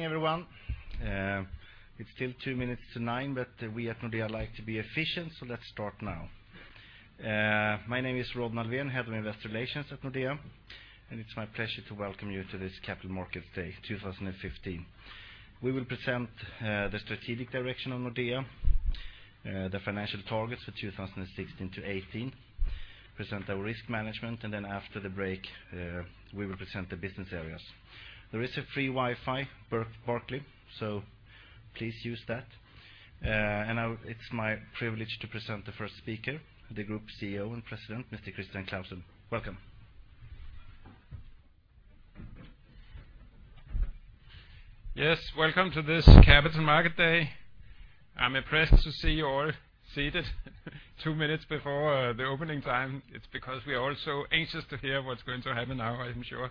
Good morning, everyone. It is still two minutes to 9:00. We at Nordea like to be efficient, let us start now. My name is Rodney Alfvén, Head of Investor Relations at Nordea. It is my pleasure to welcome you to this Capital Markets Day 2015. We will present the strategic direction of Nordea, the financial targets for 2016-2018, present our risk management. Then after the break, we will present the business areas. There is a free Wi-Fi, Berkeley. Please use that. Now it is my privilege to present the first speaker, the Group CEO and President, Mr. Christian Clausen. Welcome. Yes. Welcome to this Capital Markets Day. I am impressed to see you all seated two minutes before the opening time. It is because we are all so anxious to hear what is going to happen now, I am sure.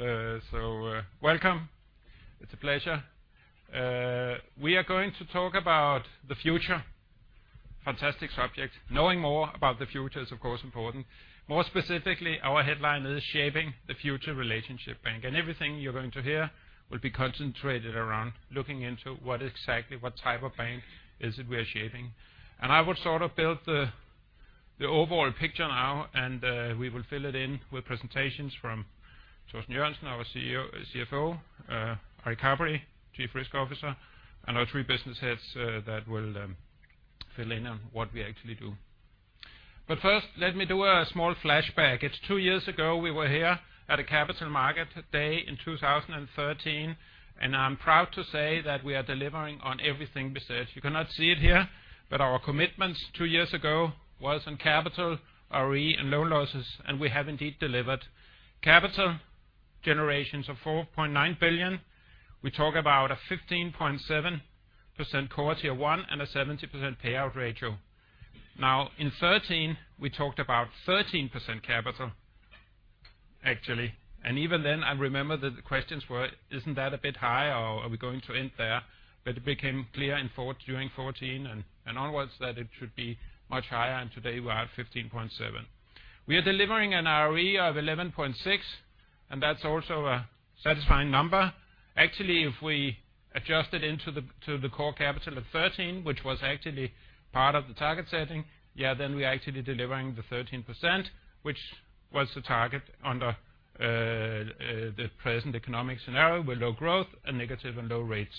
Welcome. It is a pleasure. We are going to talk about the future. Fantastic subject. Knowing more about the future is, of course, important. More specifically, our headline is Shaping the Future Relationship Bank. Everything you are going to hear will be concentrated around looking into what exactly what type of bank is it we are shaping. I would sort of build the overall picture now, and we will fill it in with presentations from Torsten Jørgensen, our CFO, Ari Kaperi, Chief Risk Officer, and our three business heads that will fill in on what we actually do. First, let me do a small flashback. It is two years ago, we were here at a Capital Markets Day in 2013. I am proud to say that we are delivering on everything we said. You cannot see it here. Our commitments two years ago was on capital, ROE, and loan losses. We have indeed delivered. Capital generations of 4.9 billion. We talk about a 15.7% Core Tier 1 and a 70% payout ratio. Now, in 2013, we talked about 13% capital, actually. Even then, I remember that the questions were, "Is not that a bit high?" "Are we going to end there?" It became clear during 2014 and onwards that it should be much higher. Today we are at 15.7%. We are delivering an ROE of 11.6%. That is also a satisfying number. Actually, if we adjust it into the Core Tier 1 of 13%, which was actually part of the target setting, then we are actually delivering the 13%, which was the target under the present economic scenario with low growth and negative and low rates.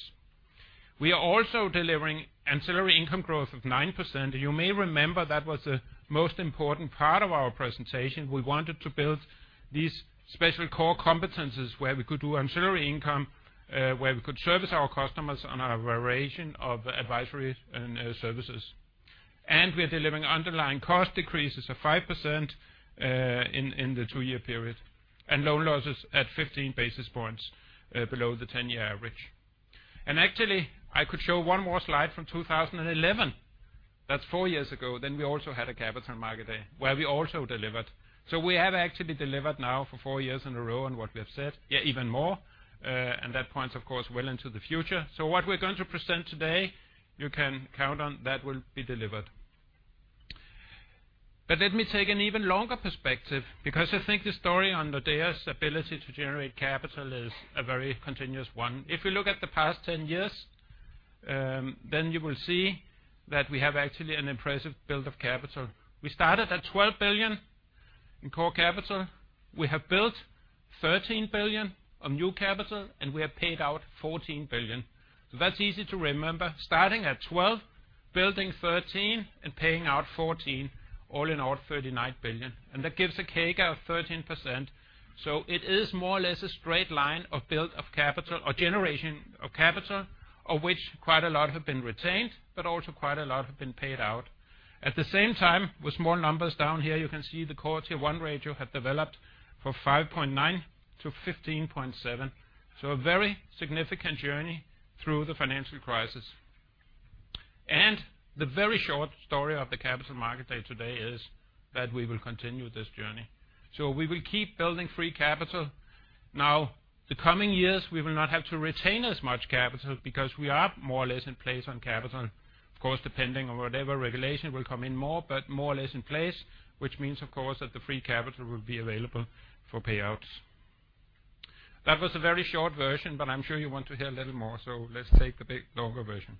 We are also delivering ancillary income growth of 9%. You may remember that was the most important part of our presentation. We wanted to build these special core competencies where we could do ancillary income, where we could service our customers on a variation of advisory and services. We are delivering underlying cost decreases of 5% in the two-year period. Loan losses at 15 basis points below the 10-year average. Actually, I could show one more slide from 2011. That is four years ago. We also had a Capital Markets Day where we also delivered. We have actually delivered now for four years in a row on what we have said. Even more, that points, of course, well into the future. What we're going to present today, you can count on that will be delivered. Let me take an even longer perspective, because I think the story on Nordea's ability to generate capital is a very continuous one. If we look at the past 10 years, you will see that we have actually an impressive build of capital. We started at 12 billion in core capital. We have built 13 billion of new capital, and we have paid out 14 billion. That's easy to remember. Starting at 12, building 13, and paying out 14, all in all, 39 billion. That gives a CAGR of 13%. It is more or less a straight line of build of capital or generation of capital, of which quite a lot have been retained, but also quite a lot have been paid out. At the same time, with more numbers down here, you can see the Core Tier 1 ratio have developed from 5.9 to 15.7. A very significant journey through the financial crisis. The very short story of the Capital Market Day today is that we will continue this journey. We will keep building free capital. Now, the coming years, we will not have to retain as much capital because we are more or less in place on capital. Of course, depending on whatever regulation will come in more, but more or less in place, which means, of course, that the free capital will be available for payouts. That was a very short version, I'm sure you want to hear a little more, let's take the big longer version.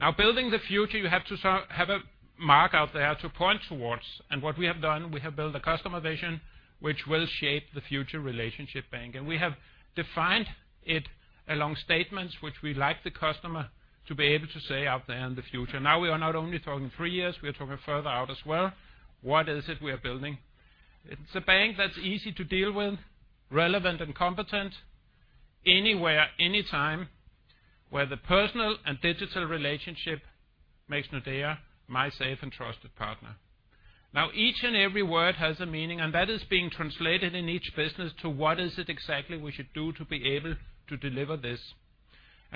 Now, building the future, you have to have a mark out there to point towards. What we have done, we have built a customer vision which will shape the future relationship bank. We have defined it along statements which we like the customer to be able to say out there in the future. Now, we are not only talking three years, we are talking further out as well. What is it we are building? It's a bank that's easy to deal with, relevant and competent, anywhere, anytime, where the personal and digital relationship makes Nordea my safe and trusted partner. Now, each and every word has a meaning, that is being translated in each business to what is it exactly we should do to be able to deliver this.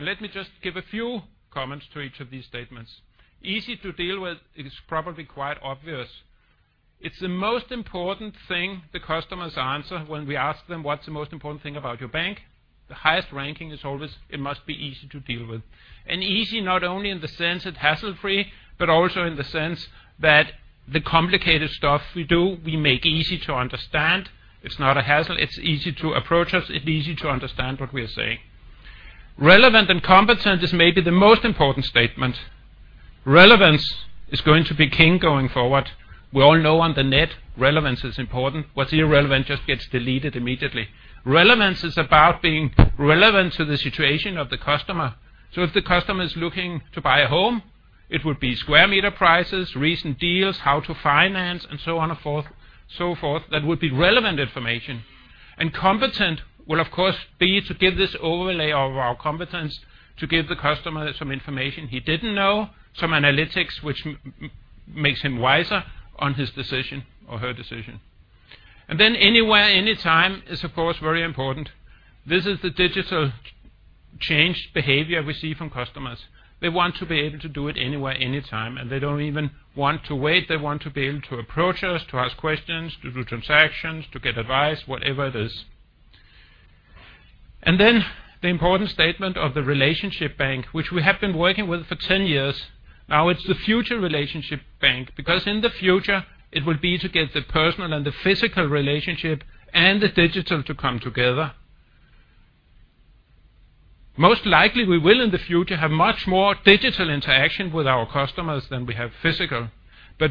Let me just give a few comments to each of these statements. Easy to deal with is probably quite obvious. It's the most important thing the customers answer when we ask them, "What's the most important thing about your bank?" The highest ranking is always, it must be easy to deal with. Easy not only in the sense it's hassle-free, but also in the sense that the complicated stuff we do, we make easy to understand. It's not a hassle. It's easy to approach us. It's easy to understand what we are saying. Relevant and competent is maybe the most important statement. Relevance is going to be king going forward. We all know on the net relevance is important. What's irrelevant just gets deleted immediately. Relevance is about being relevant to the situation of the customer. If the customer is looking to buy a home, it would be square meter prices, recent deals, how to finance, and so on and so forth. That would be relevant information. Competent will, of course, be to give this overlay of our competence to give the customer some information he didn't know, some analytics which makes him wiser on his decision or her decision. Anywhere, anytime is, of course, very important. This is the digital changed behavior we see from customers. They want to be able to do it anywhere, anytime, and they don't even want to wait. They want to be able to approach us, to ask questions, to do transactions, to get advice, whatever it is. The important statement of the relationship bank, which we have been working with for 10 years now. It's the future relationship bank, because in the future, it will be to get the personal and the physical relationship and the digital to come together. Most likely, we will, in the future, have much more digital interaction with our customers than we have physical.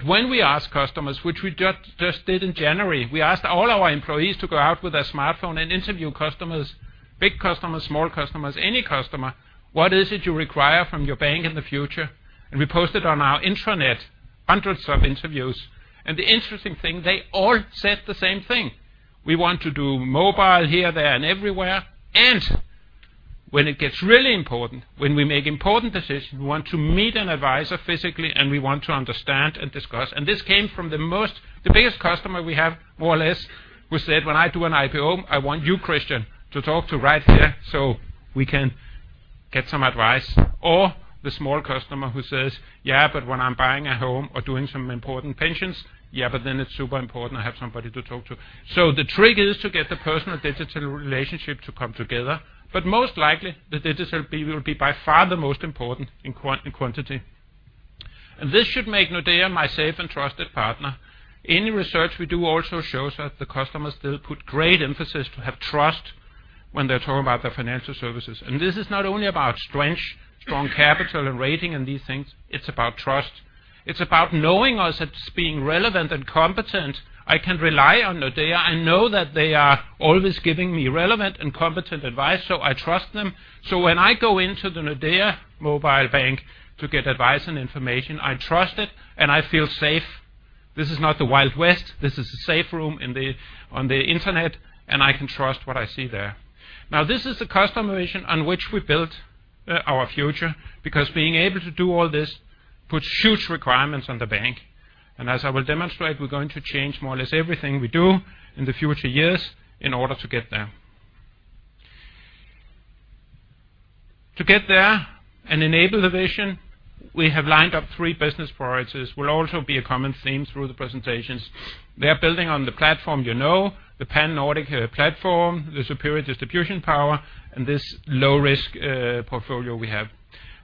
When we ask customers, which we just did in January, we asked all our employees to go out with a smartphone and interview customers, big customers, small customers, any customer, what is it you require from your bank in the future? We posted on our intranet hundreds of interviews. The interesting thing, they all said the same thing. We want to do mobile here, there, and everywhere. When it gets really important, when we make important decisions, we want to meet an advisor physically, and we want to understand and discuss. This came from the biggest customer we have, more or less, who said, "When I do an IPO, I want you, Christian, to talk to right here so we can get some advice." The small customer who says, "Yeah, but when I'm buying a home or doing some important pensions, yeah, but then it's super important I have somebody to talk to." The trick is to get the personal digital relationship to come together. Most likely, the digital will be by far the most important in quantity. This should make Nordea my safe and trusted partner. Any research we do also shows that the customers still put great emphasis to have trust when they're talking about their financial services. This is not only about strong capital and rating and these things, it's about trust. It's about knowing us as being relevant and competent. I can rely on Nordea. I know that they are always giving me relevant and competent advice, so I trust them. When I go into the Nordea Mobile Bank to get advice and information, I trust it and I feel safe. This is not the Wild West. This is a safe room on the internet, and I can trust what I see there. This is the customer vision on which we built our future, because being able to do all this puts huge requirements on the bank. As I will demonstrate, we're going to change more or less everything we do in the future years in order to get there. To get there and enable the vision, we have lined up three business priorities. It will also be a common theme through the presentations. They are building on the platform you know, the Pan-Nordic platform, the superior distribution power, and this low-risk portfolio we have.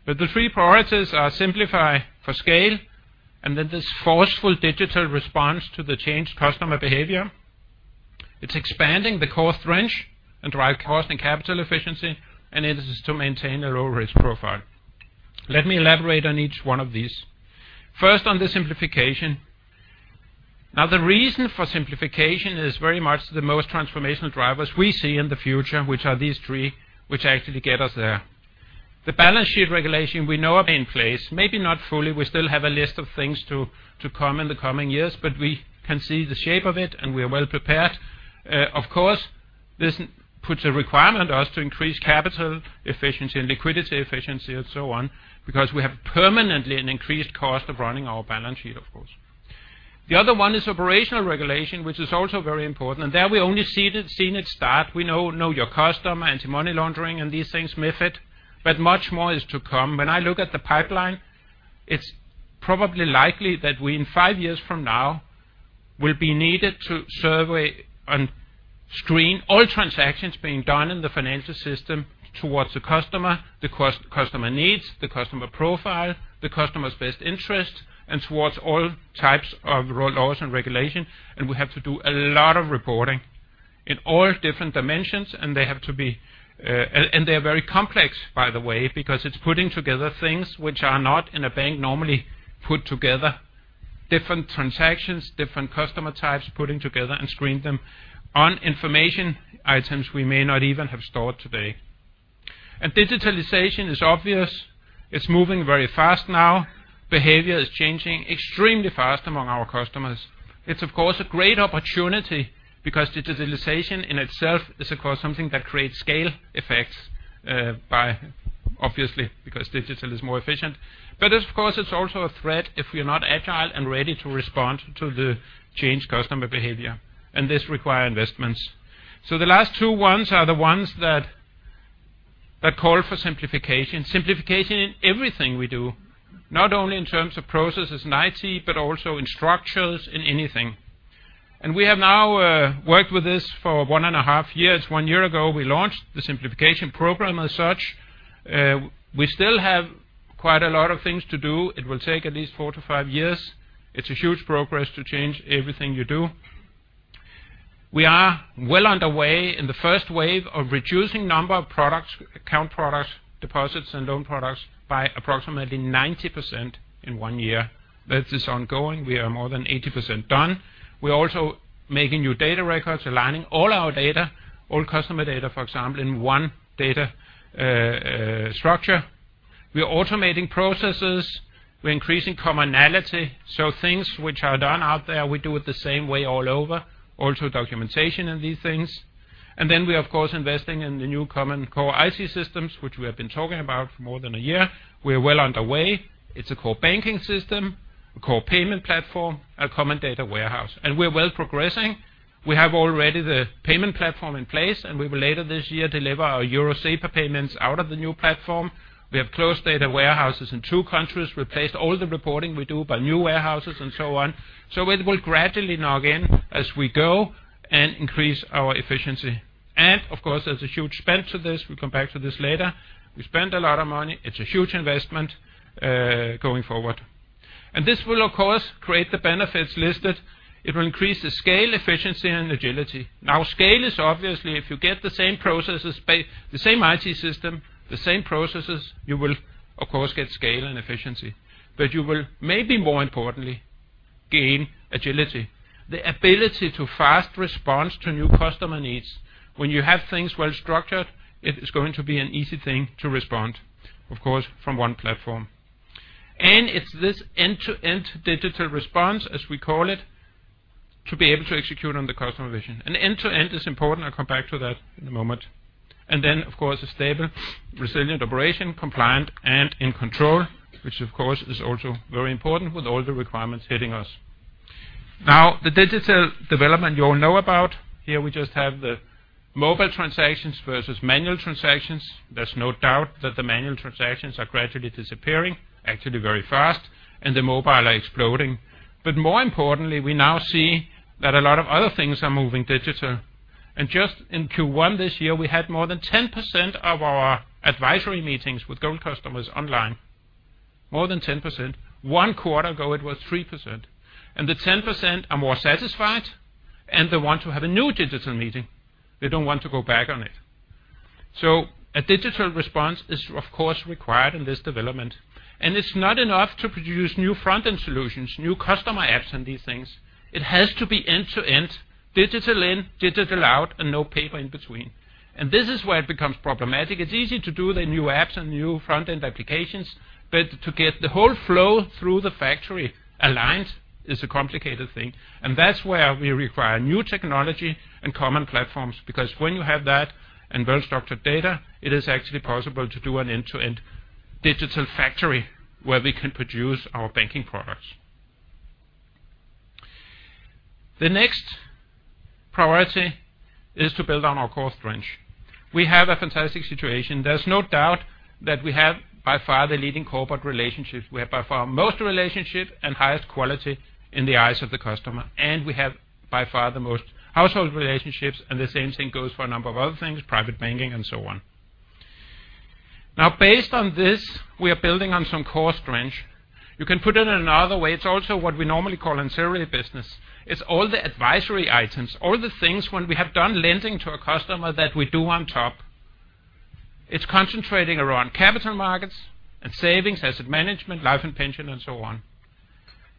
The three priorities are simplify for scale, and then this forceful digital response to the changed customer behavior. It is expanding the core strength and drive cost and capital efficiency, and it is to maintain a low-risk profile. Let me elaborate on each one of these. First on the simplification. The reason for simplification is very much the most transformational drivers we see in the future, which are these three, which actually get us there. The balance sheet regulation we know are in place. Maybe not fully, we still have a list of things to come in the coming years, we can see the shape of it and we are well prepared. This puts a requirement on us to increase capital efficiency and liquidity efficiency and so on, because we have permanently an increased cost of running our balance sheet, of course. The other one is operational regulation, which is also very important, and there we only seen it start. We know your customer, anti-money laundering, and these things, MiFID, much more is to come. When I look at the pipeline, it is probably likely that we, in five years from now, will be needed to survey and screen all transactions being done in the financial system towards the customer, the customer needs, the customer profile, the customer's best interest, and towards all types of laws and regulations. We have to do a lot of reporting in all different dimensions. They are very complex, by the way, because it is putting together things which are not in a bank normally put together. Different transactions, different customer types, putting together and screen them on information items we may not even have stored today. Digitalization is obvious. It is moving very fast now. Behavior is changing extremely fast among our customers. It is, of course, a great opportunity because digitalization in itself is, of course, something that creates scale effects by obviously because digital is more efficient. Of course, it is also a threat if we are not agile and ready to respond to the changed customer behavior, and this require investments. The last two ones are the ones that call for simplification. Simplification in everything we do, not only in terms of processes and IT, but also in structures, in anything. We have now worked with this for one and a half years. One year ago, we launched the simplification program as such. We still have quite a lot of things to do. It will take at least four to five years. It is a huge progress to change everything you do. We are well underway in the first wave of reducing number of products, account products, deposits, and loan products by approximately 90% in one year. This is ongoing. We are more than 80% done. We are also making new data records, aligning all our data, all customer data, for example, in one data structure. We are automating processes. We are increasing commonality. Things which are done out there, we do it the same way all over, also documentation and these things. We, of course, investing in the new common core IT systems, which we have been talking about for more than a year. We are well underway. It is a core banking system, a core payment platform, a common data warehouse, and we are well progressing. We have already the payment platform in place, and we will later this year deliver our Euro SEPA payments out of the new platform. We have closed data warehouses in two countries, replaced all the reporting we do by new warehouses and so on. It will gradually now gain as we go and increase our efficiency. Of course, there is a huge spend to this. We will come back to this later. We spend a lot of money. It is a huge investment, going forward. This will, of course, create the benefits listed. It will increase the scale, efficiency and agility. Scale is obviously if you get the same processes, the same IT system, the same processes, you will, of course, get scale and efficiency. You will, maybe more importantly, gain agility. The ability to fast response to new customer needs. When you have things well-structured, it is going to be an easy thing to respond, of course, from one platform. It is this end-to-end digital response, as we call it, to be able to execute on the customer vision. End-to-end is important. I will come back to that in a moment. Of course, a stable, resilient operation, compliant and in control, which of course, is also very important with all the requirements hitting us. The digital development you all know about. Here we just have the mobile transactions versus manual transactions. There is no doubt that the manual transactions are gradually disappearing, actually very fast, and the mobile are exploding. More importantly, we now see that a lot of other things are moving digital. Just in Q1 this year, we had more than 10% of our advisory meetings with gold customers online. More than 10%. One quarter ago, it was 3%. The 10% are more satisfied, and they want to have a new digital meeting. They do not want to go back on it. A digital response is, of course, required in this development. It is not enough to produce new front-end solutions, new customer apps and these things. It has to be end-to-end, digital in, digital out, and no paper in between. This is where it becomes problematic. It is easy to do the new apps and new front-end applications, to get the whole flow through the factory aligned is a complicated thing. That is where we require new technology and common platforms, because when you have that and well-structured data, it is actually possible to do an end-to-end digital factory where we can produce our banking products. The next priority is to build on our core strength. We have a fantastic situation. There is no doubt that we have by far the leading corporate relationships. We have by far most relationship and highest quality in the eyes of the customer, and we have by far the most household relationships, and the same thing goes for a number of other things, private banking and so on. Based on this, we are building on some core strength. You can put it in another way. It's also what we normally call ancillary business. It's all the advisory items, all the things when we have done lending to a customer that we do on top. It's concentrating around capital markets and savings, asset management, life and pension, and so on.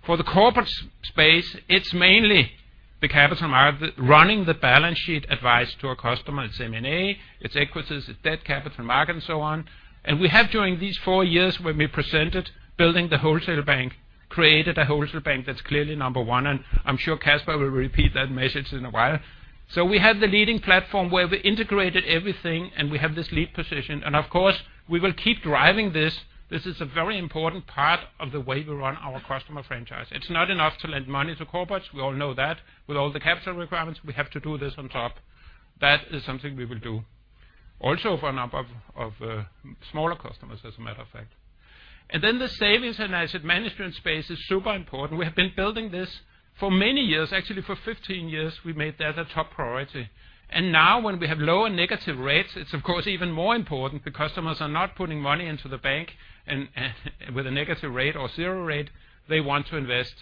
For the corporate space, it's mainly the capital market running the balance sheet advice to a customer. It's M&A, it's equities, it's debt, capital market, and so on. We have, during these four years when we presented building the wholesaler bank, created a wholesaler bank that's clearly number one, and I'm sure Casper will repeat that message in a while. We have the leading platform where we integrated everything, and we have this lead position. Of course, we will keep driving this. This is a very important part of the way we run our customer franchise. It's not enough to lend money to corporates. We all know that. With all the capital requirements, we have to do this on top. That is something we will do also for a number of smaller customers, as a matter of fact. Then the savings and asset management space is super important. We have been building this for many years. Actually, for 15 years, we made that a top priority. Now when we have lower negative rates, it's of course even more important. The customers are not putting money into the bank and with a negative rate or zero rate, they want to invest.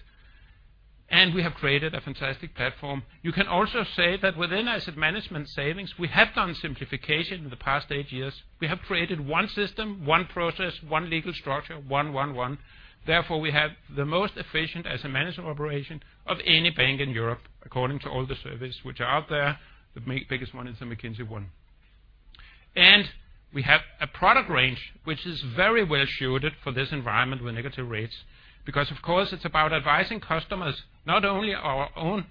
We have created a fantastic platform. You can also say that within asset management savings, we have done simplification in the past eight years. We have created one system, one process, one legal structure, one, one. Therefore, we have the most efficient asset management operation of any bank in Europe, according to all the surveys which are out there. The biggest one is the McKinsey one. We have a product range which is very well suited for this environment with negative rates, because of course it's about advising customers, not only our own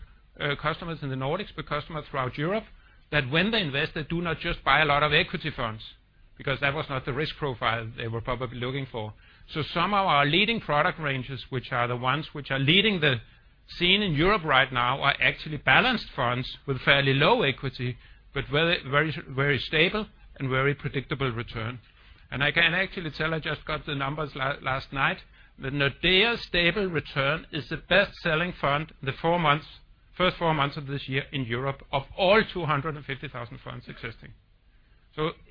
customers in the Nordics, but customers throughout Europe, that when they invest, they do not just buy a lot of equity funds, because that was not the risk profile they were probably looking for. Some of our leading product ranges, which are the ones which are leading the scene in Europe right now, are actually balanced funds with fairly low equity, but very stable and very predictable return. I can actually tell, I just got the numbers last night, the Nordea Stable Return is the best-selling fund the first four months of this year in Europe of all 250,000 funds existing.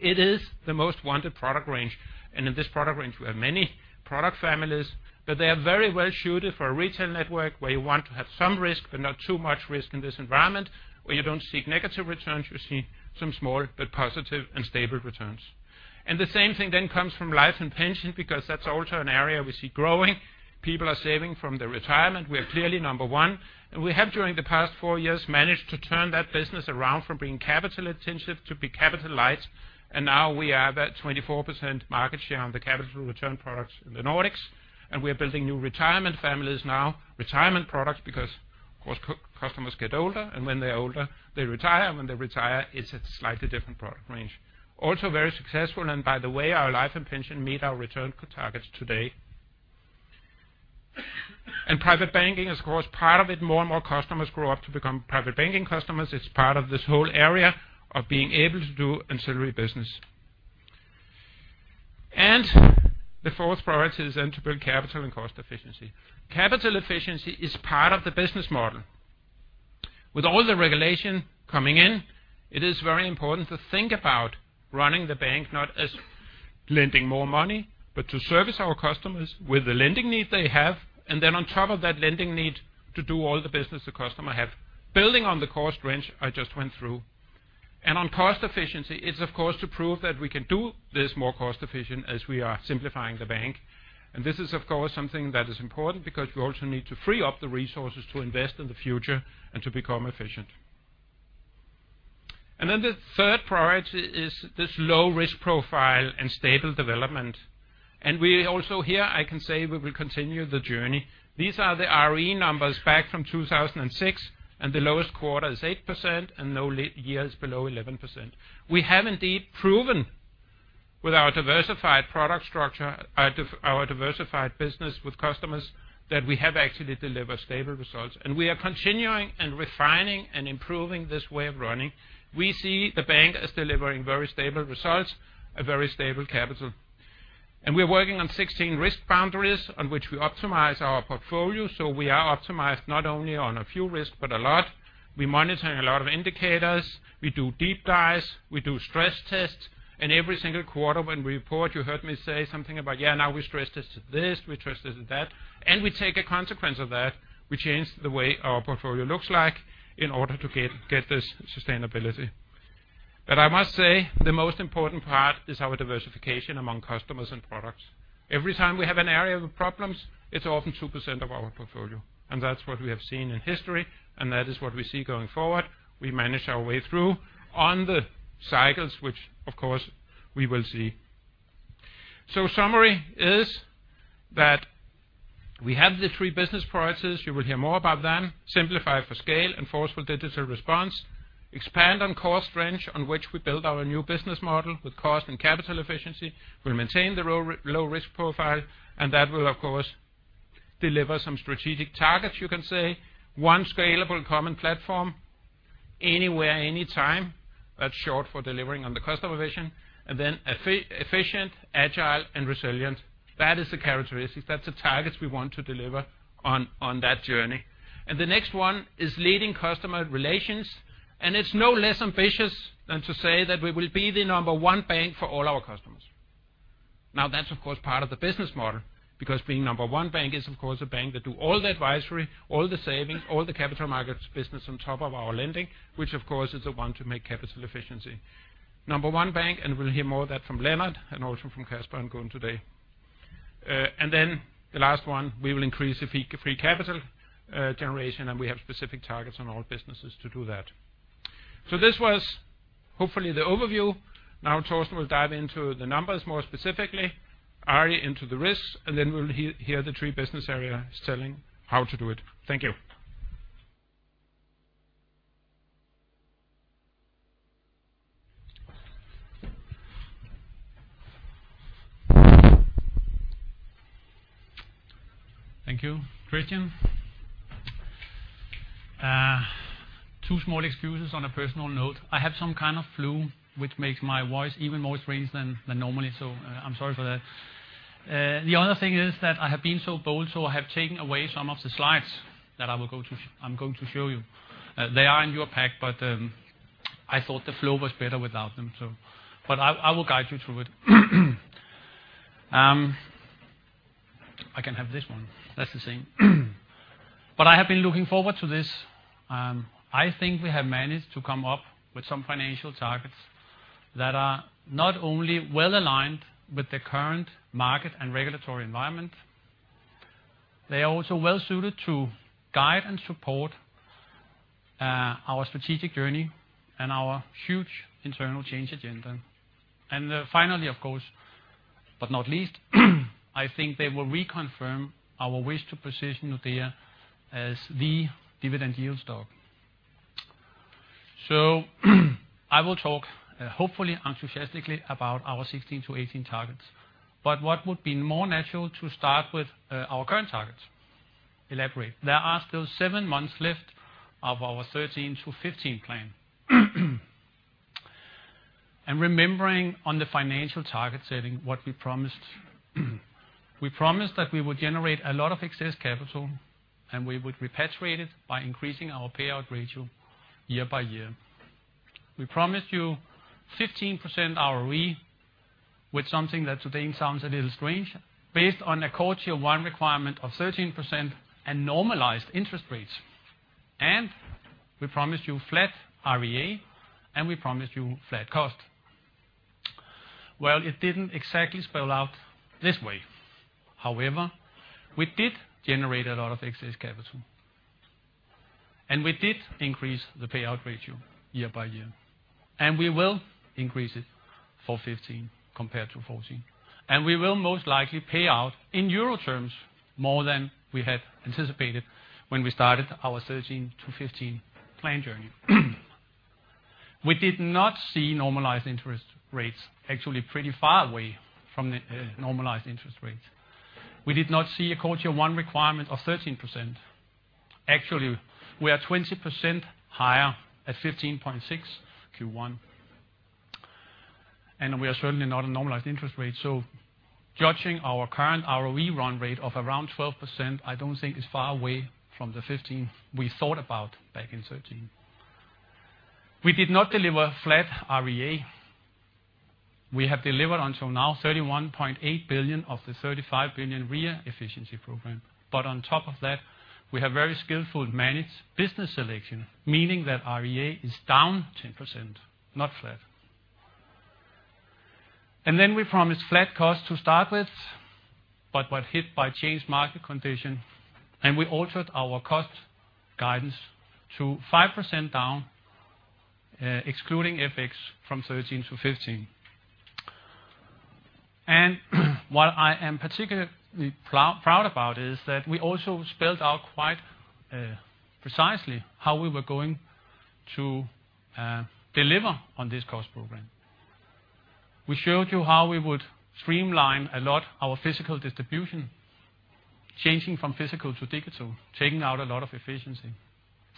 It is the most wanted product range. In this product range, we have many product families, but they are very well suited for a retail network where you want to have some risk, but not too much risk in this environment, where you don't seek negative returns, you seek some small, but positive and stable returns. The same thing then comes from life and pension, because that's also an area we see growing. People are saving from their retirement. We are clearly number one. We have during the past four years, managed to turn that business around from being capital intensive to be capital light. Now we are at 24% market share on the capital return products in the Nordics. We are building new retirement families now, retirement products, because of course, customers get older. When they are older, they retire. When they retire, it is a slightly different product range. Also very successful. By the way, our life and pension meet our return targets today. Private banking is of course, part of it. More and more customers grow up to become private banking customers. It is part of this whole area of being able to do ancillary business. The fourth priority is then to build capital and cost efficiency. Capital efficiency is part of the business model. With all the regulation coming in, it is very important to think about running the bank not as lending more money, but to service our customers with the lending need they have. On top of that lending need to do all the business the customer have. Building on the cost range I just went through. On cost efficiency, it is of course to prove that we can do this more cost efficient as we are simplifying the bank. This is of course something that is important because we also need to free up the resources to invest in the future and to become efficient. The third priority is this low-risk profile and stable development. We also here, I can say we will continue the journey. These are the ROE numbers back from 2006, and the lowest quarter is 8% and no years below 11%. We have indeed proven with our diversified product structure, our diversified business with customers, that we have actually delivered stable results. We are continuing and refining and improving this way of running. We see the bank as delivering very stable results, a very stable capital. We are working on 16 risk boundaries on which we optimize our portfolio. We are optimized not only on a few risks, but a lot. We are monitoring a lot of indicators. We do deep dives. We do stress tests. Every single quarter when we report, you heard me say something about, "Now we stress test this, we stress test that." We take a consequence of that. We change the way our portfolio looks like in order to get this sustainability. I must say the most important part is our diversification among customers and products. Every time we have an area of problems, it is often 2% of our portfolio. That is what we have seen in history, and that is what we see going forward. We manage our way through on the cycles, which of course we will see. Summary is that we have the three business priorities. You will hear more about them. Simplify for scale and forceful digital response. Expand on cost range on which we build our new business model with cost and capital efficiency. We will maintain the low-risk profile, and that will of course deliver some strategic targets you can say. One scalable common platform, anywhere, anytime. That is short for delivering on the customer vision. Efficient, agile and resilient. That is the characteristics. That is the targets we want to deliver on that journey. The next one is leading customer relations. It is no less ambitious than to say that we will be the number one bank for all our customers. That's of course part of the business model, because being number one bank is of course a bank that do all the advisory, all the savings, all the capital markets business on top of our lending, which of course is the one to make capital efficiency. Number one bank, we'll hear more of that from Lennart and also from Casper ongoing today. The last one, we will increase the free capital generation, and we have specific targets on all businesses to do that. This was hopefully the overview. Torsten will dive into the numbers more specifically. Ari into the risks, we'll hear the three business areas telling how to do it. Thank you. Thank you, Christian. Two small excuses on a personal note. I have some kind of flu which makes my voice even more strange than normally, I'm sorry for that. The other thing is that I have been so bold, I have taken away some of the slides that I'm going to show you. They are in your pack, but I thought the flow was better without them. I will guide you through it. I can have this one. That's the same. I have been looking forward to this. I think we have managed to come up with some financial targets that are not only well-aligned with the current market and regulatory environment, they are also well-suited to guide and support our strategic journey and our huge internal change agenda. Finally, of course, but not least, I think they will reconfirm our wish to position Nordea as the dividend yield stock. I will talk hopefully enthusiastically about our 2016 to 2018 targets. What would be more natural to start with our current targets. Elaborate. There are still seven months left of our 2013 to 2015 plan. Remembering on the financial target setting what we promised. We promised that we would generate a lot of excess capital, we would repatriate it by increasing our payout ratio year by year. We promised you 15% ROE with something that today sounds a little strange, based on a CET 1 requirement of 13% and normalized interest rates. We promised you flat RWA, we promised you flat cost. It didn't exactly spell out this way. However, we did generate a lot of excess capital. We did increase the payout ratio year by year. We will increase it for 2015 compared to 2014. We will most likely pay out, in EUR terms, more than we had anticipated when we started our 2013 to 2015 plan journey. We did not see normalized interest rates, actually pretty far away from the normalized interest rates. We did not see a CET 1 requirement of 13%. Actually, we are 20% higher at 15.6% Q1. We are certainly not a normalized interest rate. Judging our current ROE run rate of around 12%, I don't think is far away from the 15% we thought about back in 2013. We did not deliver flat RWA. We have delivered until now 31.8 billion of the 35 billion RWA efficiency program. On top of that, we have very skillful managed business selection, meaning that RWA is down 10%, not flat. Then we promised flat cost to start with, but were hit by changed market condition, we altered our cost guidance to 5% down, excluding FX from 2013 to 2015. What I am particularly proud about is that we also spelled out quite precisely how we were going to deliver on this cost program. We showed you how we would streamline a lot our physical distribution, changing from physical to digital, taking out a lot of efficiency.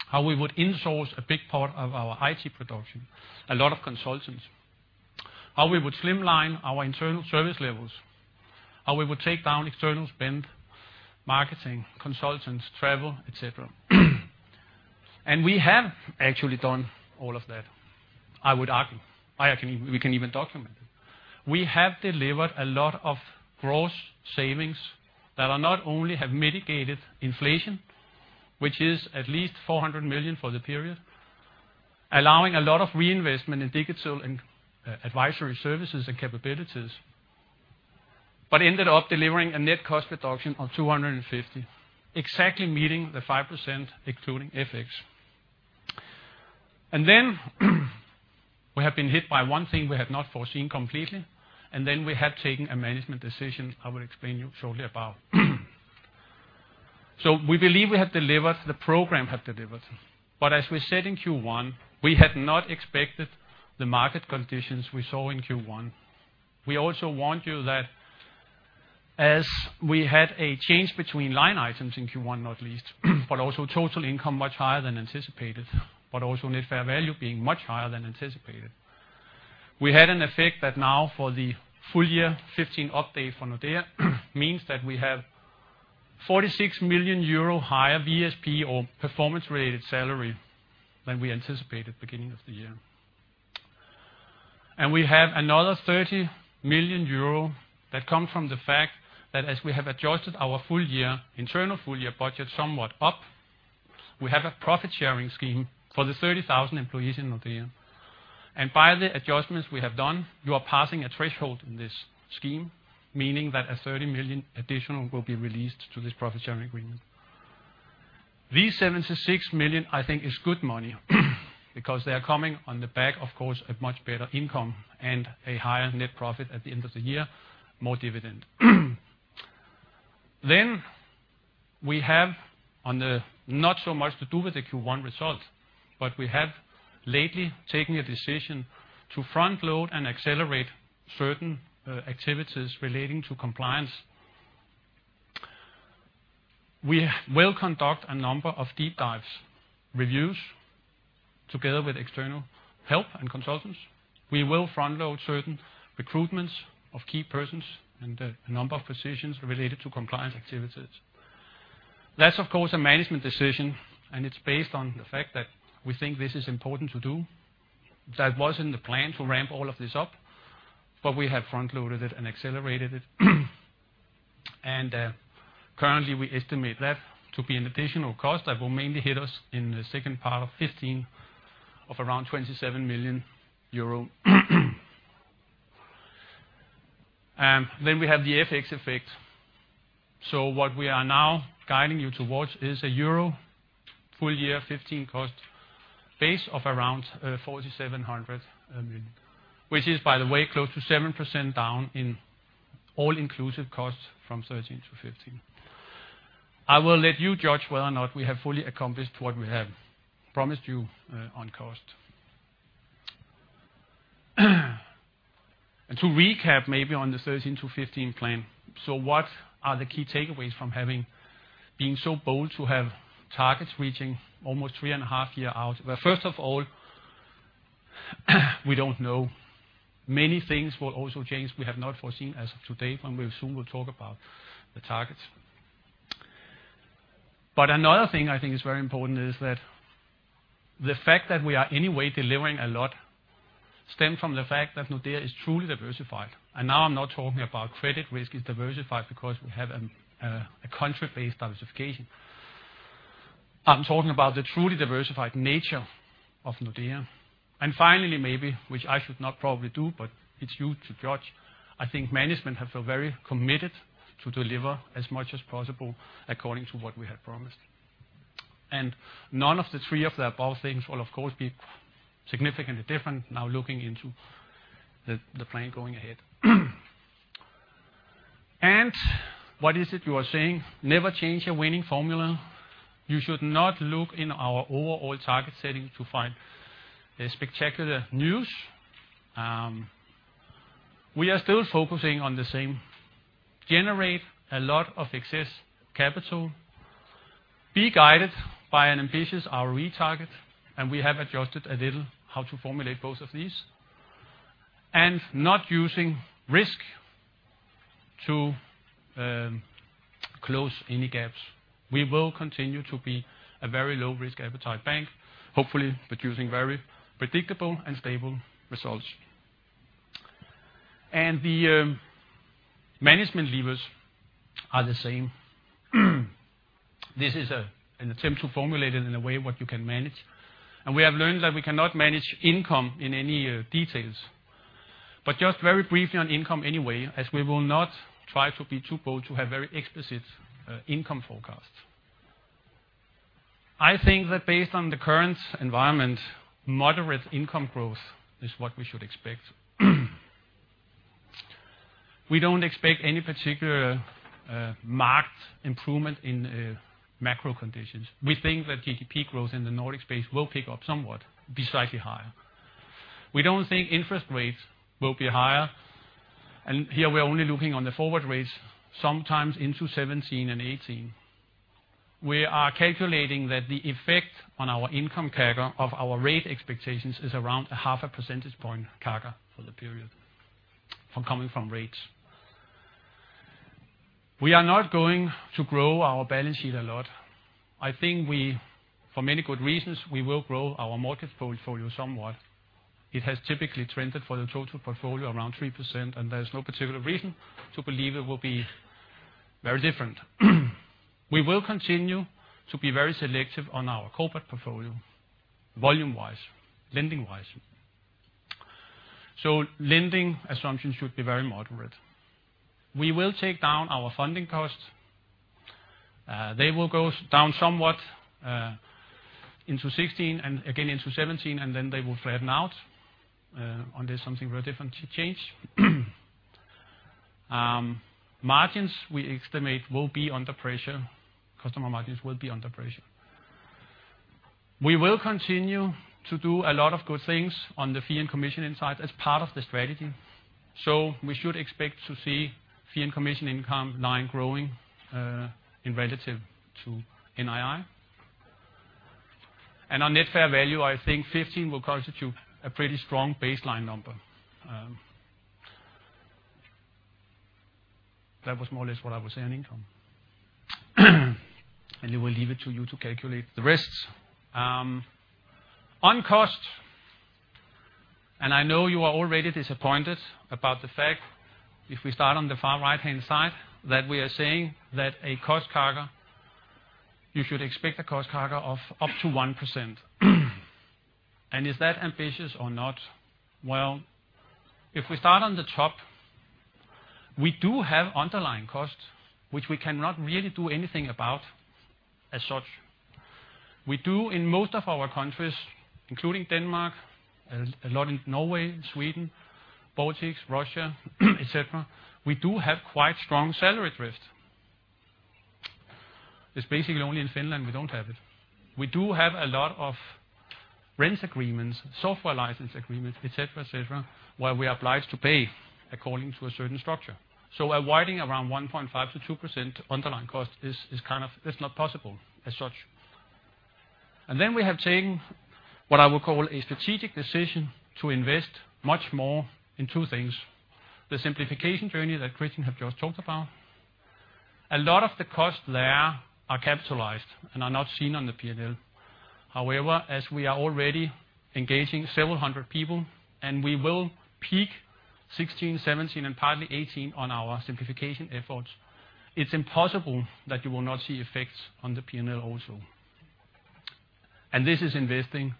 How we would insource a big part of our IT production, a lot of consultants. How we would slimline our internal service levels. How we would take down external spend, marketing, consultants, travel, et cetera. We have actually done all of that, I would argue. We can even document it. We have delivered a lot of gross savings that are not only have mitigated inflation, which is at least 400 million for the period, allowing a lot of reinvestment in digital and advisory services and capabilities, but ended up delivering a net cost reduction of 250 million, exactly meeting the 5% excluding FX. We have been hit by one thing we had not foreseen completely, we have taken a management decision I will explain you shortly about. We believe we have delivered, the program have delivered. As we said in Q1, we had not expected the market conditions we saw in Q1. We also warned you that as we had a change between line items in Q1, not least, but also total income much higher than anticipated, but also net fair value being much higher than anticipated. We had an effect that now for the full year 2015 update for Nordea means that we have 46 million euro higher VSP or performance-related salary than we anticipated beginning of the year. We have another 30 million euro that come from the fact that as we have adjusted our internal full-year budget somewhat up, we have a profit-sharing scheme for the 30,000 employees in Nordea. By the adjustments we have done, you are passing a threshold in this scheme, meaning that 30 million additional will be released to this profit-sharing agreement. These 76 million, I think, is good money because they are coming on the back, of course, of much better income and a higher net profit at the end of the year, more dividend. We have on the not so much to do with the Q1 result, but we have lately taken a decision to front-load and accelerate certain activities relating to compliance. We will conduct a number of deep dives, reviews, together with external help and consultants. We will front-load certain recruitments of key persons and a number of positions related to compliance activities. That's, of course, a management decision, and it's based on the fact that we think this is important to do. That wasn't the plan to ramp all of this up, but we have front-loaded it and accelerated it. Currently, we estimate that to be an additional cost that will mainly hit us in the second part of 2015, of around 27 million euro. We have the FX effect. What we are now guiding you towards is a EUR full year 2015 cost base of around 4,700 million, which is, by the way, close to 7% down in all inclusive costs from 2013 to 2015. I will let you judge whether or not we have fully accomplished what we have promised you on cost. To recap maybe on the 2013 to 2015 plan. What are the key takeaways from having being so bold to have targets reaching almost 3.5 years out? Well, first of all. We don't know. Many things will also change we have not foreseen as of today, when we soon will talk about the targets. Another thing I think is very important is that the fact that we are anyway delivering a lot stem from the fact that Nordea is truly diversified. Now I'm not talking about credit risk is diversified because we have a country-based diversification. I'm talking about the truly diversified nature of Nordea. Finally, maybe, which I should not probably do, but it's you to judge, I think management have felt very committed to deliver as much as possible according to what we had promised. None of the three of the above things will, of course, be significantly different now looking into the plan going ahead. What is it you are saying? Never change a winning formula. You should not look in our overall target setting to find a spectacular news. We are still focusing on the same. Generate a lot of excess capital, be guided by an ambitious ROE target, and we have adjusted a little how to formulate both of these. Not using risk to close any gaps. We will continue to be a very low-risk appetite bank, hopefully producing very predictable and stable results. The management levers are the same. This is an attempt to formulate it in a way what you can manage. We have learned that we cannot manage income in any details. Just very briefly on income anyway, as we will not try to be too bold to have very explicit income forecasts. I think that based on the current environment, moderate income growth is what we should expect. We don't expect any particular marked improvement in macro conditions. We think that GDP growth in the Nordic space will pick up somewhat, be slightly higher. We don't think interest rates will be higher, and here we are only looking on the forward rates, sometimes into 2017 and 2018. We are calculating that the effect on our income CAGR of our rate expectations is around a half a percentage point CAGR for the period from coming from rates. We are not going to grow our balance sheet a lot. I think we, for many good reasons, we will grow our mortgage portfolio somewhat. It has typically trended for the total portfolio around 3%, and there's no particular reason to believe it will be very different. We will continue to be very selective on our corporate portfolio, volume-wise, lending-wise. Lending assumptions should be very moderate. We will take down our funding costs. They will go down somewhat into 2016 and again into 2017, and then they will flatten out. Unless something very different should change. Margins we estimate will be under pressure. Customer margins will be under pressure. We will continue to do a lot of good things on the fee and commission side as part of the strategy. We should expect to see fee and commission income line growing in relative to NII. On net fair value, I think 2015 will constitute a pretty strong baseline number. That was more or less what I will say on income. I will leave it to you to calculate the risks. On cost, I know you are already disappointed about the fact, if we start on the far right-hand side, that we are saying that a cost CAGR, you should expect a cost CAGR of up to 1%. Is that ambitious or not? If we start on the top, we do have underlying costs, which we cannot really do anything about as such. We do in most of our countries, including Denmark, a lot in Norway, Sweden, Baltics, Russia, et cetera. We do have quite strong salary drift. It's basically only in Finland we don't have it. We do have a lot of rent agreements, software license agreements, et cetera, et cetera, where we are obliged to pay according to a certain structure. A widening around 1.5%-2% underlying cost is not possible as such. We have taken what I would call a strategic decision to invest much more in two things. The simplification journey that Christian has just talked about. A lot of the costs there are capitalized and are not seen on the P&L. However, as we are already engaging several hundred people, and we will peak 2016, 2017, and partly 2018 on our simplification efforts, it's impossible that you will not see effects on the P&L also. This is investing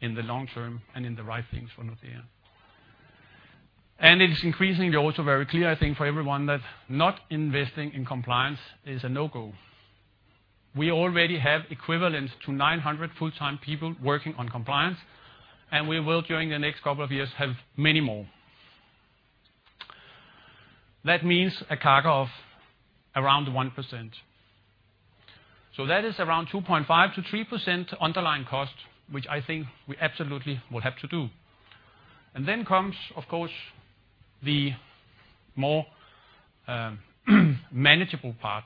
in the long term and in the right things for Nordea. It is increasingly also very clear, I think for everyone, that not investing in compliance is a no-go. We already have equivalent to 900 full-time people working on compliance, and we will during the next couple of years have many more. That means a CAGR of around 1%. That is around 2.5%-3% underlying cost, which I think we absolutely will have to do. Then comes, of course, the more manageable part.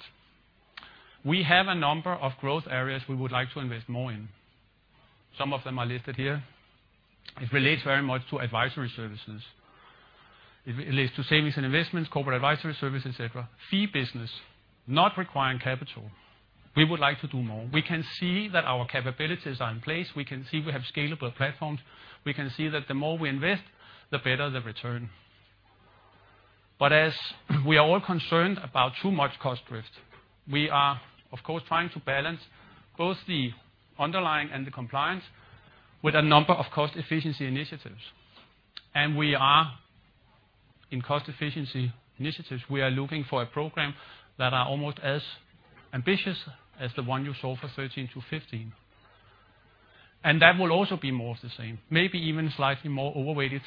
We have a number of growth areas we would like to invest more in. Some of them are listed here. It relates very much to advisory services. It relates to savings and investments, corporate advisory services, et cetera. Fee business, not requiring capital. We would like to do more. We can see that our capabilities are in place. We can see we have scalable platforms. We can see that the more we invest, the better the return. As we are all concerned about too much cost drift, we are of course trying to balance both the underlying and the compliance with a number of cost efficiency initiatives. We are in cost efficiency initiatives, we are looking for a program that is almost as ambitious as the one you saw for 2013 to 2015. That will also be more of the same, maybe even slightly more overweighted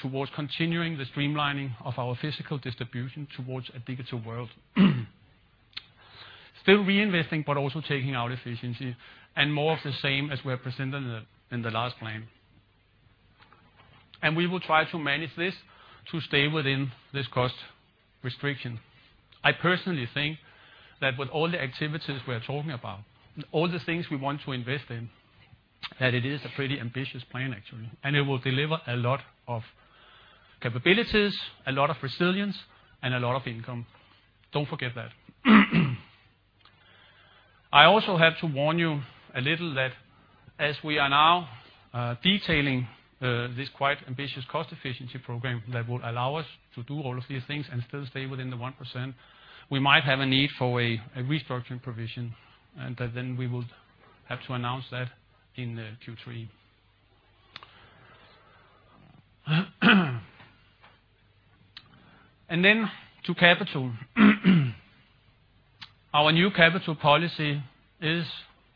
towards continuing the streamlining of our physical distribution towards a digital world. Still reinvesting, also taking out efficiency and more of the same as we have presented in the last plan. We will try to manage this to stay within this cost restriction. I personally think that with all the activities we're talking about, all the things we want to invest in, that it is a pretty ambitious plan, actually. It will deliver a lot of capabilities, a lot of resilience, and a lot of income. Don't forget that. I also have to warn you a little that as we are now detailing this quite ambitious cost efficiency program that will allow us to do all of these things and still stay within the 1%, we might have a need for a restructuring provision, and then we would have to announce that in the Q3. Then to capital. Our new capital policy is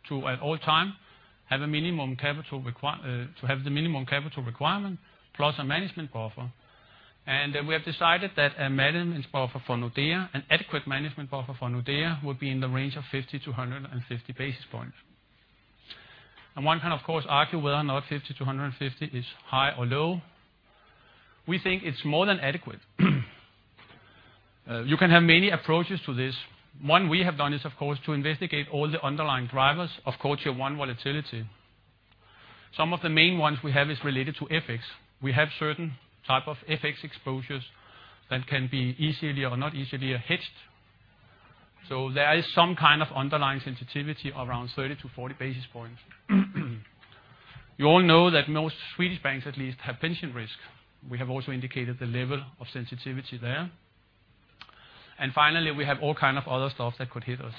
to, at all time, have the minimum capital requirement plus a management buffer. We have decided that a management buffer for Nordea, an adequate management buffer for Nordea would be in the range of 50-150 basis points. One can, of course, argue whether or not 50-150 is high or low. We think it's more than adequate. You can have many approaches to this. One we have done is, of course, to investigate all the underlying drivers of Core Tier 1 volatility. Some of the main ones we have is related to FX. We have certain type of FX exposures that can be easily or not easily hedged. There is some kind of underlying sensitivity around 30-40 basis points. You all know that most Swedish banks at least have pension risk. We have also indicated the level of sensitivity there. Finally, we have all kind of other stuff that could hit us.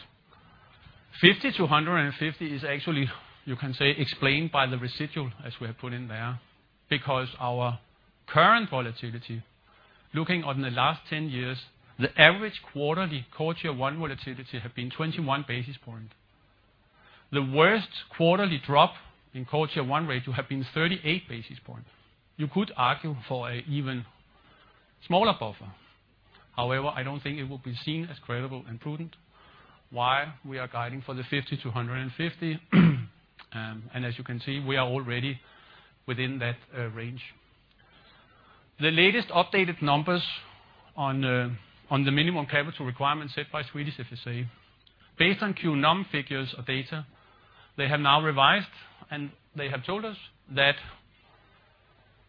50-150 is actually, you can say, explained by the residual as we have put in there, because our current volatility, looking on the last 10 years, the average quarterly Core Tier 1 volatility have been 21 basis points. The worst quarterly drop in Core Tier 1 ratio have been 38 basis points. You could argue for an even smaller buffer. However, I don't think it will be seen as credible and prudent, why we are guiding for the 50-150. As you can see, we are already within that range. The latest updated numbers on the minimum capital requirement set by Swedish FSA, based on Q NUM figures or data, they have now revised, and they have told us that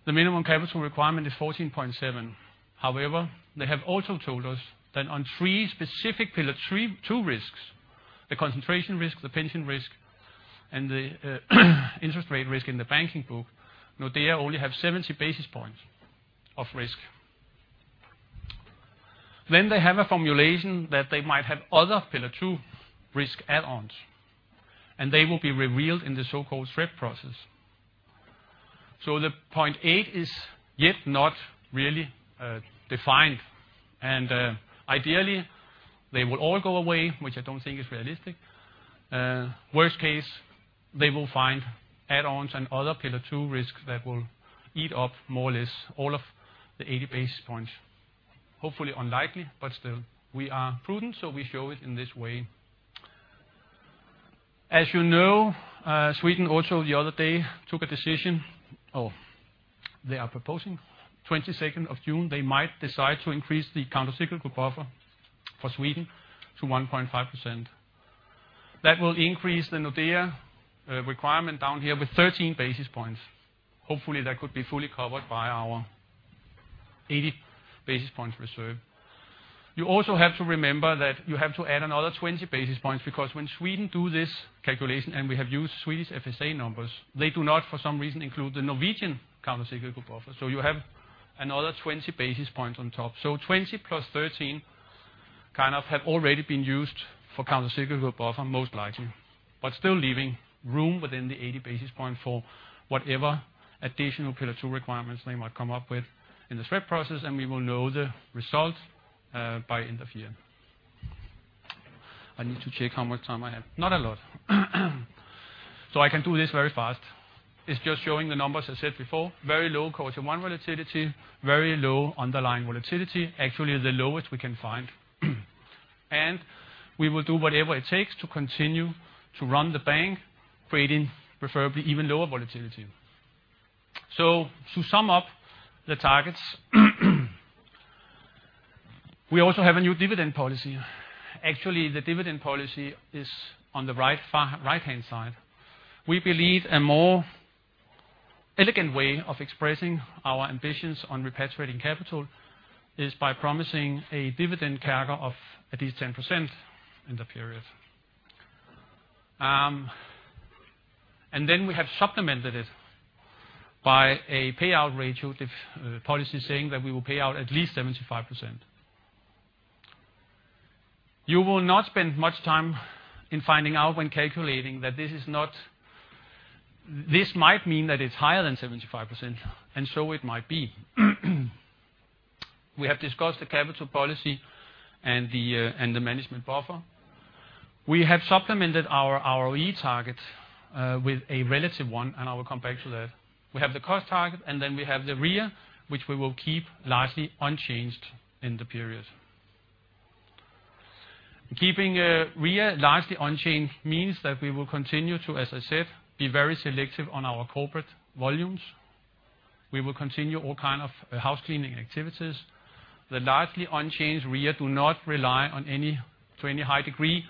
the minimum capital requirement is 14.7. However, they have also told us that on three specific Pillar 2 risks, the concentration risk, the pension risk, and the interest rate risk in the banking book, Nordea only have 70 basis points of risk. They have a formulation that they might have other Pillar 2 risk add-ons, and they will be revealed in the so-called SREP process. The .8 is yet not really defined. Ideally, they will all go away, which I don't think is realistic. Worst case, they will find add-ons and other Pillar 2 risks that will eat up more or less all of the 80 basis points. Hopefully unlikely, but still, we are prudent, so we show it in this way. As you know, Sweden also the other day took a decision of they are proposing 22nd of June, they might decide to increase the countercyclical buffer for Sweden to 1.5%. That will increase the Nordea requirement down here with 13 basis points. Hopefully, that could be fully covered by our 80 basis points reserve. You also have to remember that you have to add another 20 basis points because when Sweden do this calculation, and we have used Swedish FSA numbers, they do not, for some reason, include the Norwegian countercyclical buffer. You have another 20 basis points on top. 20 plus 13 kind of have already been used for countercyclical buffer, most likely, but still leaving room within the 80 basis point for whatever additional Pillar 2 requirements they might come up with in the SREP process, and we will know the result by end of year. I need to check how much time I have. Not a lot. I can do this very fast. It's just showing the numbers I said before. Very low Cohort one volatility, very low underlying volatility, actually the lowest we can find. We will do whatever it takes to continue to run the bank, creating preferably even lower volatility. To sum up the targets. We also have a new dividend policy. Actually, the dividend policy is on the right-hand side. We believe a more elegant way of expressing our ambitions on repatriating capital is by promising a dividend CAGR of at least 10% in the period. We have supplemented it by a payout ratio policy saying that we will pay out at least 75%. You will not spend much time in finding out when calculating that this might mean that it's higher than 75%, and so it might be. We have discussed the capital policy and the management buffer. We have supplemented our ROE targets with a relative one, I will come back to that. We have the cost target, we have the RIA, which we will keep largely unchanged in the period. Keeping RIA largely unchanged means that we will continue to, as I said, be very selective on our corporate volumes. We will continue all kind of housecleaning activities. The largely unchanged RIA do not rely to any high degree,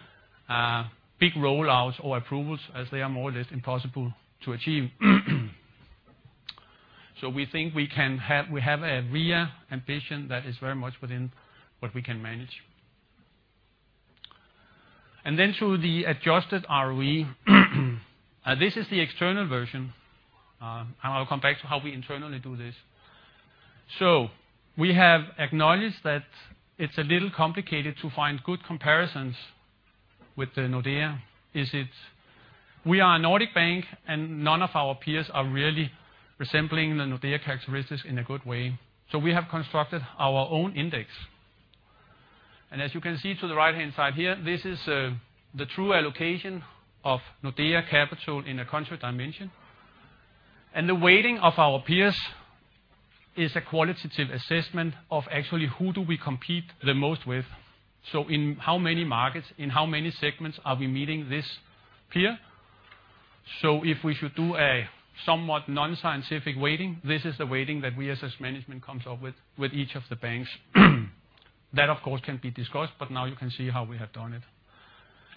big roll-outs or approvals, as they are more or less impossible to achieve. We think we have a RIA ambition that is very much within what we can manage. To the adjusted ROE. This is the external version. I will come back to how we internally do this. We have acknowledged that it's a little complicated to find good comparisons with the Nordea. We are a Nordic bank, none of our peers are really resembling the Nordea characteristics in a good way. We have constructed our own index. As you can see to the right-hand side here, this is the true allocation of Nordea Capital in a country dimension. The weighting of our peers is a qualitative assessment of actually who do we compete the most with. In how many markets, in how many segments are we meeting this peer? If we should do a somewhat non-scientific weighting, this is the weighting that we as management come up with each of the banks. That, of course, can be discussed, but now you can see how we have done it.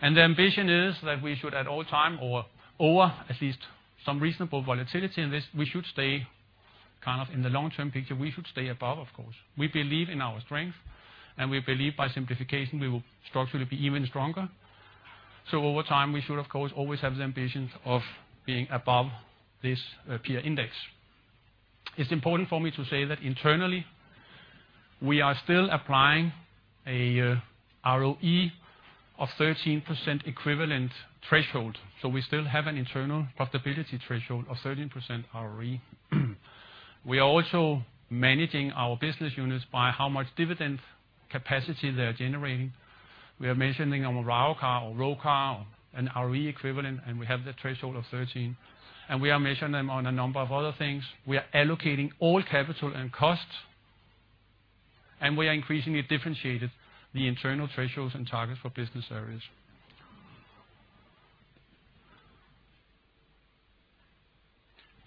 The ambition is that we should, at all time, or at least some reasonable volatility in this, we should stay kind of in the long-term picture, we should stay above, of course. We believe in our strength, and we believe by simplification, we will structurally be even stronger. Over time, we should, of course, always have the ambitions of being above this peer index. It's important for me to say that internally we are still applying a ROE of 13% equivalent threshold. We still have an internal profitability threshold of 13% ROE. We are also managing our business units by how much dividend capacity they are generating. We are measuring on a ROIC or ROIC an ROE equivalent, and we have the threshold of 13. We are measuring them on a number of other things. We are allocating all capital and costs, and we are increasingly differentiated the internal thresholds and targets for business areas.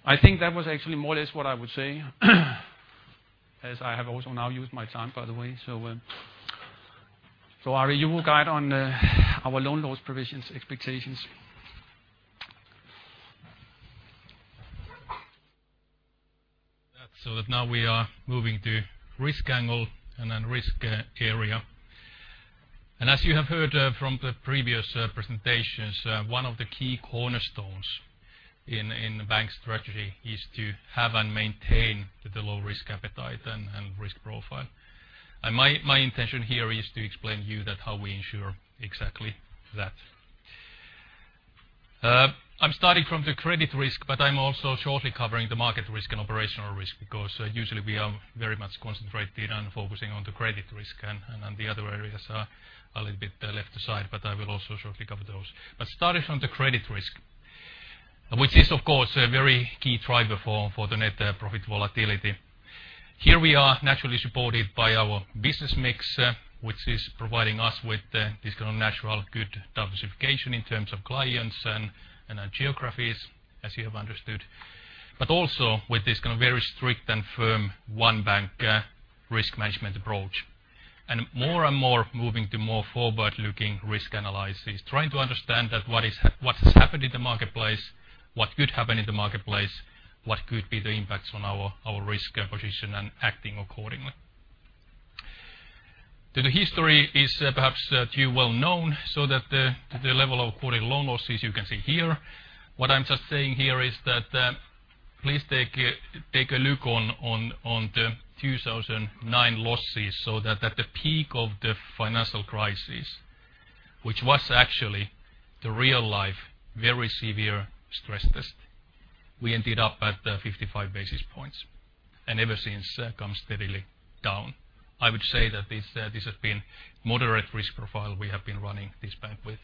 I think that was actually more or less what I would say as I have also now used my time, by the way. Our annual guide on our loan loss provisions expectations. Now we are moving to risk angle and then risk area. As you have heard from the previous presentations, one of the key cornerstones in the bank strategy is to have and maintain the low-risk appetite and risk profile. My intention here is to explain you that how we ensure exactly that. I'm starting from the credit risk, but I'm also shortly covering the market risk and operational risk because usually we are very much concentrated on focusing on the credit risk and the other areas are a little bit left aside, but I will also shortly cover those. Starting from the credit risk, which is, of course, a very key driver for the net profit volatility. Here we are naturally supported by our business mix, which is providing us with this kind of natural good diversification in terms of clients and geographies, as you have understood, but also with this kind of very strict and firm one-bank risk management approach. More and more moving to more forward-looking risk analysis, trying to understand that what has happened in the marketplace, what could happen in the marketplace, what could be the impacts on our risk position and acting accordingly. The history is perhaps too well known, the level of credit loan losses you can see here. What I'm just saying here is that please take a look on the 2009 losses, at the peak of the financial crisis, which was actually the real-life very severe stress test, we ended up at 55 basis points and ever since come steadily down. I would say that this has been moderate risk profile we have been running this bank with.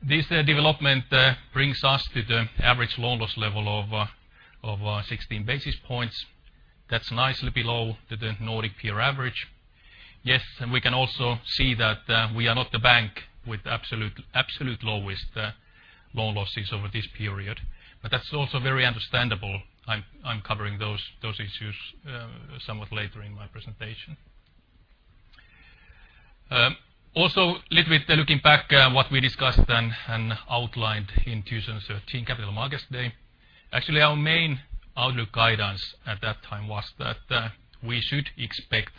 This development brings us to the average loan loss level of 16 basis points. That's nicely below the Nordic peer average. We can also see that we are not the bank with absolute lowest loan losses over this period, but that's also very understandable. I'm covering those issues somewhat later in my presentation. Little bit looking back what we discussed and outlined in 2013 Capital Markets Day. Our main outlook guidance at that time was that we should expect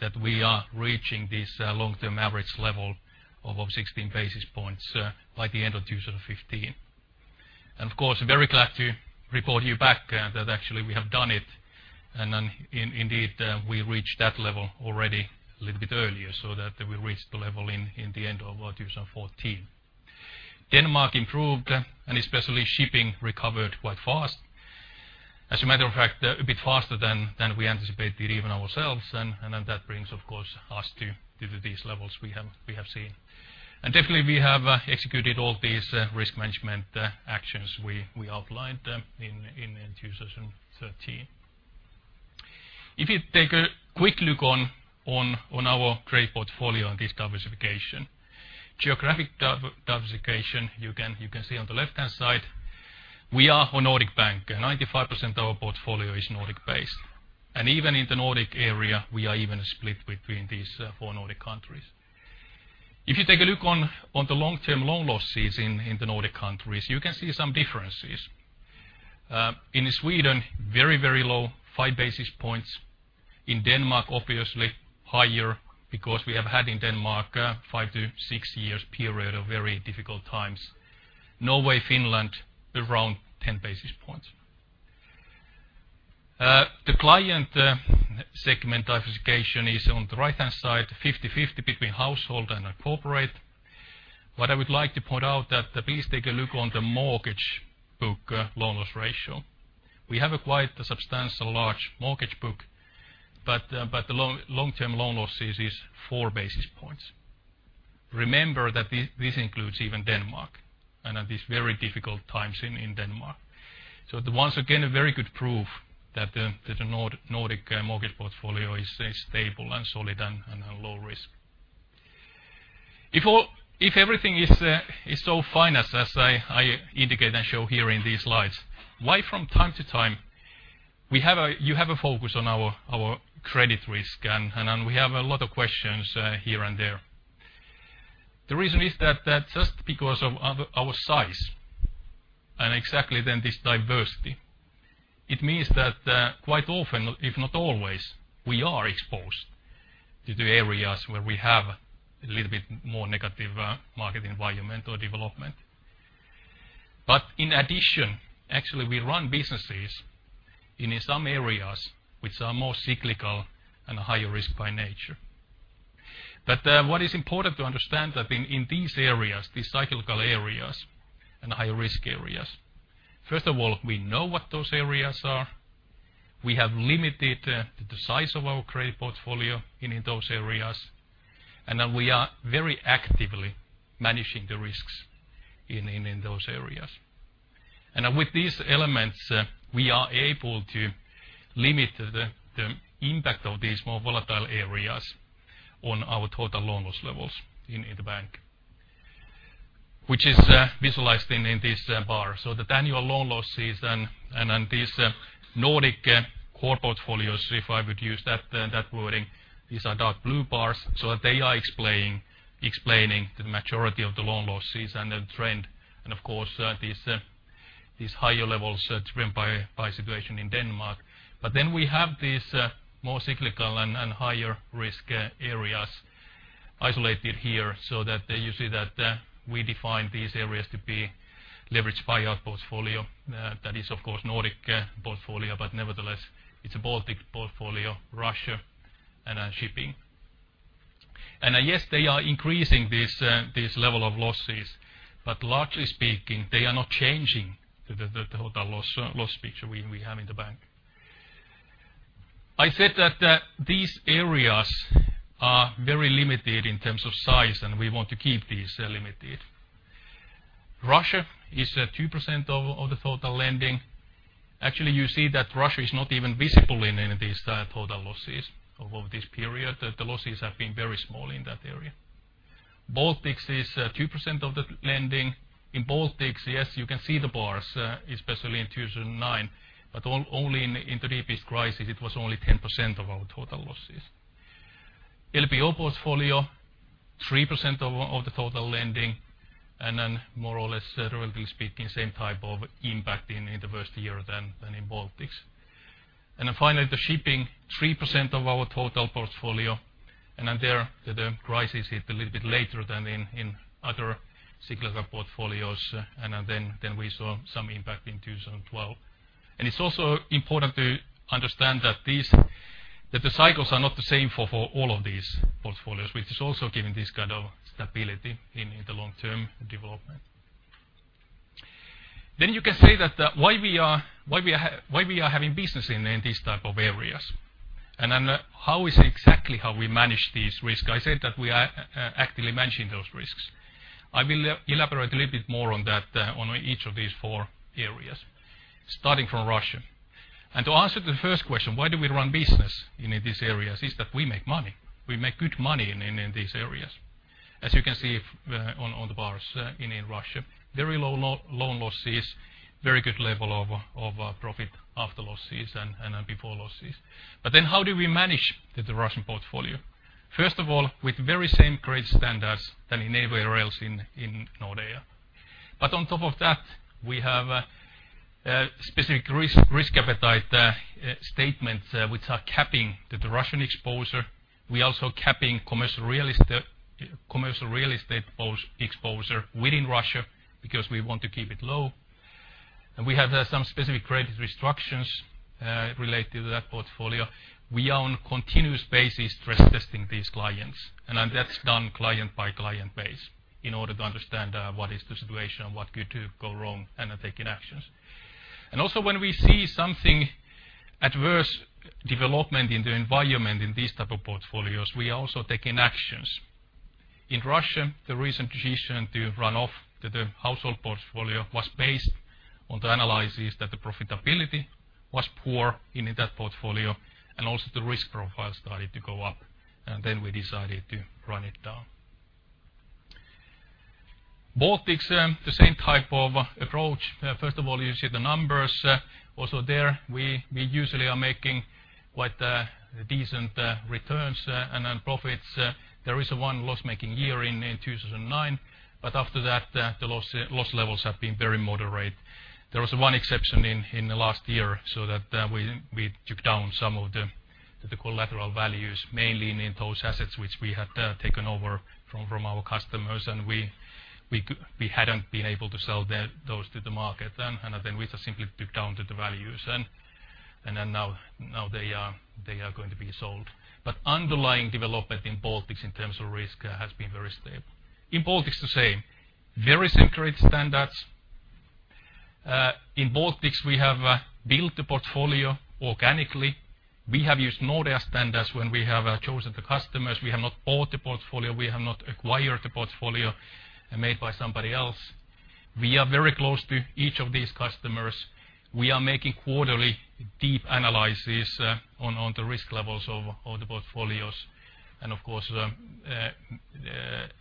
that we are reaching this long-term average level of 16 basis points by the end of 2015. Of course, very glad to report you back that actually we have done it, and indeed, we reached that level already a little bit earlier so that we reached the level in the end of 2014. Denmark improved and especially shipping recovered quite fast. As a matter of fact, a bit faster than we anticipated even ourselves. That brings, of course, us to these levels we have seen. Definitely we have executed all these risk management actions we outlined in 2013. If you take a quick look on our grade portfolio and this diversification. Geographic diversification, you can see on the left-hand side, we are a Nordic bank. 95% of our portfolio is Nordic-based. Even in the Nordic area, we are even split between these four Nordic countries. If you take a look on the long-term loan losses in the Nordic countries, you can see some differences. In Sweden, very low, five basis points. In Denmark, obviously higher because we have had in Denmark a five to six years period of very difficult times. Norway, Finland, around 10 basis points. The client segment diversification is on the right-hand side, 50/50 between household and corporate. What I would like to point out that please take a look on the mortgage book loan loss ratio. We have a quite substantial large mortgage book, but the long-term loan losses is four basis points. Remember that this includes even Denmark and at this very difficult times in Denmark. Once again, a very good proof that the Nordic mortgage portfolio is stable and solid and low risk. If everything is so fine as I indicate and show here in these slides, why from time to time you have a focus on our credit risk, and we have a lot of questions here and there. The reason is that just because of our size and exactly then this diversity. It means that quite often, if not always, we are exposed to the areas where we have a little bit more negative market environment or development. In addition, actually, we run businesses in some areas which are more cyclical and higher risk by nature. What is important to understand that in these areas, these cyclical areas and higher risk areas, first of all, we know what those areas are. We have limited the size of our credit portfolio in those areas, and we are very actively managing the risks in those areas. With these elements, we are able to limit the impact of these more volatile areas on our total loan loss levels in the bank, which is visualized in this bar. The annual loan loss season and these Nordic core portfolios, if I would use that wording, these are dark blue bars. They are explaining the majority of the loan loss season and the trend, of course, these higher levels driven by situation in Denmark. We have these more cyclical and higher risk areas isolated here, so that you see that we define these areas to be leveraged buyout portfolio. That is, of course, Nordic portfolio, but nevertheless, it is a Baltic portfolio, Russia and shipping. Yes, they are increasing this level of losses, but largely speaking, they are not changing the total loss picture we have in the bank. I said that these areas are very limited in terms of size. We want to keep these limited. Russia is 2% of the total lending. Actually, you see that Russia is not even visible in these total losses over this period. The losses have been very small in that area. Baltics is 2% of the lending. In Baltics, yes, you can see the bars, especially in 2009, but only in the deepest crisis it was only 10% of our total losses. LBO portfolio, 3% of the total lending, more or less relatively speaking, same type of impact in the worst year than in Baltics. Finally, the shipping, 3% of our total portfolio, there the crisis hit a little bit later than in other cyclical portfolios. We saw some impact in 2012. It's also important to understand that the cycles are not the same for all of these portfolios, which is also giving this kind of stability in the long-term development. You can say that why we are having business in these type of areas, how is exactly how we manage these risks. I said that we are actively managing those risks. I will elaborate a little bit more on that on each of these four areas, starting from Russia. To answer the first question, why do we run business in these areas, is that we make money. We make good money in these areas. As you can see on the bars in Russia, very low loan losses, very good level of profit after losses and before losses. How do we manage the Russian portfolio? First of all, with very same grade standards than anywhere else in Nordea. On top of that, we have specific risk appetite statements which are capping the Russian exposure. We're also capping commercial real estate exposure within Russia because we want to keep it low. We have some specific credit restrictions related to that portfolio. We are on continuous basis stress testing these clients, and that's done client by client base in order to understand what is the situation, what could go wrong, taking actions. Also when we see something adverse development in the environment in these type of portfolios, we are also taking actions. In Russia, the recent decision to run off the household portfolio was based on the analysis that the profitability was poor in that portfolio and also the risk profile started to go up, and then we decided to run it down. Baltics, the same type of approach. First of all, you see the numbers. Also there, we usually are making quite decent returns and profits. There is one loss-making year in 2009, but after that, the loss levels have been very moderate. There was one exception in the last year, so that we took down some of the collateral values, mainly in those assets which we had taken over from our customers, and we hadn't been able to sell those to the market. Then we just simply took down the values. Then now they are going to be sold. Underlying development in Baltics in terms of risk has been very stable. In Baltics, the same. Very same credit standards. In Baltics, we have built the portfolio organically. We have used Nordea standards when we have chosen the customers. We have not bought the portfolio, we have not acquired the portfolio made by somebody else. We are very close to each of these customers. We are making quarterly deep analysis on the risk levels of the portfolios and of course,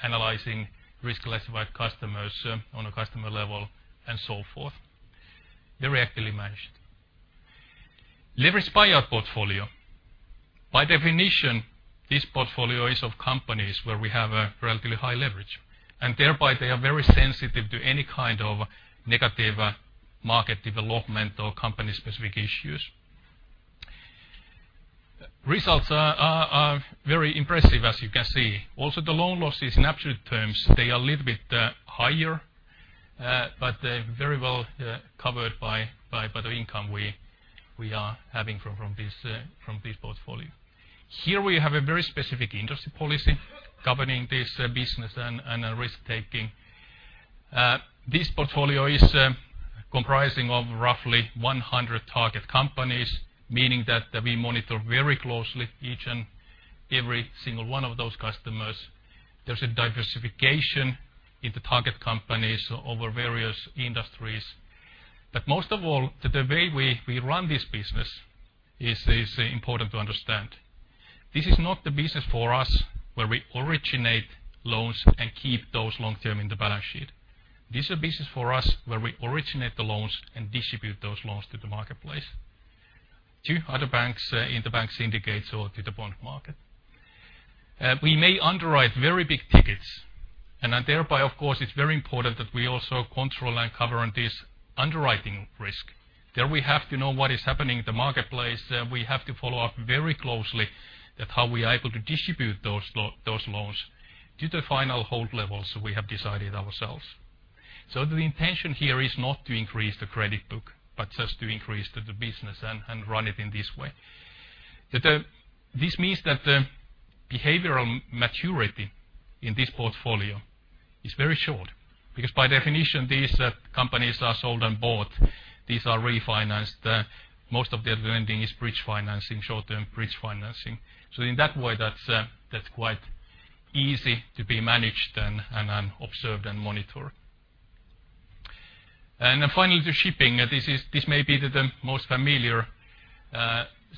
analyzing risk-classified customers on a customer level and so forth. Very actively managed. Leveraged Buyout portfolio. By definition, this portfolio is of companies where we have a relatively high leverage, and thereby they are very sensitive to any kind of negative market development or company-specific issues. Results are very impressive, as you can see. Also the loan losses in absolute terms, they are a little bit higher, but they are very well covered by the income we are having from this portfolio. Here we have a very specific industry policy governing this business and risk-taking. This portfolio is comprising of roughly 100 target companies, meaning that we monitor very closely each and every single one of those customers. There is a diversification in the target companies over various industries. Most of all, the way we run this business is important to understand. This is not the business for us where we originate loans and keep those long-term in the balance sheet. This is a business for us where we originate the loans and distribute those loans to the marketplace, to other banks in the banks syndicates or to the bond market. We may underwrite very big tickets, and thereby, of course, it is very important that we also control and cover this underwriting risk. There we have to know what is happening in the marketplace. We have to follow up very closely that how we are able to distribute those loans to the final hold levels we have decided ourselves. The intention here is not to increase the credit book, but just to increase the business and run it in this way. This means that the behavioral maturity in this portfolio is very short because by definition, these companies are sold and bought. These are refinanced. Most of their lending is bridge financing, short-term bridge financing. In that way, that is quite easy to be managed and observed and monitored. Then finally, the shipping. This may be the most familiar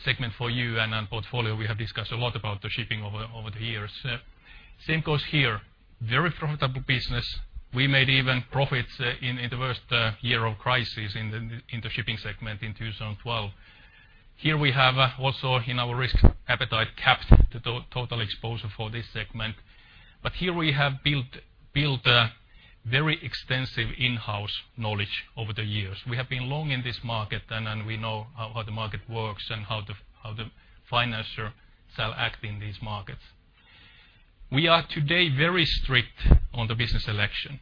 segment for you and portfolio. We have discussed a lot about the shipping over the years. Same goes here. Very profitable business. We made even profits in the worst year of crisis in the shipping segment in 2012. Here we have also in our risk appetite capped the total exposure for this segment. Here we have built a very extensive in-house knowledge over the years. We have been long in this market, and we know how the market works and how the financiers shall act in these markets. We are today very strict on the business selection.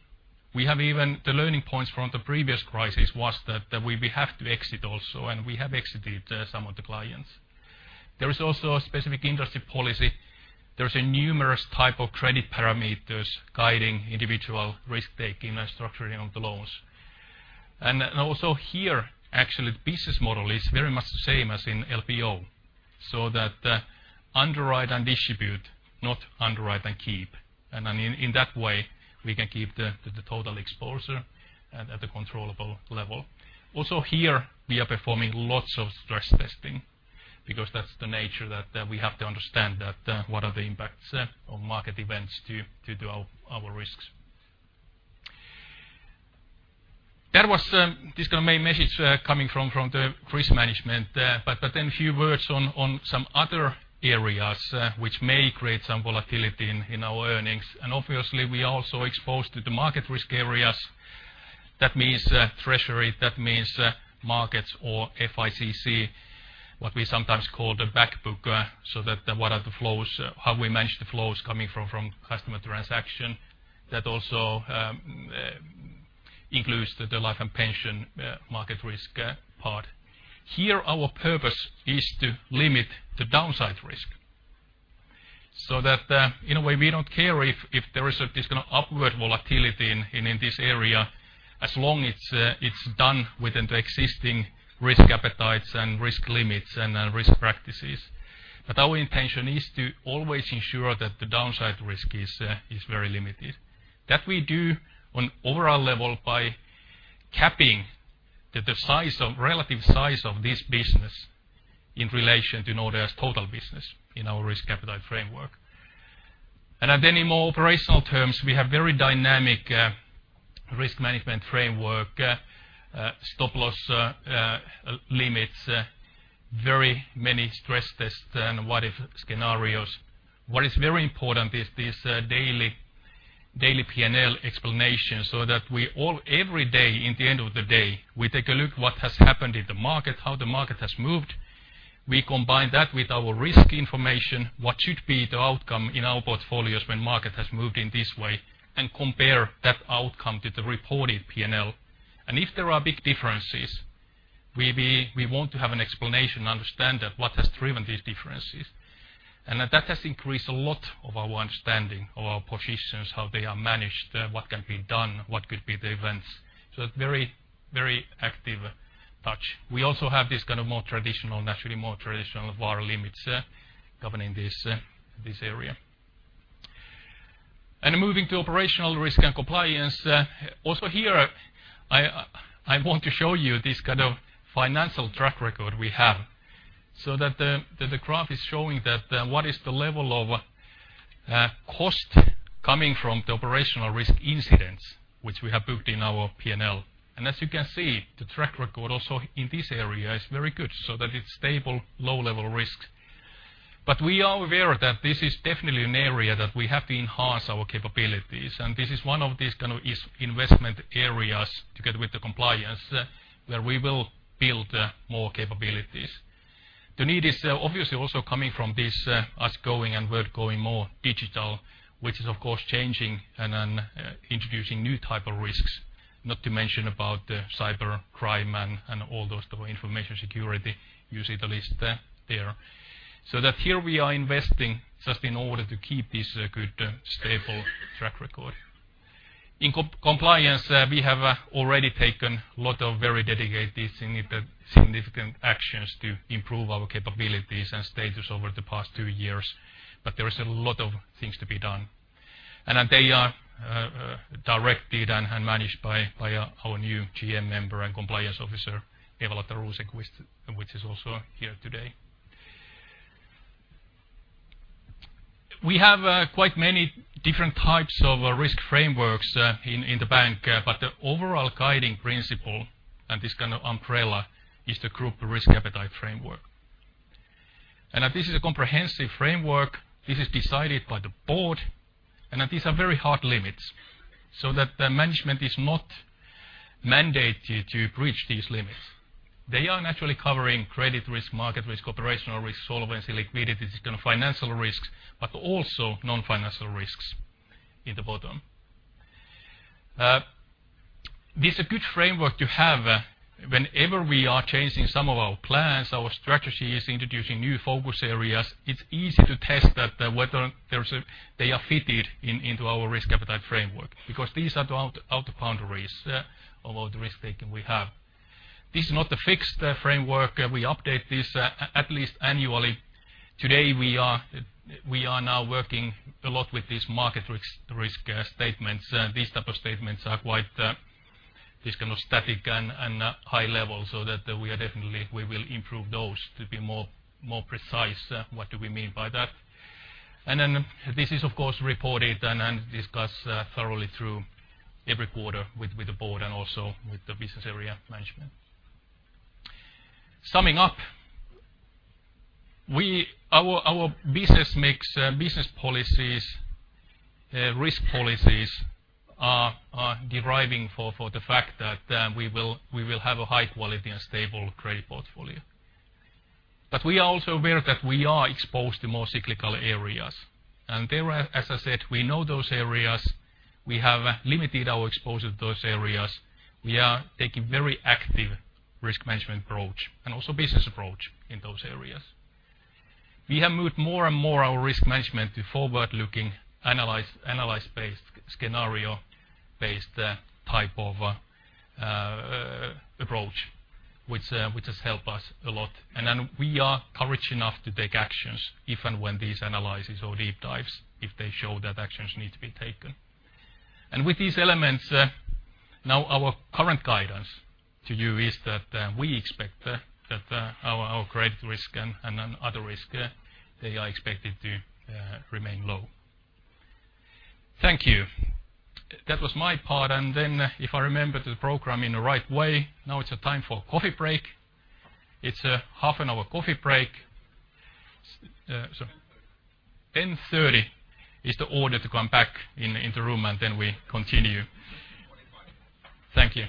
We have even the learning points from the previous crisis was that we have to exit also, and we have exited some of the clients. There is also a specific industry policy. There's numerous type of credit parameters guiding individual risk-taking and structuring of the loans. Also here, actually, the business model is very much the same as in LBO, so that underwrite and distribute, not underwrite and keep. In that way, we can keep the total exposure at the controllable level. Also here, we are performing lots of stress testing because that's the nature that we have to understand that what are the impacts of market events to our risks. That was this kind of main message coming from the risk management. Few words on some other areas which may create some volatility in our earnings. Obviously, we are also exposed to the market risk areas. That means treasury, that means markets or FICC, what we sometimes call the back book, so that what are the flows, how we manage the flows coming from customer transaction. That also includes the life and pension market risk part. Here our purpose is to limit the downside risk, so that in a way we don't care if there is this kind of upward volatility in this area, as long it's done within the existing risk appetites and risk limits and risk practices. Our intention is to always ensure that the downside risk is very limited. That we do on overall level by capping the relative size of this business in relation to Nordea's total business in our risk appetite framework. In more operational terms, we have very dynamic risk management framework, stop-loss limits, very many stress tests and what-if scenarios. What is very important is this daily P&L explanation, so that every day, in the end of the day, we take a look what has happened in the market, how the market has moved. We combine that with our risk information, what should be the outcome in our portfolios when market has moved in this way, and compare that outcome to the reported P&L. If there are big differences, we want to have an explanation, understand that what has driven these differences. That has increased a lot of our understanding of our positions, how they are managed, what can be done, what could be the events. Very active touch. We also have this kind of more traditional, naturally more traditional VaR limits governing this area. Moving to operational risk and compliance. Also here, I want to show you this kind of financial track record we have, so that the graph is showing that what is the level of cost coming from the operational risk incidents, which we have booked in our P&L. As you can see, the track record also in this area is very good, so that it's stable, low-level risk. We are aware that this is definitely an area that we have to enhance our capabilities. This is one of these kind of investment areas together with the compliance, where we will build more capabilities. The need is obviously also coming from this, us going and world going more digital, which is of course changing and introducing new type of risks, not to mention about cybercrime and all those, the information security, you see the list there. Here we are investing just in order to keep this good, stable track record. In compliance, we have already taken lot of very dedicated, significant actions to improve our capabilities and status over the past two years, but there is a lot of things to be done. They are directed and managed by our new GM member and compliance officer, Eva Lotta Rosenqvist, which is also here today. We have quite many different types of risk frameworks in the bank, but the overall guiding principle and this kind of umbrella is the group risk appetite framework. This is a comprehensive framework. This is decided by the board, and these are very hard limits, so that the management is not mandated to breach these limits. They are naturally covering credit risk, market risk, operational risk, solvency, liquidity, this kind of financial risks, but also non-financial risks in the bottom. This a good framework to have. Whenever we are changing some of our plans, our strategies, introducing new focus areas, it's easy to test that whether they are fitted into our risk appetite framework, because these are the outer boundaries of all the risk-taking we have. This is not a fixed framework. We update this at least annually. Today, we are now working a lot with these market risk statements. These type of statements are quite this kind of static and high level, we will improve those to be more precise what do we mean by that. This is of course reported and discussed thoroughly through every quarter with the board and also with the business area management. Summing up, our business makes business policies, risk policies are deriving for the fact that we will have a high quality and stable credit portfolio. We are also aware that we are exposed to more cyclical areas. There are, as I said, we know those areas. We have limited our exposure to those areas. We are taking very active risk management approach and also business approach in those areas. We have moved more and more our risk management to forward-looking, analysis-based, scenario-based type of approach, which has helped us a lot. We are courage enough to take actions if and when these analyses or deep dives, if they show that actions need to be taken. With these elements, now our current guidance to you is that we expect that our credit risk and other risk, they are expected to remain low. Thank you. That was my part. If I remember the program in the right way, now it's a time for coffee break. It's a half an hour coffee break. 10:30 is the order to come back in the room and then we continue. Thank you.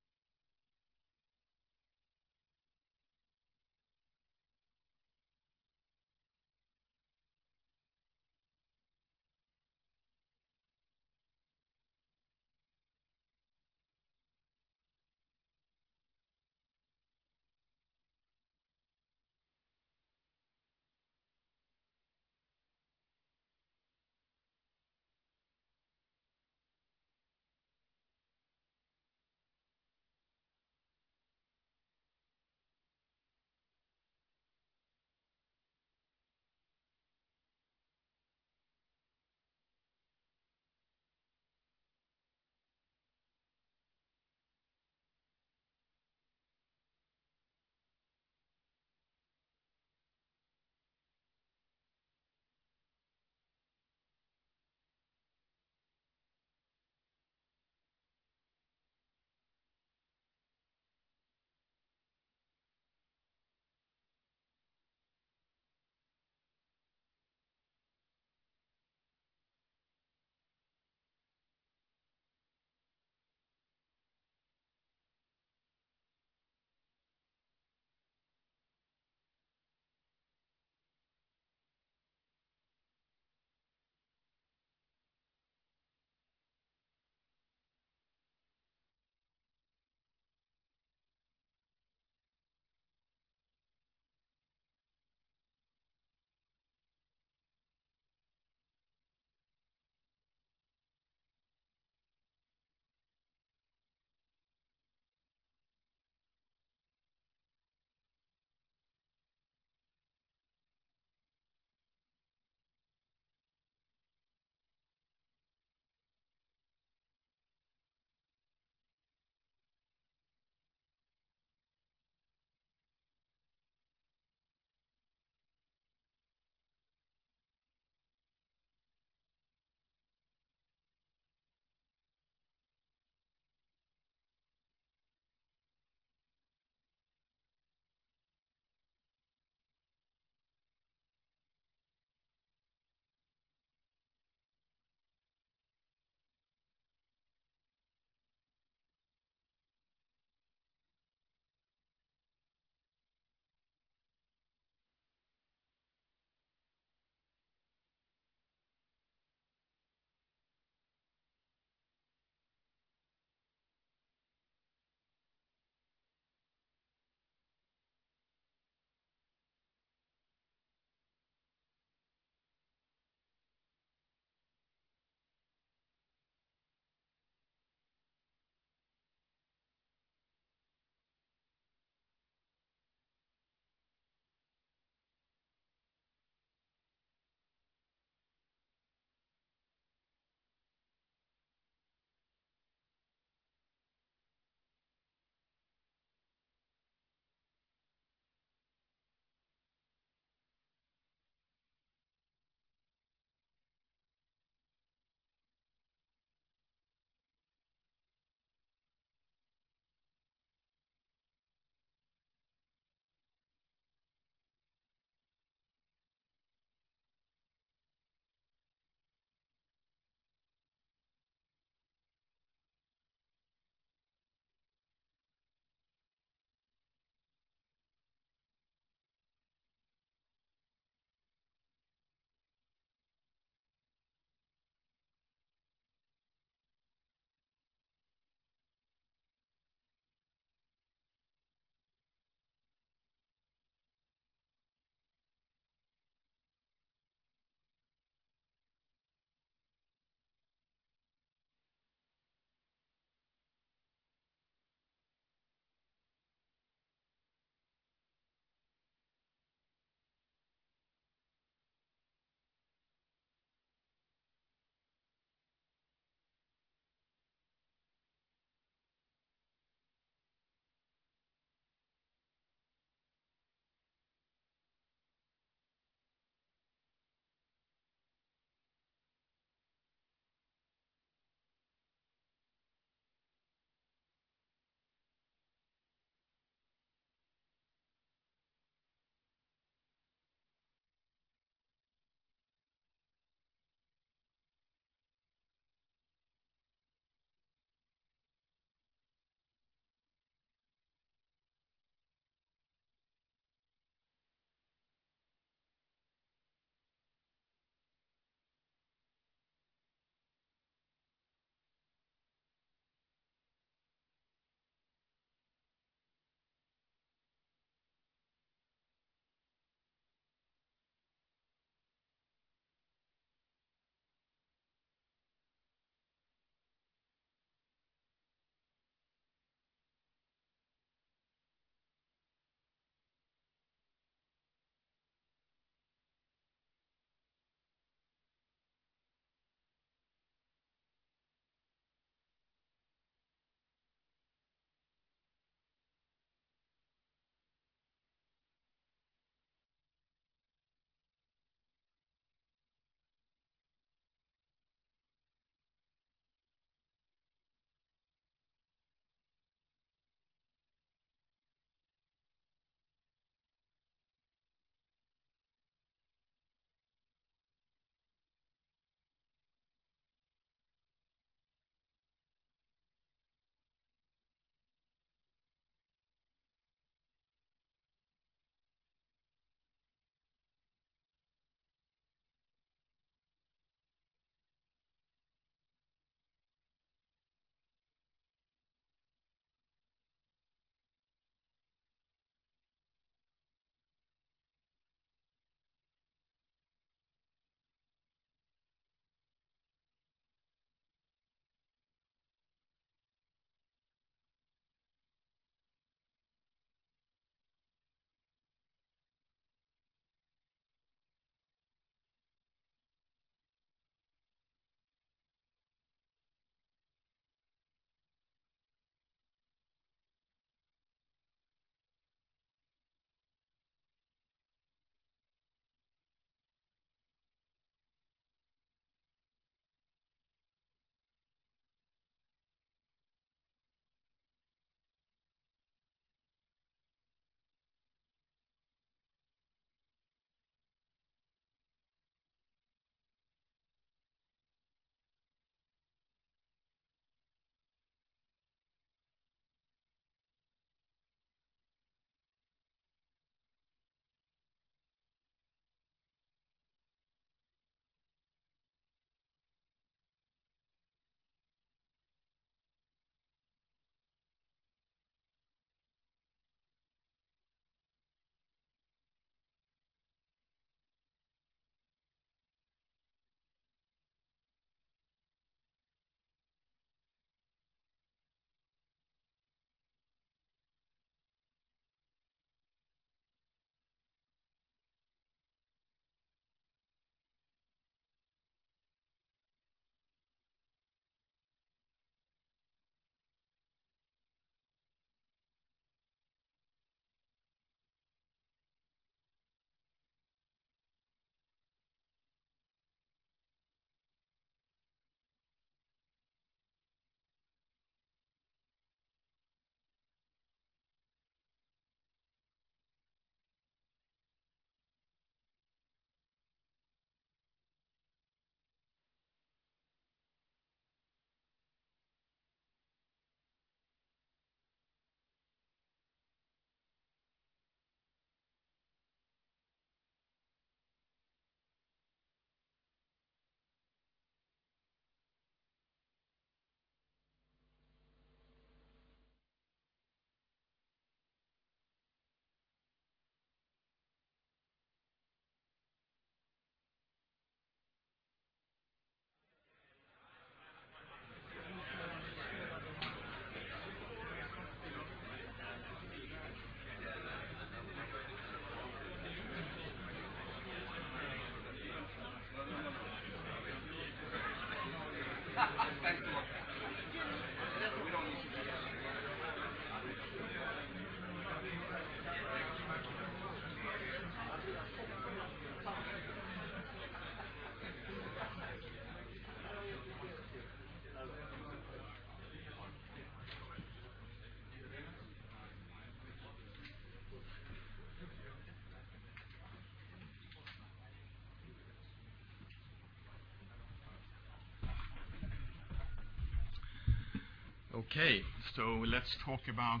Let's talk about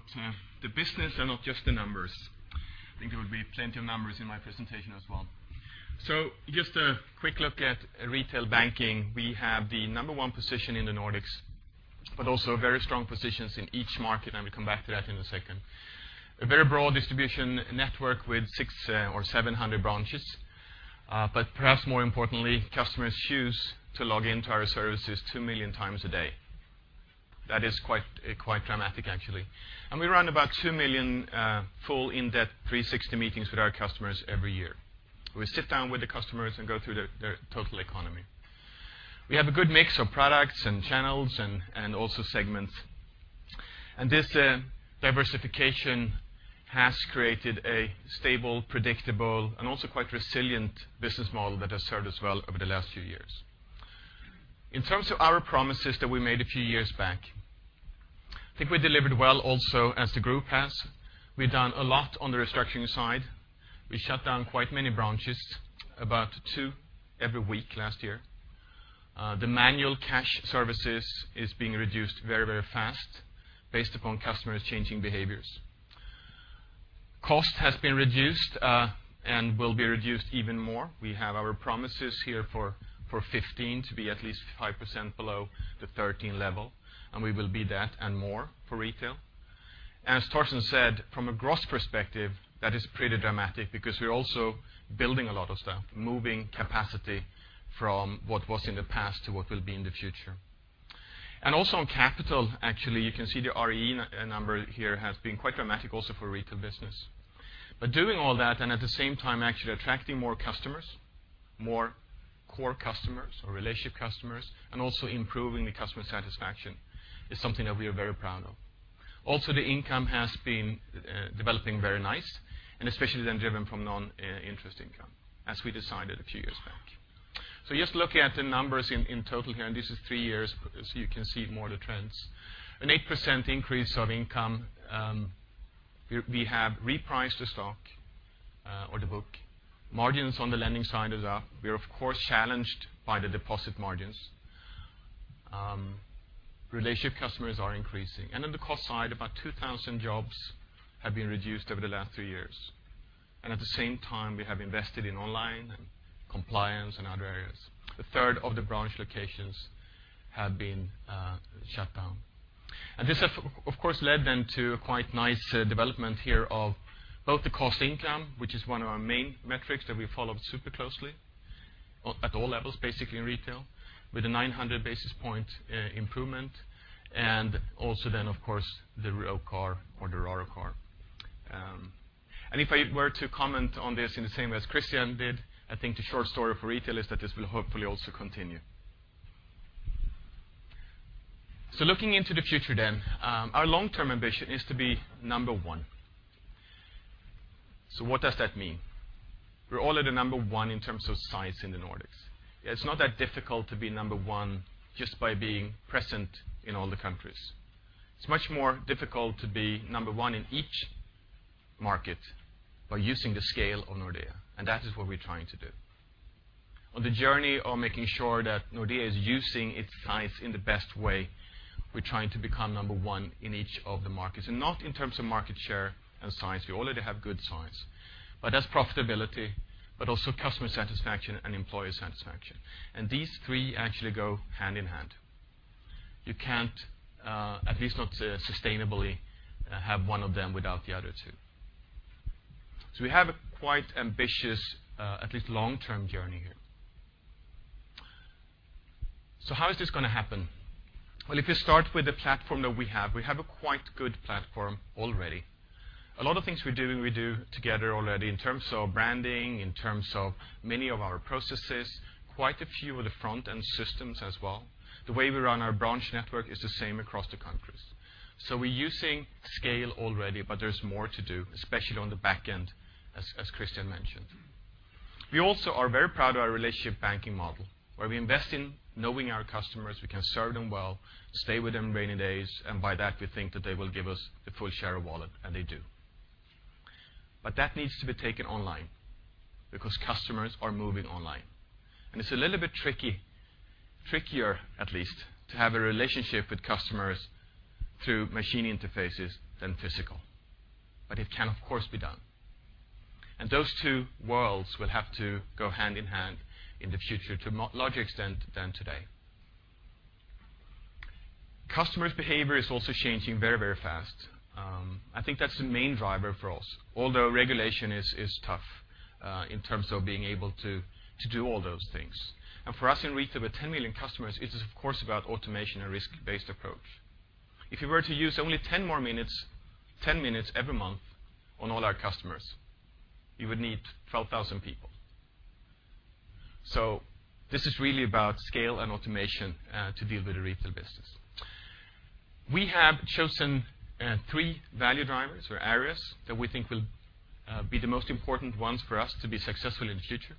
the business and not just the numbers. I think there will be plenty of numbers in my presentation as well. Just a quick look at retail banking. We have the number one position in the Nordics, but also very strong positions in each market, and we'll come back to that in a second. A very broad distribution network with 600 or 700 branches. Perhaps more importantly, customers choose to log into our services 2 million times a day. That is quite dramatic, actually. We run about 2 million full in-depth 360 meetings with our customers every year. We sit down with the customers and go through their total economy. We have a good mix of products and channels and also segments. This diversification has created a stable, predictable and also quite resilient business model that has served us well over the last few years. In terms of our promises that we made a few years back, I think we delivered well also, as the group has. We've done a lot on the restructuring side. We shut down quite many branches, about two every week last year. The manual cash services is being reduced very fast based upon customers changing behaviors. Cost has been reduced, and will be reduced even more. We have our promises here for 2015 to be at least 5% below the 2013 level, and we will be that and more for retail. As Torsten said, from a gross perspective, that is pretty dramatic because we're also building a lot of stuff, moving capacity from what was in the past to what will be in the future. Also on capital, actually, you can see the ROE number here has been quite dramatic also for retail business. Doing all that and at the same time actually attracting more customers, more core customers or relationship customers, and also improving the customer satisfaction is something that we are very proud of. Also, the income has been developing very nice and especially then driven from non-interest income, as we decided a few years back. Just looking at the numbers in total here, and this is three years, so you can see more of the trends. An 8% increase of income. We have repriced the stock or the book. Margins on the lending side is up. We are of course challenged by the deposit margins. Relationship customers are increasing. On the cost side, about 2,000 jobs have been reduced over the last three years. At the same time, we have invested in online and compliance and other areas. A third of the branch locations have been shut down. This has, of course, led then to a quite nice development here of both the cost-income, which is one of our main metrics that we followed super closely at all levels, basically in retail with a 900 basis point improvement and also then, of course, the ROC or the RORAC. If I were to comment on this in the same way as Christian did, I think the short story for retail is that this will hopefully also continue. Looking into the future then. Our long-term ambition is to be number one. What does that mean? We're already number one in terms of size in the Nordics. It's not that difficult to be number one just by being present in all the countries. It's much more difficult to be number one in each market by using the scale of Nordea, and that is what we're trying to do. On the journey of making sure that Nordea is using its size in the best way, we're trying to become number one in each of the markets. Not in terms of market share and size, we already have good size. As profitability, but also customer satisfaction and employee satisfaction. These three actually go hand in hand. You can't, at least not sustainably, have one of them without the other two. We have a quite ambitious, at least long-term journey here. How is this going to happen? If you start with the platform that we have, we have a quite good platform already. A lot of things we do, we do together already in terms of branding, in terms of many of our processes, quite a few of the front-end systems as well. The way we run our branch network is the same across the countries. We're using scale already, but there's more to do, especially on the back end as Christian mentioned. We also are very proud of our relationship banking model, where we invest in knowing our customers. We can serve them well, stay with them on rainy days, by that, we think that they will give us the full share of wallet, and they do. That needs to be taken online because customers are moving online. It's a little bit tricky, trickier at least, to have a relationship with customers through machine interfaces than physical. It can, of course, be done. Those two worlds will have to go hand in hand in the future to a larger extent than today. Customers' behavior is also changing very fast. I think that's the main driver for us. Although regulation is tough, in terms of being able to do all those things. For us in retail with 10 million customers, it is of course about automation and risk-based approach. If you were to use only 10 more minutes, 10 minutes every month on all our customers You would need 12,000 people. This is really about scale and automation to deal with the retail business. We have chosen three value drivers or areas that we think will be the most important ones for us to be successful in the future.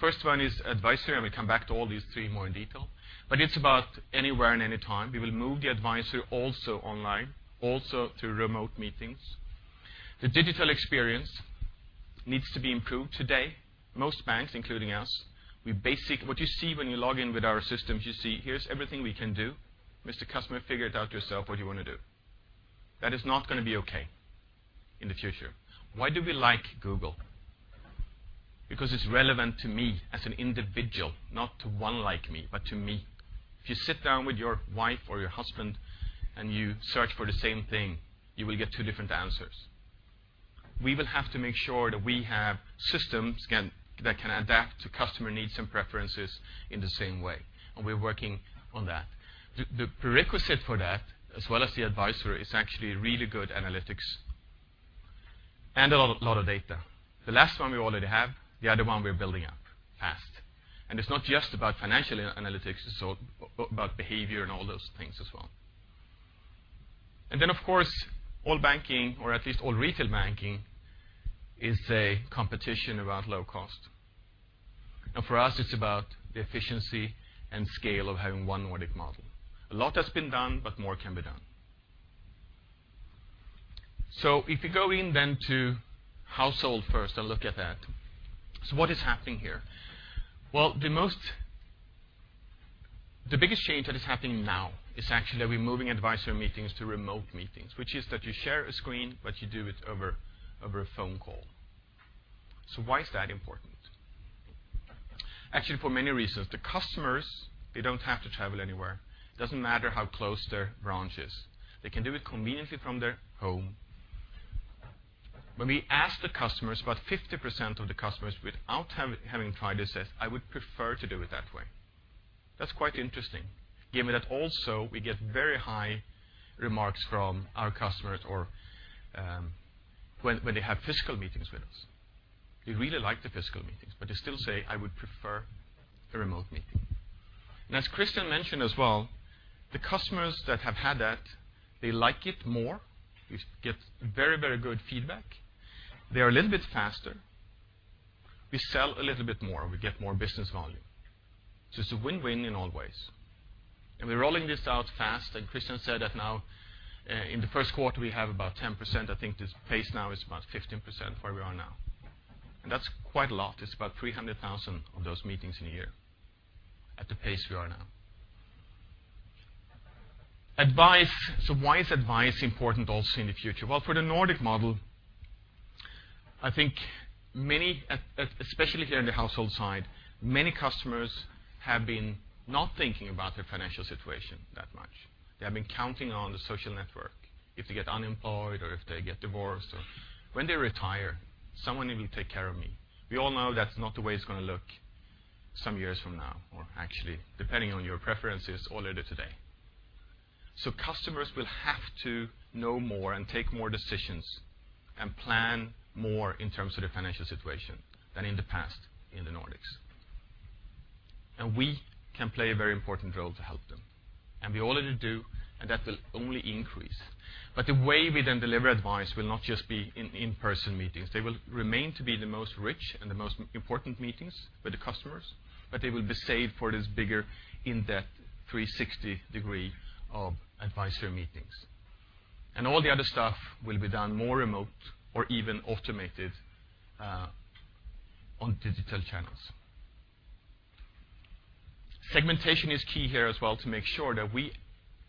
First one is advisory, we'll come back to all these three more in detail, but it's about anywhere and anytime. We will move the advisory also online, also to remote meetings. The digital experience needs to be improved today. Most banks, including us, what you see when you log in with our systems, you see, here's everything we can do. Mr. Customer, figure it out yourself what you want to do. That is not going to be okay in the future. Why do we like Google? Because it's relevant to me as an individual, not to one like me, but to me. If you sit down with your wife or your husband and you search for the same thing, you will get two different answers. We will have to make sure that we have systems that can adapt to customer needs and preferences in the same way, we're working on that. The prerequisite for that, as well as the advisory, is actually really good analytics and a lot of data. The last one we already have, the other one we're building up fast. It's not just about financial analytics, it's about behavior and all those things as well. Of course, all banking, or at least all retail banking, is a competition about low cost. Now, for us, it's about the efficiency and scale of having one Nordic model. A lot has been done, but more can be done. If you go in then to household first and look at that. What is happening here? Well, the biggest change that is happening now is actually that we're moving advisor meetings to remote meetings, which is that you share a screen, but you do it over a phone call. Why is that important? Actually, for many reasons. The customers, they don't have to travel anywhere. It doesn't matter how close their branch is. They can do it conveniently from their home. When we ask the customers, about 50% of the customers without having tried this says, "I would prefer to do it that way." That's quite interesting given that also we get very high remarks from our customers or when they have physical meetings with us. They really like the physical meetings, but they still say, "I would prefer a remote meeting." As Christian mentioned as well, the customers that have had that, they like it more. We get very good feedback. They are a little bit faster. We sell a little bit more. We get more business volume. It's a win-win in all ways. We're rolling this out fast, and Christian said that now in the first quarter, we have about 10%. I think this pace now is about 15% where we are now. That's quite a lot. It's about 300,000 of those meetings in a year at the pace we are now. Advice. Why is advice important also in the future? Well, for the Nordic model, I think many, especially here in the household side, many customers have been not thinking about their financial situation that much. They have been counting on the social network. If they get unemployed or if they get divorced or when they retire, someone will take care of me. We all know that's not the way it's going to look some years from now, or actually depending on your preferences, already today. Customers will have to know more and take more decisions and plan more in terms of their financial situation than in the past in the Nordics. We can play a very important role to help them. We already do, and that will only increase. The way we then deliver advice will not just be in in-person meetings. They will remain to be the most rich and the most important meetings with the customers, but they will be saved for this bigger in-depth 360-degree of advisory meetings. All the other stuff will be done more remote or even automated on digital channels. Segmentation is key here as well to make sure that we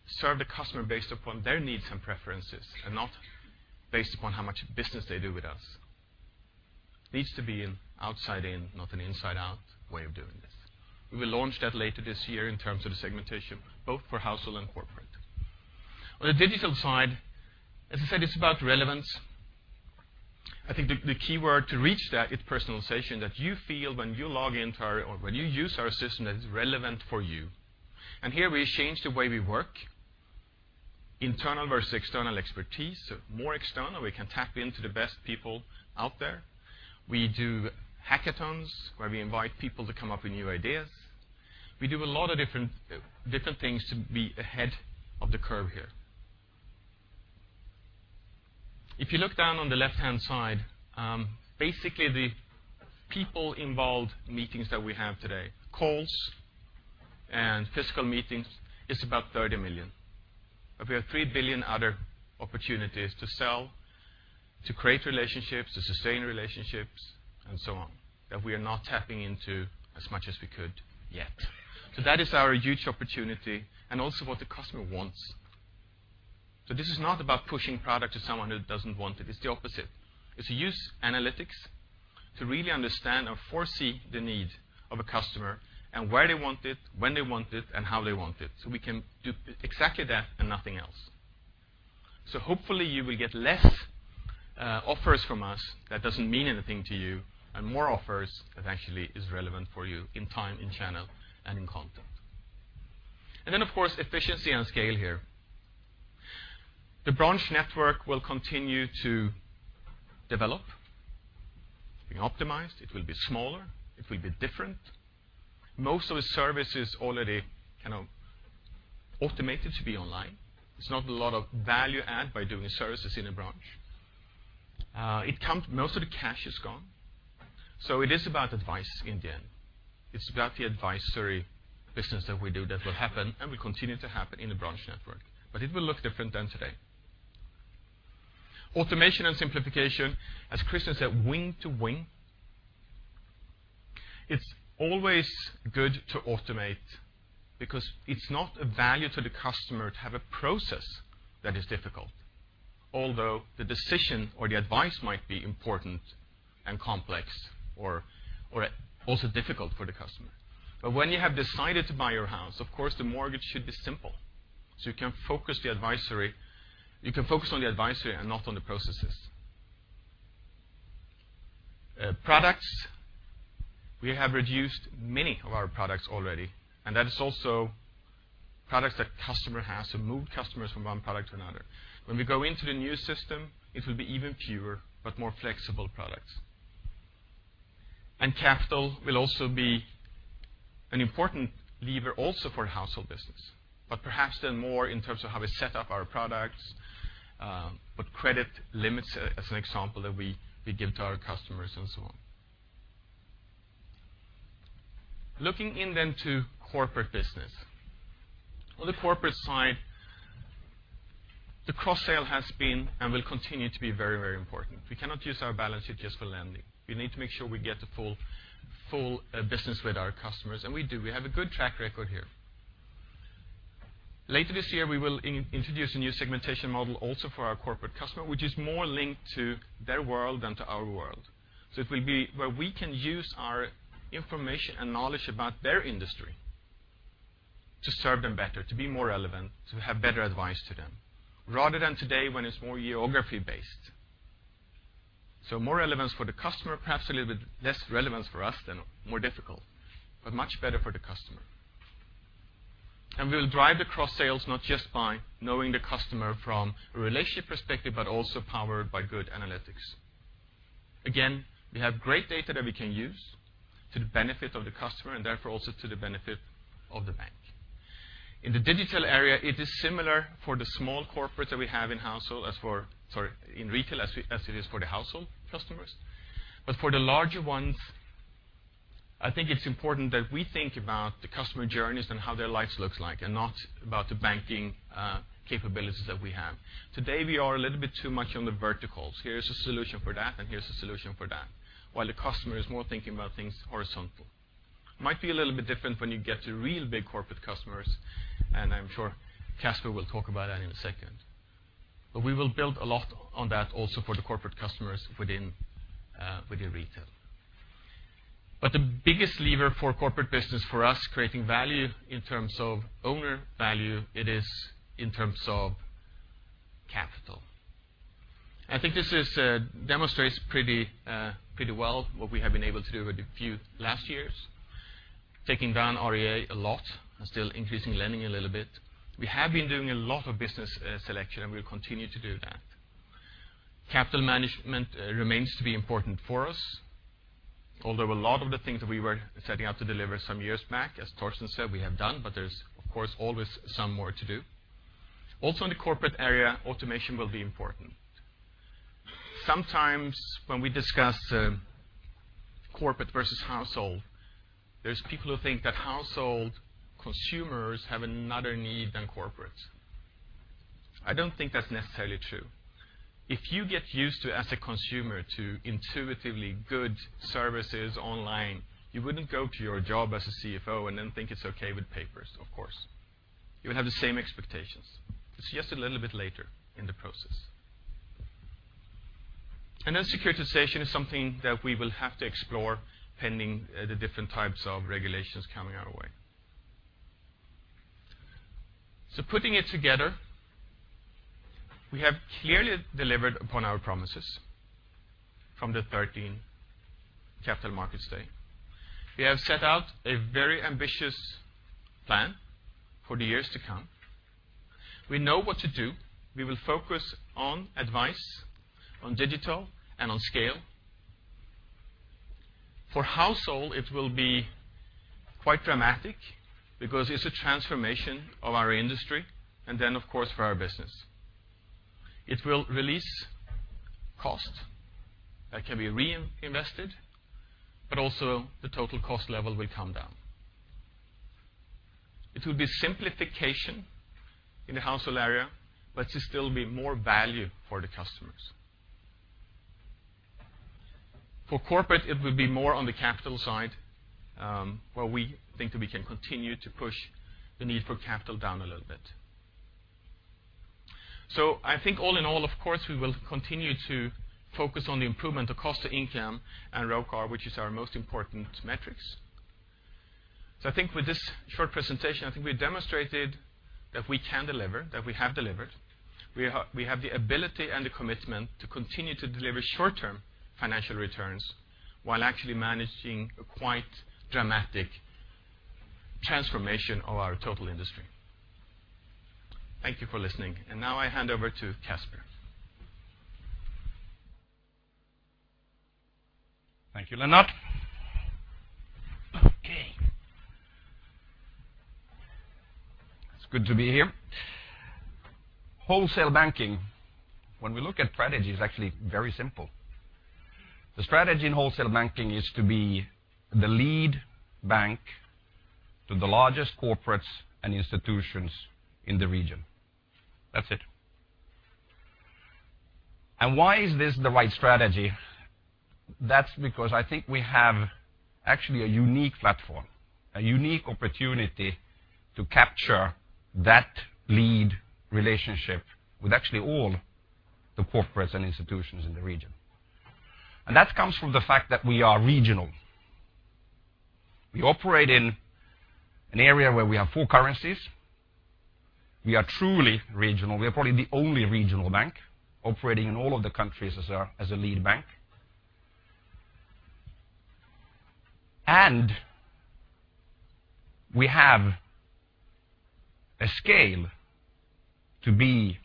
serve the customer based upon their needs and preferences and not based upon how much business they do with us. Needs to be an outside in, not an inside out way of doing this. We will launch that later this year in terms of the segmentation, both for household and corporate. On the digital side, as I said, it's about relevance. I think the key word to reach that is personalization, that you feel when you use our system, that it's relevant for you. Here we change the way we work. Internal versus external expertise. More external. We can tap into the best people out there. We do hackathons where we invite people to come up with new ideas. We do a lot of different things to be ahead of the curve here. If you look down on the left-hand side, basically the people-involved meetings that we have today, calls and physical meetings, it's about 30 million. We have 3 billion other opportunities to sell, to create relationships, to sustain relationships, and so on, that we are not tapping into as much as we could yet. That is our huge opportunity and also what the customer wants. This is not about pushing product to someone who doesn't want it. It's the opposite. It's use analytics to really understand or foresee the need of a customer and where they want it, when they want it, and how they want it. We can do exactly that and nothing else. Hopefully you will get less offers from us that doesn't mean anything to you and more offers that actually is relevant for you in time, in channel, and in content. Of course, efficiency and scale here. The branch network will continue to develop. Being optimized, it will be smaller, it will be different. Most of the services already automated to be online. There's not a lot of value add by doing services in a branch. Most of the cash is gone. It is about advice in the end. It's about the advisory business that we do that will happen and will continue to happen in the branch network. It will look different than today. Automation and simplification, as Christian said, wing to wing. It's always good to automate because it's not a value to the customer to have a process that is difficult, although the decision or the advice might be important and complex or also difficult for the customer. When you have decided to buy your house, of course, the mortgage should be simple. You can focus on the advisory and not on the processes. Products, we have reduced many of our products already, that is also products that customer has to move customers from one product to another. When we go into the new system, it will be even fewer but more flexible products. Capital will also be an important lever also for household business. Perhaps then more in terms of how we set up our products, what credit limits, as an example, that we give to our customers and so on. Looking in then to corporate business. On the corporate side, the cross-sale has been and will continue to be very important. We cannot use our balance sheet just for lending. We need to make sure we get the full business with our customers, and we do. We have a good track record here. Later this year, we will introduce a new segmentation model also for our corporate customer, which is more linked to their world than to our world. It will be where we can use our information and knowledge about their industry to serve them better, to be more relevant, to have better advice to them, rather than today when it is more geography-based. More relevance for the customer, perhaps a little bit less relevance for us, then more difficult, but much better for the customer. We'll drive the cross-sales not just by knowing the customer from a relationship perspective, but also powered by good analytics. Again, we have great data that we can use to the benefit of the customer and therefore also to the benefit of the bank. In the digital area, it is similar for the small corporates that we have in retail as it is for the household customers. For the larger ones, I think it is important that we think about the customer journeys and how their lives looks like, and not about the banking capabilities that we have. Today, we are a little bit too much on the verticals. Here's a solution for that, and here's a solution for that. While the customer is more thinking about things horizontal. Might be a little bit different when you get to real big corporate customers, and I am sure Casper will talk about that in a second. We will build a lot on that also for the corporate customers within retail. The biggest lever for corporate business for us, creating value in terms of owner value, it is in terms of capital. I think this demonstrates pretty well what we have been able to do over the few last years, taking down RWA a lot and still increasing lending a little bit. We have been doing a lot of business selection, and we'll continue to do that. Capital management remains to be important for us. Although a lot of the things that we were setting out to deliver some years back, as Torsten said, we have done, but there is of course always some more to do. Also in the corporate area, automation will be important. Sometimes when we discuss corporate versus household, there's people who think that household consumers have another need than corporates. I do not think that is necessarily true. If you get used to, as a consumer, to intuitively good services online, you would not go to your job as a CFO and then think it is okay with papers, of course. You would have the same expectations. It is just a little bit later in the process. Securitization is something that we will have to explore pending the different types of regulations coming our way. Putting it together, we have clearly delivered upon our promises from the 2013 Capital Markets Day. We have set out a very ambitious plan for the years to come. We know what to do. We will focus on advice, on digital, and on scale. For household, it will be quite dramatic because it is a transformation of our industry, and then, of course, for our business. It will release cost that can be reinvested, but also the total cost level will come down. It will be simplification in the household area, but it still be more value for the customers. For corporate, it will be more on the capital side, where we think that we can continue to push the need for capital down a little bit. I think all in all, of course, we will continue to focus on the improvement of cost to income and ROCAR, which is our most important metrics. I think with this short presentation, I think we demonstrated that we can deliver, that we have delivered. We have the ability and the commitment to continue to deliver short-term financial returns while actually managing a quite dramatic transformation of our total industry. Thank you for listening. Now I hand over to Casper. Thank you, Lennart. Okay. It's good to be here. Wholesale banking, when we look at strategy, is actually very simple. The strategy in wholesale banking is to be the lead bank to the largest corporates and institutions in the region. That's it. Why is this the right strategy? That's because I think we have actually a unique platform, a unique opportunity to capture that lead relationship with actually all the corporates and institutions in the region. That comes from the fact that we are regional. We operate in an area where we have four currencies. We are truly regional. We are probably the only regional bank operating in all of the countries as a lead bank. We have a scale to be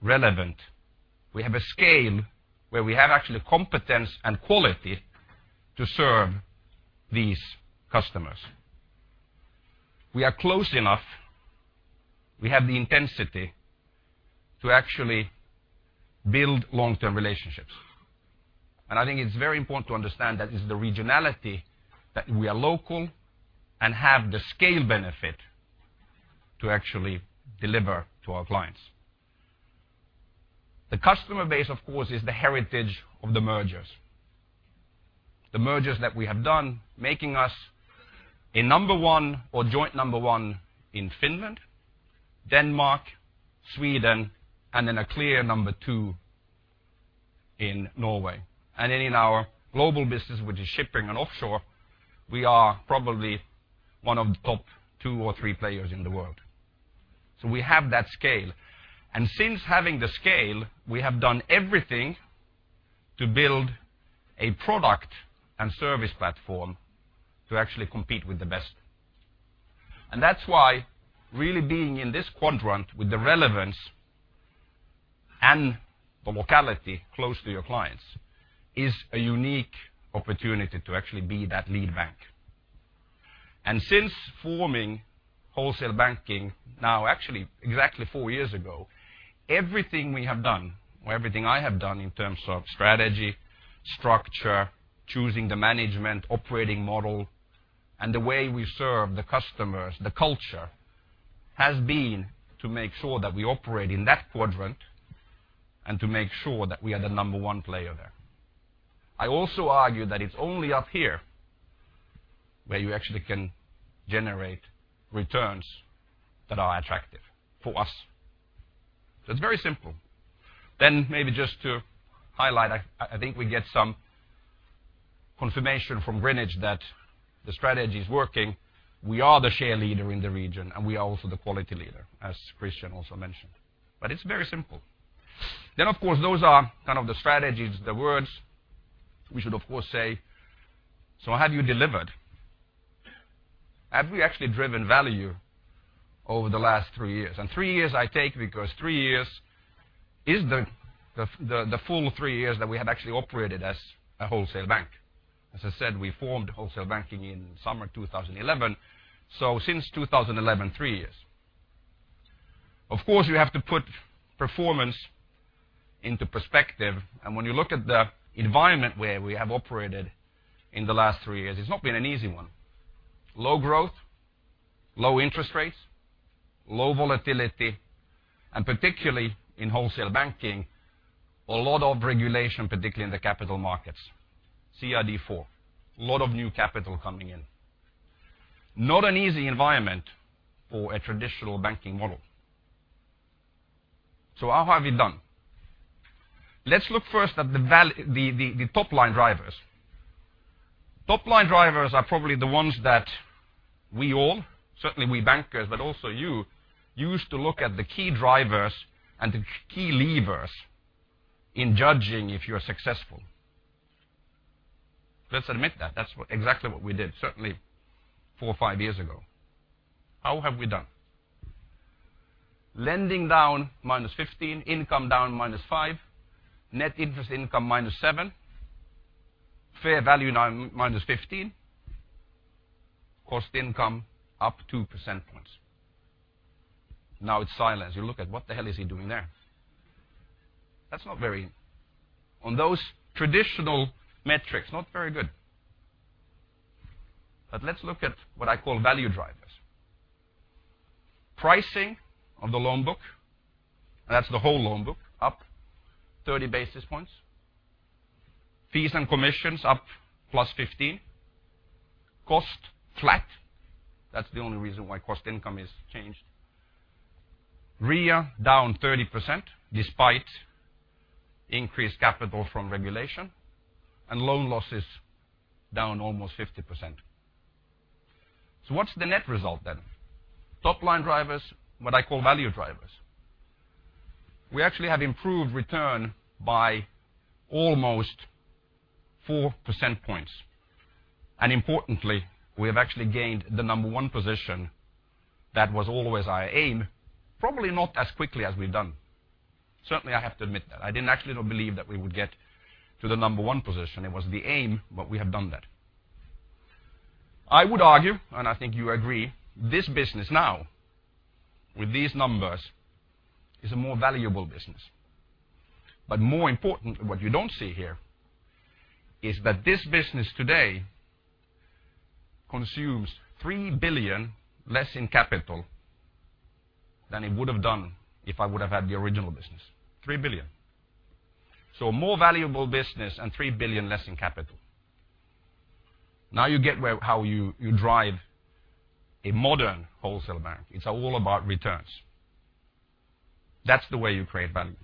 relevant. We have a scale where we have actually competence and quality to serve these customers. We are close enough. We have the intensity to actually build long-term relationships. I think it's very important to understand that it's the regionality, that we are local and have the scale benefit to actually deliver to our clients. The customer base, of course, is the heritage of the mergers. The mergers that we have done, making us a number 1 or joint number 1 in Finland, Denmark, Sweden, and then a clear number 2 in Norway. Then in our global business, which is shipping and offshore, we are probably one of the top two or three players in the world. We have that scale. Since having the scale, we have done everything to build a product and service platform to actually compete with the best. That's why really being in this quadrant with the relevance and the locality close to your clients is a unique opportunity to actually be that lead bank. Since forming wholesale banking now actually exactly four years ago, everything we have done, or everything I have done in terms of strategy, structure, choosing the management operating model, and the way we serve the customers, the culture, has been to make sure that we operate in that quadrant and to make sure that we are the number 1 player there. I also argue that it's only up here where you actually can generate returns that are attractive for us. It's very simple. Maybe just to highlight, I think we get some confirmation from Greenwich that the strategy is working. We are the share leader in the region, and we are also the quality leader, as Christian also mentioned. It's very simple. Of course, those are kind of the strategies, the words we should, of course, say. Have you delivered? Have we actually driven value over the last three years? Three years I take because three years is the full three years that we have actually operated as a wholesale bank. As I said, we formed wholesale banking in summer 2011. Since 2011, three years. Of course, you have to put performance into perspective. When you look at the environment where we have operated in the last three years, it's not been an easy one. Low growth, low interest rates, low volatility, and particularly in wholesale banking, a lot of regulation, particularly in the capital markets, CRD IV. A lot of new capital coming in. Not an easy environment for a traditional banking model. How have we done? Let's look first at the top-line drivers. Top-line drivers are probably the ones that we all, certainly we bankers, but also you, use to look at the key drivers and the key levers in judging if you're successful. Let's admit that. That's exactly what we did, certainly four or five years ago. How have we done? Lending down -15%, income down -5%, net interest income -7%, net fair value -15%, cost income up 2%. It's silence. You look at, "What the hell is he doing there?" On those traditional metrics, not very good. Let's look at what I call value drivers. Pricing of the loan book, that's the whole loan book, up 30 basis points. Fees and commissions up +15%. Cost, flat. That's the only reason why cost income is changed. RWA down 30%, despite increased capital from regulation, loan losses down almost 50%. What's the net result then? Top-line drivers, what I call value drivers. We actually have improved return by almost 4 percentage points. Importantly, we have actually gained the number one position that was always our aim, probably not as quickly as we've done. Certainly, I have to admit that. I didn't actually believe that we would get to the number one position. It was the aim, but we have done that. I would argue, and I think you agree, this business now with these numbers is a more valuable business. More important, what you don't see here is that this business today consumes 3 billion less in capital than it would have done if I would have had the original business. 3 billion. More valuable business and 3 billion less in capital. You get how you drive a modern wholesale bank. It's all about returns. That's the way you create value.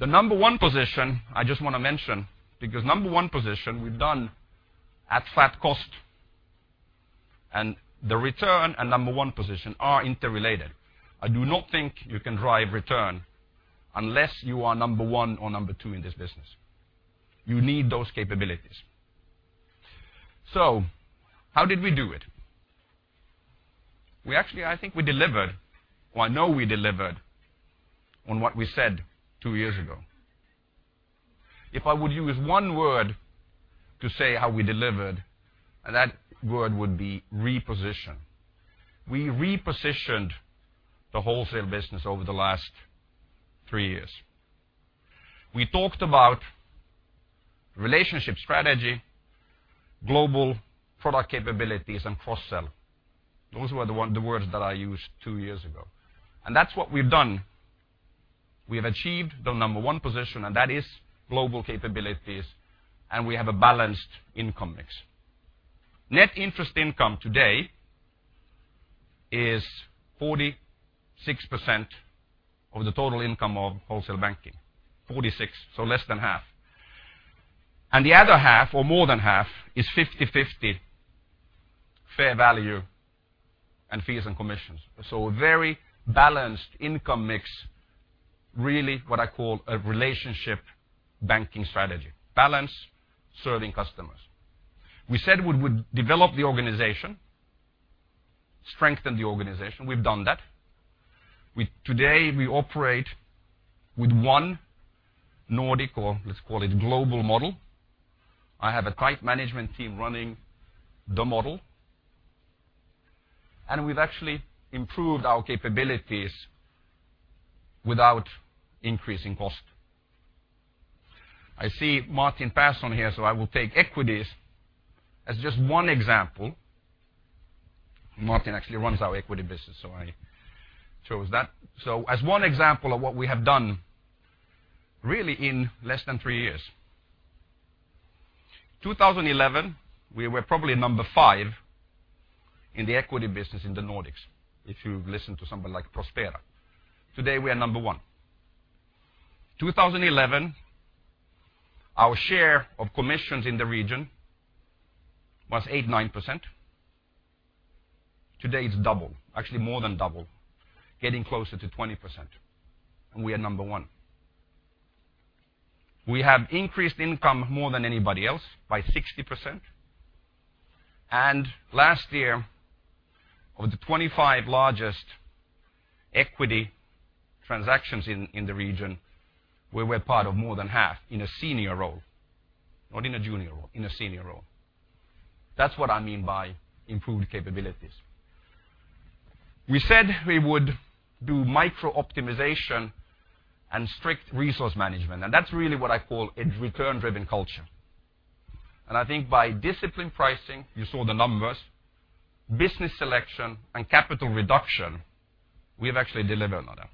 The number one position, I just want to mention, because number one position we've done at flat cost and the return and number one position are interrelated. I do not think you can drive return unless you are number one or number two in this business. You need those capabilities. How did we do it? I think we delivered, or I know we delivered on what we said two years ago. If I would use one word to say how we delivered, that word would be reposition. We repositioned the wholesale business over the last three years. We talked about relationship strategy, global product capabilities, and cross-sell. Those were the words that I used two years ago. That's what we've done. We have achieved the number 1 position, that is global capabilities, and we have a balanced income mix. Net interest income today is 46% of the total income of wholesale banking, 46, so less than half. The other half or more than half is 50/50 fair value and fees and commissions. A very balanced income mix, really what I call a relationship banking strategy, balance serving customers. We said we would develop the organization, strengthen the organization. We've done that. Today, we operate with one Nordic or let's call it global model. I have a tight management team running the model. We've actually improved our capabilities without increasing cost. I see Martin Persson here, so I will take equities as just one example. Martin actually runs our equity business, so I chose that. As one example of what we have done really in less than three years. 2011, we were probably number 5 in the equity business in the Nordics, if you listen to someone like Prospera. Today, we are number 1. 2011, our share of commissions in the region was 8%, 9%. Today, it's double, actually more than double, getting closer to 20%, and we are number 1. We have increased income more than anybody else by 60%. Last year, of the 25 largest equity transactions in the region, we were part of more than half in a senior role, not in a junior role, in a senior role. That's what I mean by improved capabilities. We said we would do micro-optimization and strict resource management, that's really what I call a return-driven culture. I think by discipline pricing, you saw the numbers, business selection and capital reduction, we have actually delivered on that.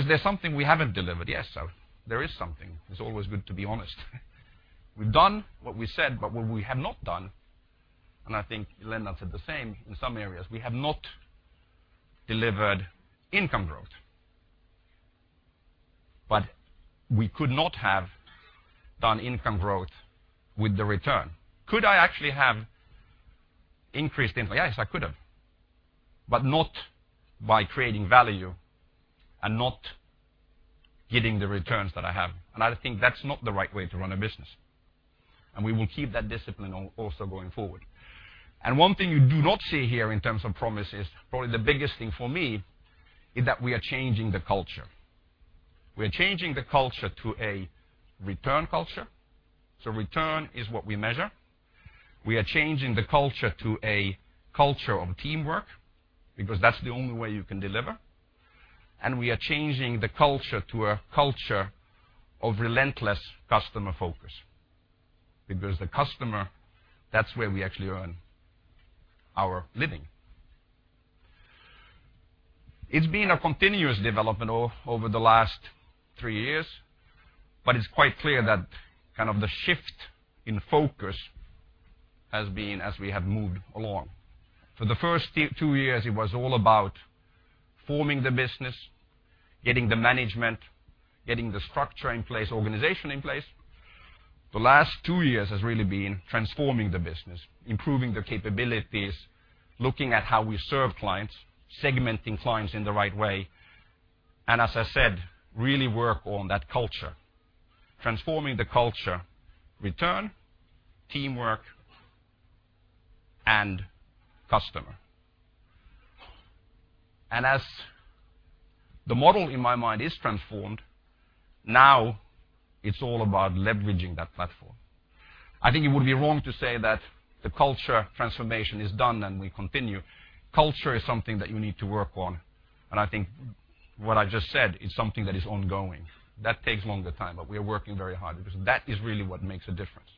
Is there something we haven't delivered? Yes, there is something. It's always good to be honest. We've done what we said, but what we have not done, I think Lennart said the same in some areas, we have not delivered income growth. We could not have done income growth with the return. Could I actually have increased income? Yes, I could have, but not by creating value and not getting the returns that I have. I think that's not the right way to run a business. We will keep that discipline also going forward. One thing you do not see here in terms of promises, probably the biggest thing for me, is that we are changing the culture. We are changing the culture to a return culture. Return is what we measure. We are changing the culture to a culture of teamwork, because that's the only way you can deliver. We are changing the culture to a culture of relentless customer focus, because the customer, that's where we actually earn our living. It's been a continuous development over the last three years, but it's quite clear that the shift in focus has been as we have moved along. For the first two years, it was all about forming the business, getting the management, getting the structure in place, organization in place. The last two years has really been transforming the business, improving the capabilities, looking at how we serve clients, segmenting clients in the right way, and as I said, really work on that culture. Transforming the culture, return, teamwork, and customer. As the model in my mind is transformed, now it's all about leveraging that platform. I think it would be wrong to say that the culture transformation is done and we continue. Culture is something that you need to work on, and I think what I just said is something that is ongoing. That takes a longer time, but we are working very hard because that is really what makes a difference.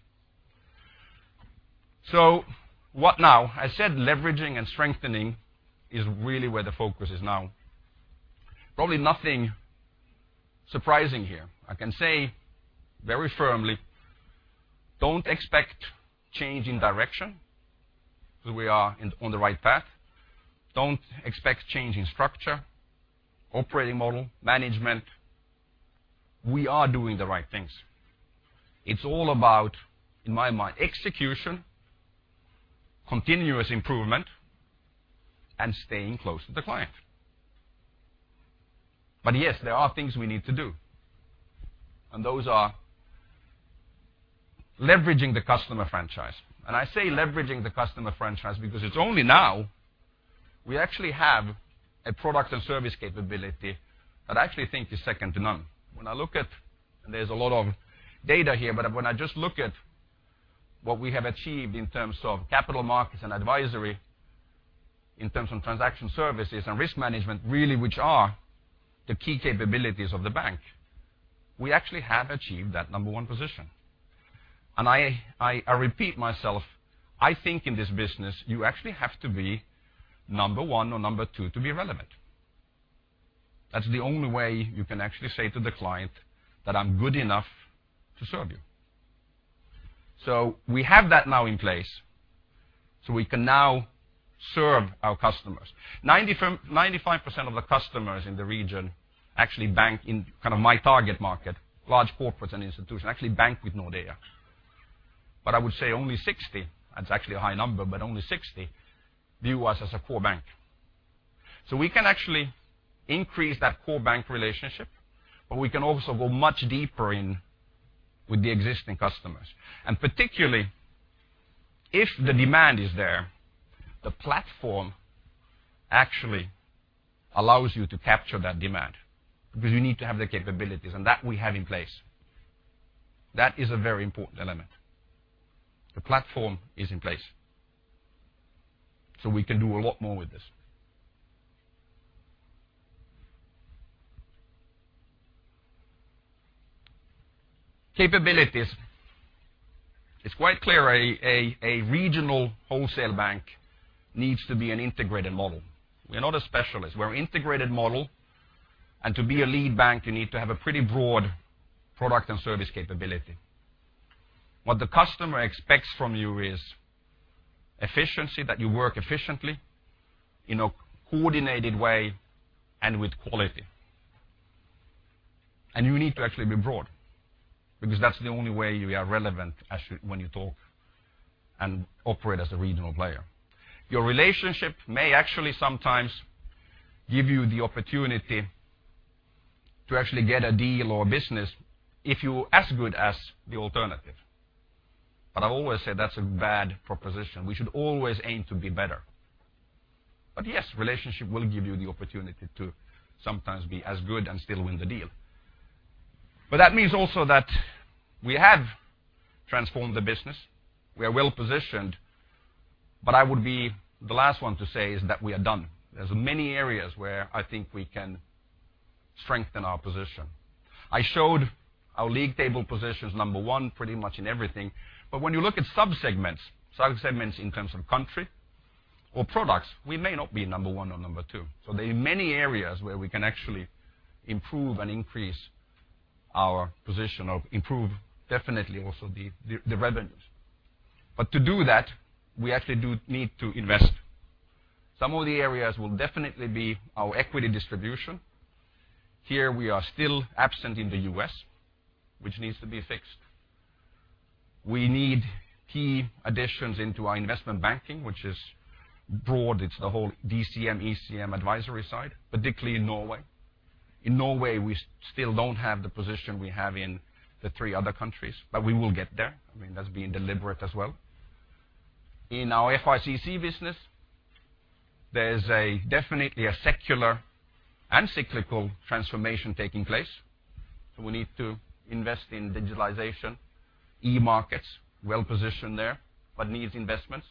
What now? I said leveraging and strengthening is really where the focus is now. Probably nothing surprising here. I can say very firmly, don't expect change in direction because we are on the right path. Don't expect change in structure, operating model, management. We are doing the right things. It's all about, in my mind, execution, continuous improvement, and staying close to the client. Yes, there are things we need to do. Those are leveraging the customer franchise. I say leveraging the customer franchise because it's only now we actually have a product and service capability that I actually think is second to none. When I look at, and there's a lot of data here, but when I just look at what we have achieved in terms of capital markets and advisory, in terms of transaction services and risk management, really which are the key capabilities of the bank, we actually have achieved that number 1 position. I repeat myself, I think in this business, you actually have to be number 1 or number 2 to be relevant. That's the only way you can actually say to the client that I'm good enough to serve you. We have that now in place, so we can now serve our customers. 95% of the customers in the region actually bank in my target market, large corporates and institutions, actually bank with Nordea. I would say only 60, that's actually a high number, but only 60 view us as a core bank. We can actually increase that core bank relationship, but we can also go much deeper in with the existing customers. Particularly, if the demand is there, the platform actually allows you to capture that demand because you need to have the capabilities, and that we have in place. That is a very important element. The platform is in place. We can do a lot more with this. Capabilities. It's quite clear a regional wholesale bank needs to be an integrated model. We are not a specialist. We're an integrated model, and to be a lead bank, you need to have a pretty broad product and service capability. What the customer expects from you is efficiency, that you work efficiently, in a coordinated way, and with quality. You need to actually be broad because that's the only way you are relevant when you talk and operate as a regional player. Your relationship may actually sometimes give you the opportunity to actually get a deal or business if you're as good as the alternative. I've always said that's a bad proposition. We should always aim to be better. Yes, relationship will give you the opportunity to sometimes be as good and still win the deal. That means also that we have transformed the business. We are well-positioned, but I would be the last one to say is that we are done. There's many areas where I think we can strengthen our position. I showed our league table position is number one pretty much in everything. When you look at subsegments in terms of country or products, we may not be number one or number two. There are many areas where we can actually improve and increase our position or improve definitely also the revenues. To do that, we actually do need to invest. Some of the areas will definitely be our equity distribution. Here, we are still absent in the U.S., which needs to be fixed. We need key additions into our investment banking, which is broad. It's the whole DCM, ECM advisory side, particularly in Norway. In Norway, we still don't have the position we have in the three other countries, but we will get there. That's being deliberate as well. In our FICC business, there's definitely a secular and cyclical transformation taking place. We need to invest in digitalization, e-markets. Well-positioned there, but needs investments.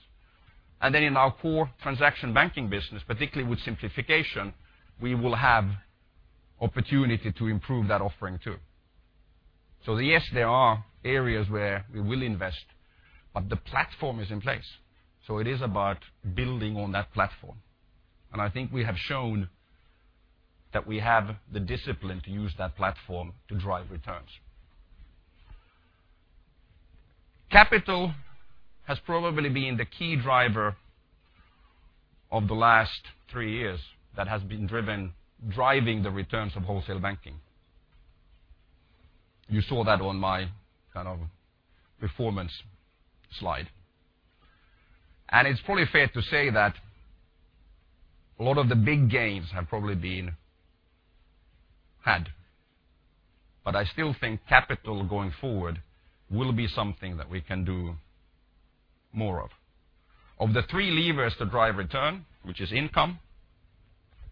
In our core transaction banking business, particularly with simplification, we will have opportunity to improve that offering too. Yes, there are areas where we will invest, but the platform is in place. It is about building on that platform. I think we have shown that we have the discipline to use that platform to drive returns. Capital has probably been the key driver of the last three years that has been driving the returns of wholesale banking. You saw that on my performance slide. It's probably fair to say that a lot of the big gains have probably been had. I still think capital going forward will be something that we can do more of. Of the three levers that drive return, which is income,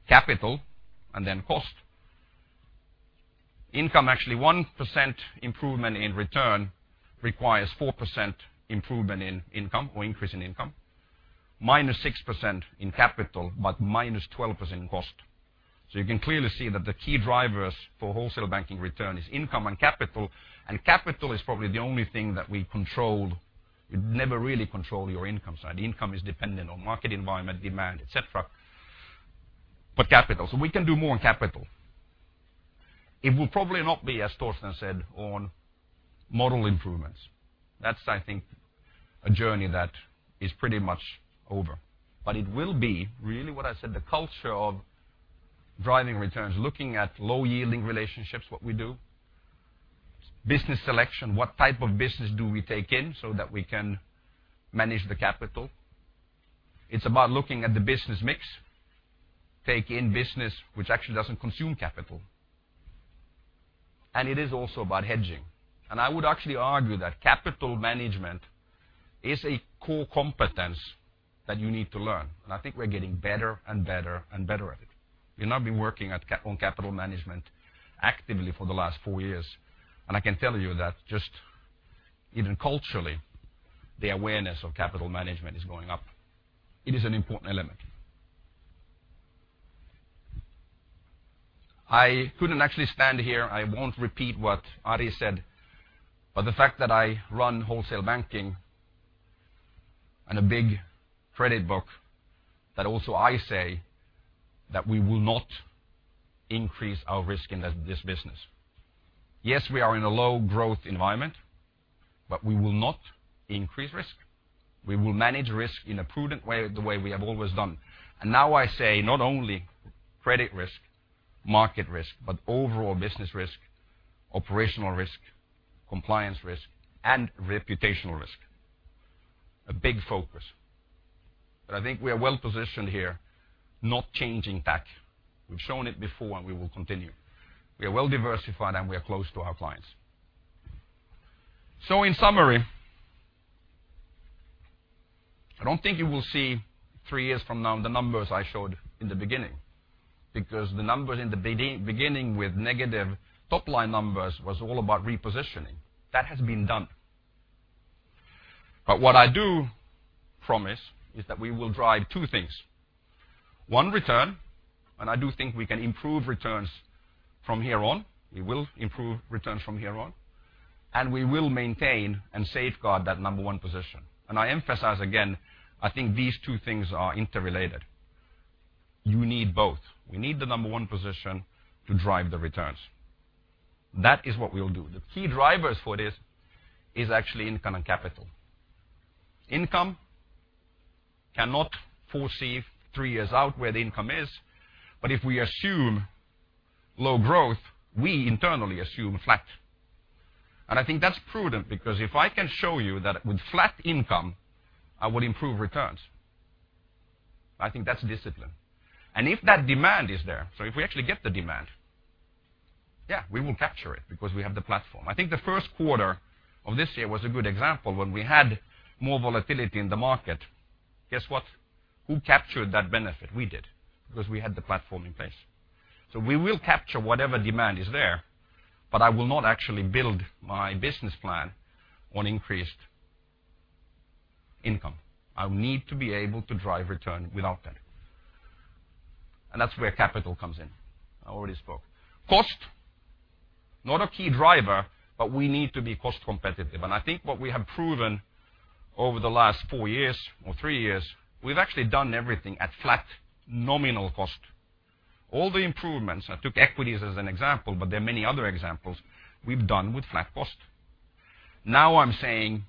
capital, and then cost. Income, actually, 1% improvement in return requires 4% improvement in income or increase in income, -6% in capital, -12% in cost. You can clearly see that the key drivers for wholesale banking return is income and capital, and capital is probably the only thing that we control. You'd never really control your income side. Income is dependent on market environment, demand, et cetera. Capital. We can do more on capital. It will probably not be, as Torsten said, on model improvements. That's, I think, a journey that is pretty much over. It will be really what I said, the culture of driving returns, looking at low-yielding relationships, what we do. Business selection, what type of business do we take in so that we can manage the capital? It's about looking at the business mix, take in business which actually doesn't consume capital. It is also about hedging. I would actually argue that capital management is a core competence that you need to learn. I think we're getting better and better at it. We've now been working on capital management actively for the last four years, I can tell you that just even culturally, the awareness of capital management is going up. It is an important element. I couldn't actually stand here, I won't repeat what Ari said, the fact that I run wholesale banking and a big credit book, that also I say that we will not increase our risk in this business. Yes, we are in a low growth environment, we will not increase risk. We will manage risk in a prudent way, the way we have always done. Now I say not only credit risk, market risk, but overall business risk, operational risk, compliance risk, and reputational risk. A big focus. I think we are well-positioned here, not changing tack. We've shown it before, and we will continue. We are well-diversified, and we are close to our clients. In summary, I don't think you will see 3 years from now the numbers I showed in the beginning, because the numbers in the beginning with negative top-line numbers was all about repositioning. That has been done. What I do promise is that we will drive 2 things. One, return, and I do think we can improve returns from here on. We will improve returns from here on, and we will maintain and safeguard that number 1 position. I emphasize again, I think these 2 things are interrelated. You need both. We need the number 1 position to drive the returns. That is what we'll do. The key drivers for this is actually income and capital. Income, cannot foresee 3 years out where the income is, but if we assume low growth, we internally assume flat. I think that's prudent because if I can show you that with flat income, I will improve returns. I think that's discipline. If that demand is there, if we actually get the demand, yeah, we will capture it because we have the platform. I think the first quarter of this year was a good example when we had more volatility in the market. Guess what? Who captured that benefit? We did, because we had the platform in place. We will capture whatever demand is there, but I will not actually build my business plan on increased income. I will need to be able to drive return without that. That's where capital comes in. I already spoke. Cost, not a key driver, but we need to be cost competitive. I think what we have proven over the last 4 years or 3 years, we've actually done everything at flat nominal cost. All the improvements, I took equities as an example, but there are many other examples we've done with flat cost. I'm saying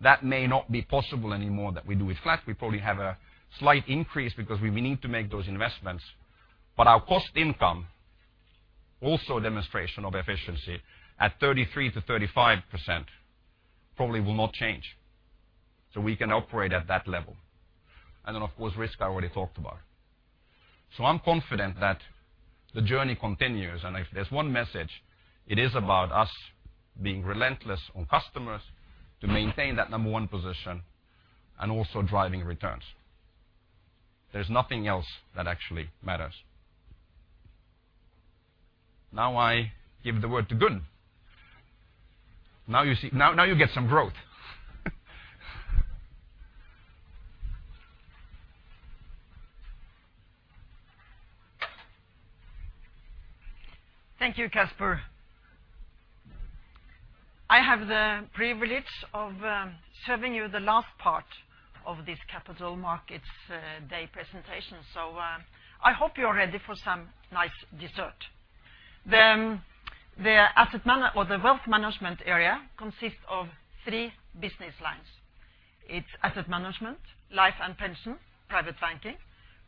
that may not be possible anymore that we do it flat. We probably have a slight increase because we need to make those investments. Our cost-income ratio, also a demonstration of efficiency, at 33%-35%, probably will not change. We can operate at that level. Then, of course, risk I already talked about. I'm confident that the journey continues. If there's one message, it is about us being relentless on customers to maintain that number 1 position and also driving returns. There's nothing else that actually matters. Now I give the word to Gunn. Now you get some growth. Thank you, Casper. I have the privilege of serving you the last part of this Capital Markets Day presentation. I hope you're ready for some nice dessert. The wealth management area consists of three business lines. It's asset management, life and pension, private banking,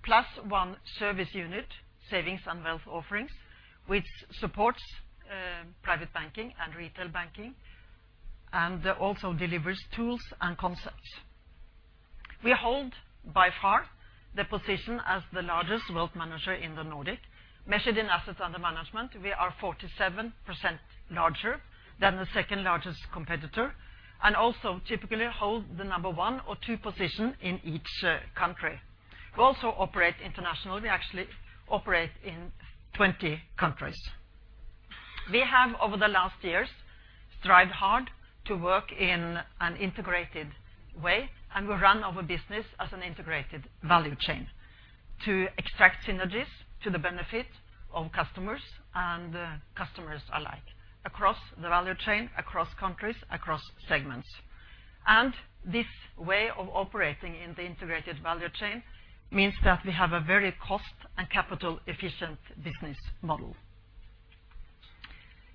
plus one service unit, savings and wealth offerings, which supports private banking and retail banking, and also delivers tools and concepts. We hold by far the position as the largest wealth manager in the Nordic. Measured in AUM, we are 47% larger than the second-largest competitor, and also typically hold the number 1 or 2 position in each country. We also operate internationally. We actually operate in 20 countries. We have, over the last years, strived hard to work in an integrated way. We run our business as an integrated value chain to extract synergies to the benefit of customers and customers alike, across the value chain, across countries, across segments. This way of operating in the integrated value chain means that we have a very cost and capital efficient business model.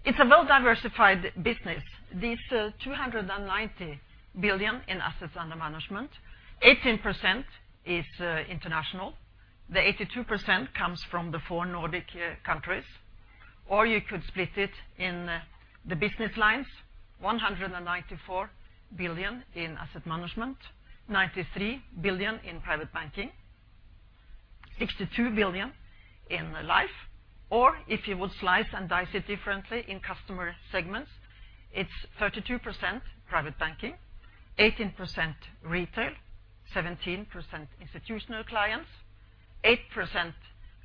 It's a well-diversified business. This EUR 290 billion in AUM, 18% is international. The 82% comes from the four Nordic countries, or you could split it in the business lines, 194 billion in asset management, 93 billion in private banking, 62 billion in life. Or if you would slice and dice it differently in customer segments, it's 32% private banking, 18% retail, 17% institutional clients, 8%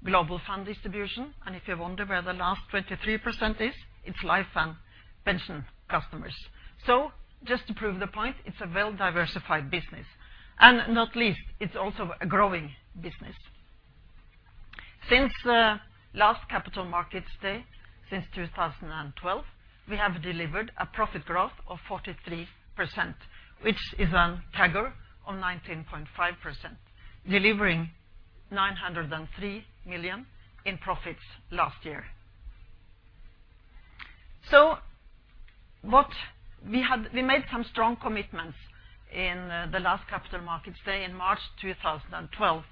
global fund distribution. If you wonder where the last 23% is, it's life and pension customers. Just to prove the point, it's a well-diversified business. Not least, it's also a growing business. Since the last Capital Markets Day, since 2012, we have delivered a profit growth of 43%, which is a CAGR of 19.5%, delivering 903 million in profits last year. We made some strong commitments in the last Capital Markets Day in March 2012.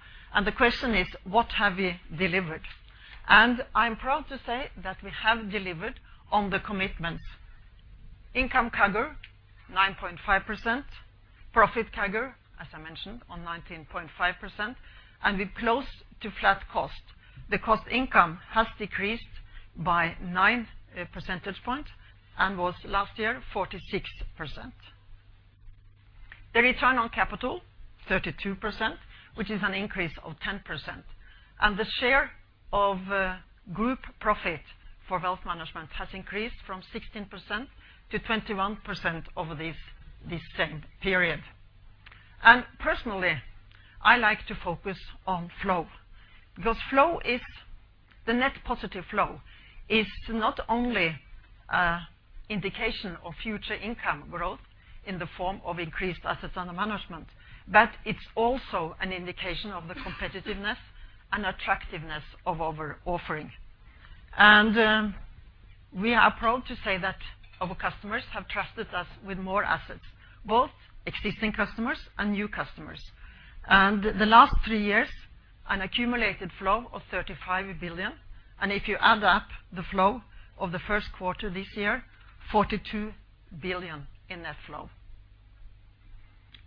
The question is, what have we delivered? I'm proud to say that we have delivered on the commitments. Income CAGR, 9.5%. Profit CAGR, as I mentioned, on 19.5%. We're close to flat cost. The cost-income ratio has decreased by nine percentage points and was last year 46%. The return on capital, 32%, which is an increase of 10%. The share of group profit for wealth management has increased from 16% to 21% over this same period. Personally, I like to focus on flow because the net positive flow is not only an indication of future income growth in the form of increased AUM, but it's also an indication of the competitiveness and attractiveness of our offering. We are proud to say that our customers have trusted us with more assets, both existing customers and new customers. The last three years, an accumulated flow of 35 billion. If you add up the flow of the first quarter this year, 42 billion in net flow.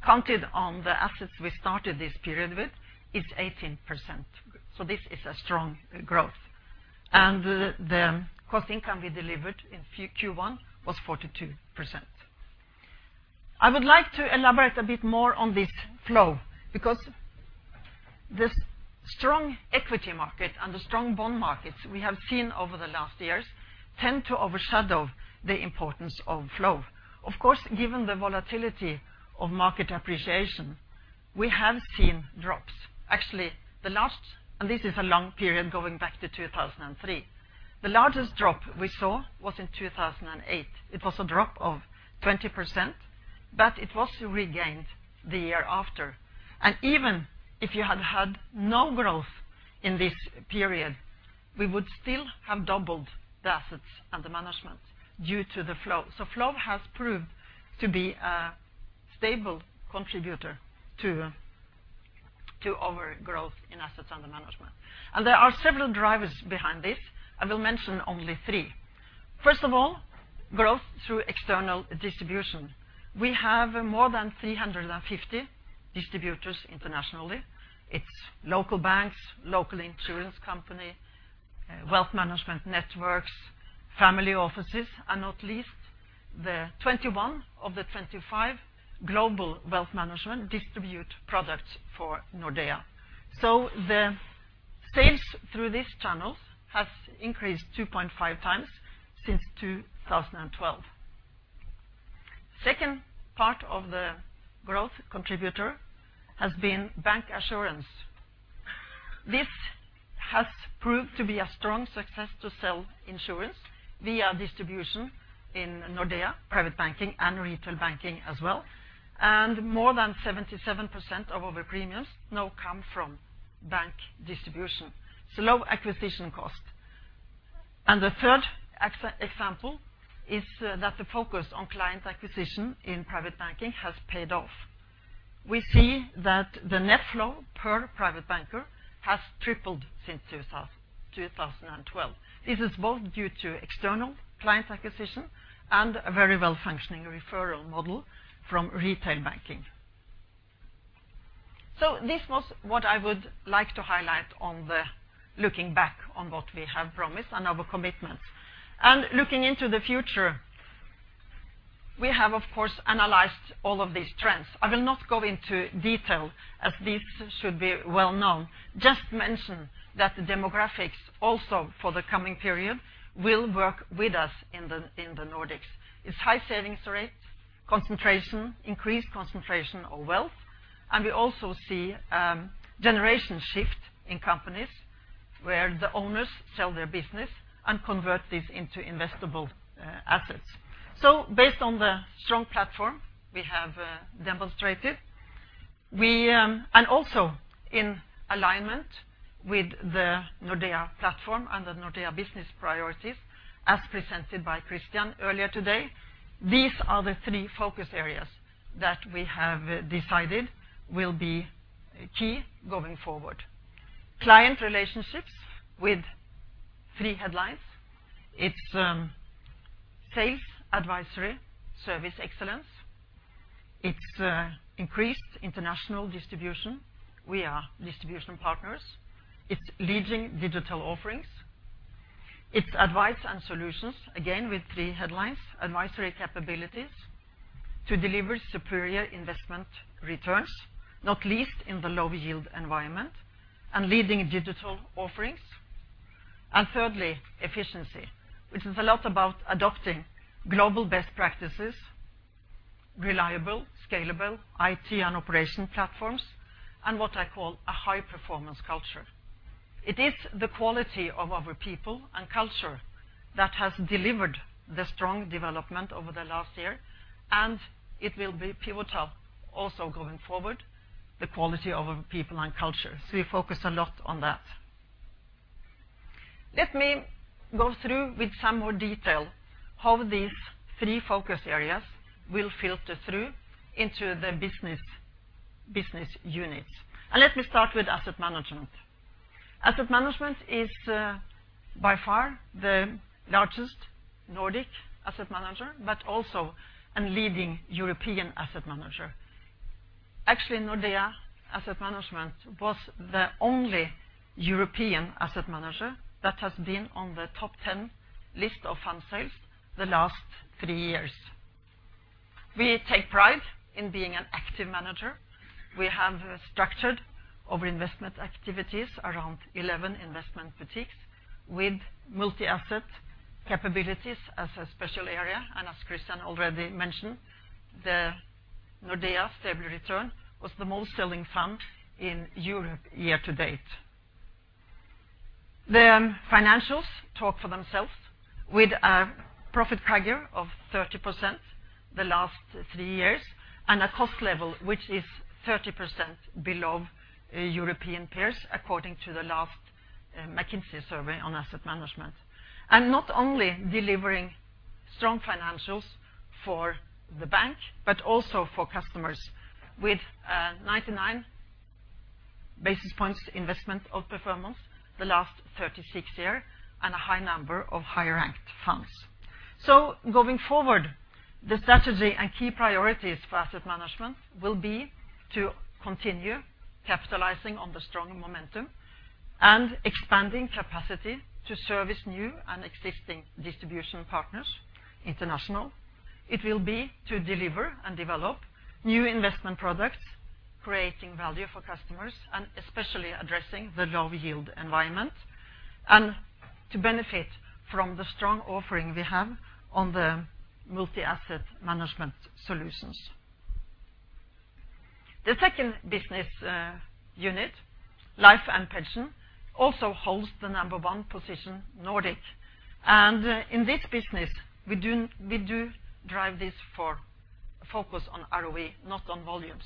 Counted on the assets we started this period with, it's 18%. This is a strong growth. The cost-income ratio we delivered in Q1 was 42%. I would like to elaborate a bit more on this flow because this strong equity market and the strong bond markets we have seen over the last years tend to overshadow the importance of flow. Of course, given the volatility of market appreciation, we have seen drops. Actually, the last, and this is a long period going back to 2003, the largest drop we saw was in 2008. It was a drop of 20%, but it was regained the year after. Even if you had had no growth in this period, we would still have doubled the assets under management due to the flow. Flow has proved to be a stable contributor to our growth in assets under management. There are several drivers behind this. I will mention only three. First of all, growth through external distribution. We have more than 350 distributors internationally. It's local banks, local insurance company, wealth management networks, family offices, and not least, the 21 of the 25 global wealth management distribute products for Nordea. The sales through these channels has increased 2.5 times since 2012. Second part of the growth contributor has been bancassurance. This has proved to be a strong success to sell insurance We are distribution in Nordea Private Banking and Retail Banking as well. More than 77% of our premiums now come from bank distribution, so low acquisition cost. The third example is that the focus on client acquisition in Private Banking has paid off. We see that the net flow per private banker has tripled since 2012. This is both due to external client acquisition and a very well-functioning referral model from Retail Banking. This was what I would like to highlight on the looking back on what we have promised and our commitments. Looking into the future, we have, of course, analyzed all of these trends. I will not go into detail as these should be well-known. Just mention that the demographics also for the coming period will work with us in the Nordics. It's high savings rate, increased concentration of wealth, and we also see generation shift in companies where the owners sell their business and convert this into investable assets. Based on the strong platform we have demonstrated, and also in alignment with the Nordea platform and the Nordea business priorities as presented by Christian earlier today, these are the three focus areas that we have decided will be key going forward. Client relationships with three headlines. It's sales, advisory, service excellence. It's increased international distribution. We are distribution partners. It's leading digital offerings. It's advice and solutions, again with three headlines, advisory capabilities to deliver superior investment returns, not least in the low yield environment, and leading digital offerings. Thirdly, efficiency, which is a lot about adopting global best practices, reliable, scalable IT and operation platforms, and what I call a high-performance culture. It is the quality of our people and culture that has delivered the strong development over the last year, and it will be pivotal also going forward, the quality of our people and culture. We focus a lot on that. Let me go through with some more detail how these three focus areas will filter through into the business units. Let me start with Asset Management. Asset Management is by far the largest Nordic asset manager, but also a leading European asset manager. Nordea Asset Management was the only European asset manager that has been on the top 10 list of fund sales the last three years. We take pride in being an active manager. We have structured our investment activities around 11 investment boutiques with multi-asset capabilities as a special area. As Christian already mentioned, the Nordea Stable Return was the most selling fund in Europe year to date. The financials talk for themselves with a profit CAGR of 30% the last three years and a cost level which is 30% below European peers, according to the last McKinsey survey on asset management. Not only delivering strong financials for the bank, but also for customers with 99 basis points investment outperformance the last 36 year and a high number of higher ranked funds. Going forward, the strategy and key priorities for asset management will be to continue capitalizing on the strong momentum and expanding capacity to service new and existing distribution partners international. It will be to deliver and develop new investment products, creating value for customers, especially addressing the low yield environment, and to benefit from the strong offering we have on the multi-asset management solutions. The second business unit, life and pension, also holds the number one position Nordic. In this business, we do drive this for focus on ROE, not on volumes.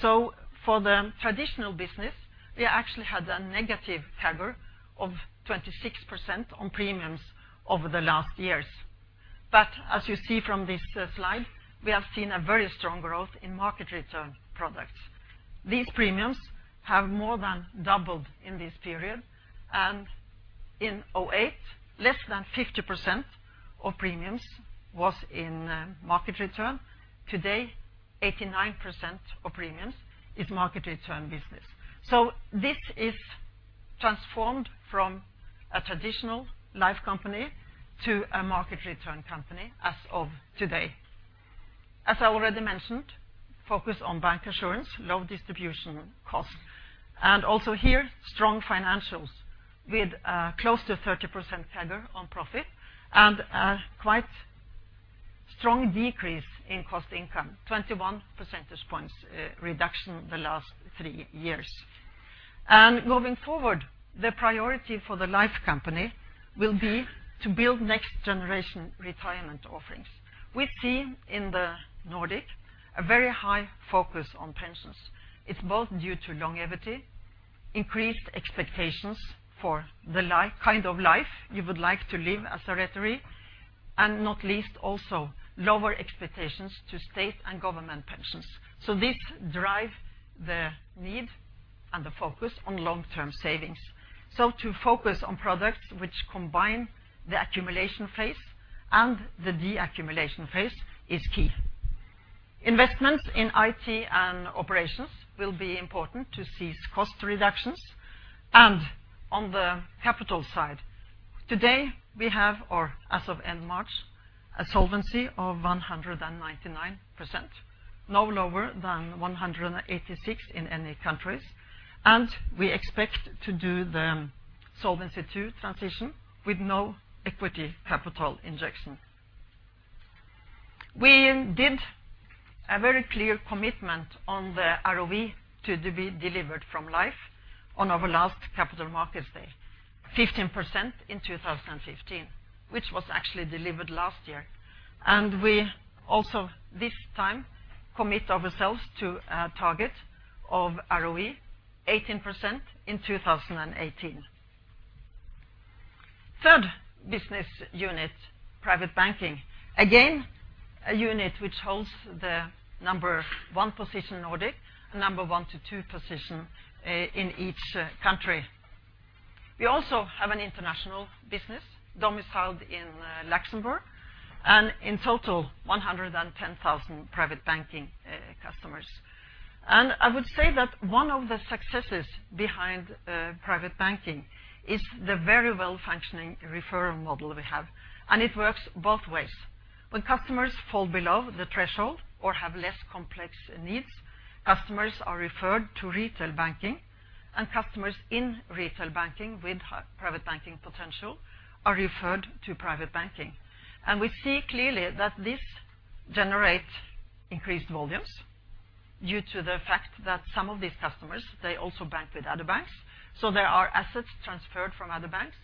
For the traditional business, we actually had a negative CAGR of 26% on premiums over the last years. As you see from this slide, we have seen a very strong growth in market return products. These premiums have more than doubled in this period, in 2008, less than 50% of premiums was in market return. Today, 89% of premiums is market return business. This is transformed from a traditional life company to a market return company as of today. As I already mentioned, focus on bancassurance, low distribution costs, also here, strong financials with close to 30% CAGR on profit and a Strong decrease in cost-income, 21 percentage points reduction the last three years. Going forward, the priority for the Life company will be to build next generation retirement offerings. We've seen in the Nordic a very high focus on pensions. It's both due to longevity, increased expectations for the kind of life you would like to live as a retiree, not least, also, lower expectations to state and government pensions. This drives the need and the focus on long-term savings. To focus on products which combine the accumulation phase and the de-accumulation phase is key. Investments in IT and operations will be important to cease cost reductions. On the capital side, today, we have, or as of end March, a solvency of 199%, no lower than 186 in any countries. We expect to do the Solvency II transition with no equity capital injection. We did a very clear commitment on the ROE to be delivered from Life on our last Capital Markets Day, 15% in 2015, which was actually delivered last year. We also, this time, commit ourselves to a target of ROE 18% in 2018. Third business unit, private banking. Again, a unit which holds the number one position in Nordic, number one to two position in each country. We also have an international business domiciled in Luxembourg. In total, 110,000 private banking customers. I would say that one of the successes behind private banking is the very well-functioning referral model we have, and it works both ways. When customers fall below the threshold or have less complex needs, customers are referred to retail banking, and customers in retail banking with high private banking potential are referred to private banking. We see clearly that this generates increased volumes due to the fact that some of these customers, they also bank with other banks. There are assets transferred from other banks.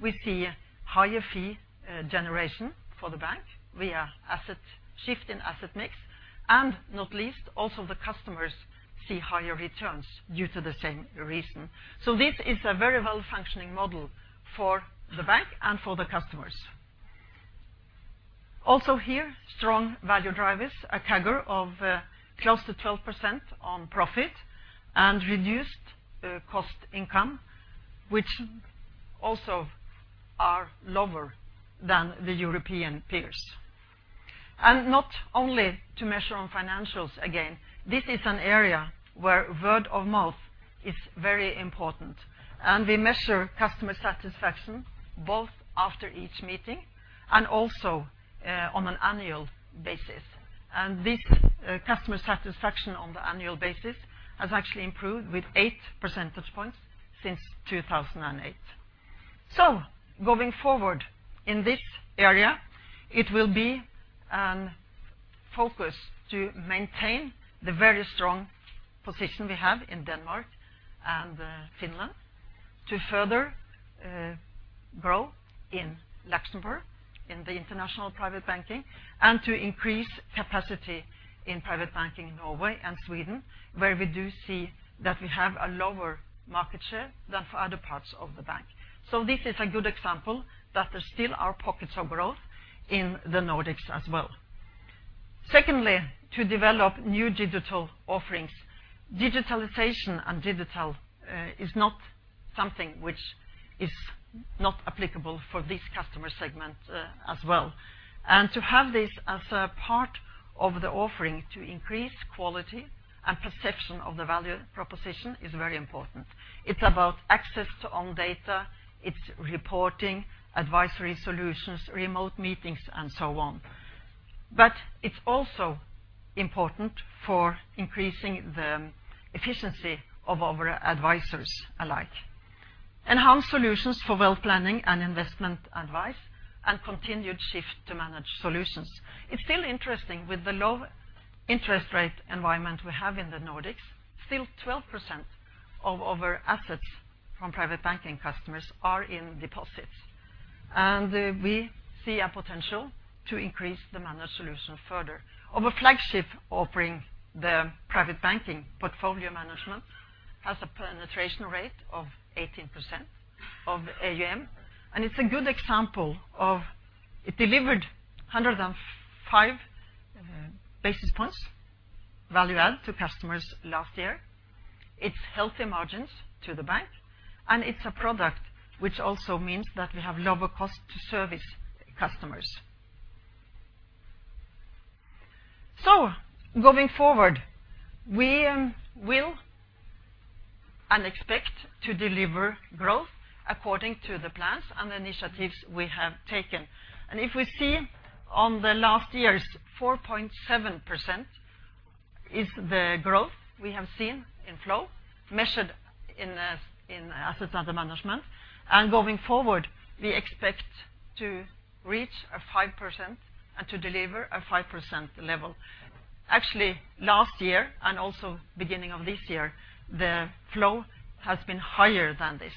We see higher fee generation for the bank via asset shift and asset mix. Not least, also the customers see higher returns due to the same reason. This is a very well-functioning model for the bank and for the customers. Also here, strong value drivers, a CAGR of close to 12% on profit and reduced cost income, which also are lower than the European peers. Not only to measure on financials, again, this is an area where word of mouth is very important. We measure customer satisfaction both after each meeting and also on an annual basis. This customer satisfaction on the annual basis has actually improved with 8 percentage points since 2008. Going forward in this area, it will be focused to maintain the very strong position we have in Denmark and Finland, to further grow in Luxembourg, in the international private banking, and to increase capacity in private banking in Norway and Sweden, where we do see that we have a lower market share than for other parts of the bank. This is a good example that there still are pockets of growth in the Nordics as well. Secondly, to develop new digital offerings. Digitalization and digital is not something which is not applicable for this customer segment as well. To have this as a part of the offering to increase quality and perception of the value proposition is very important. It's about access to own data, it's reporting, advisory solutions, remote meetings, and so on. It's also important for increasing the efficiency of our advisors alike. Enhance solutions for wealth planning and investment advice, and continued shift to managed solutions. It's still interesting with the low interest rate environment we have in the Nordics, still 12% of our assets from private banking customers are in deposits. We see a potential to increase the managed solution further. Of a flagship offering the private banking portfolio management has a penetration rate of 18% of AUM. It delivered 105 basis points value add to customers last year. It's healthy margins to the bank, and it's a product which also means that we have lower cost to service customers. Going forward, we will and expect to deliver growth according to the plans and initiatives we have taken. If we see on the last year's 4.7% is the growth we have seen in flow measured in assets under management. Going forward, we expect to reach a 5% and to deliver a 5% level. Actually, last year, and also beginning of this year, the flow has been higher than this.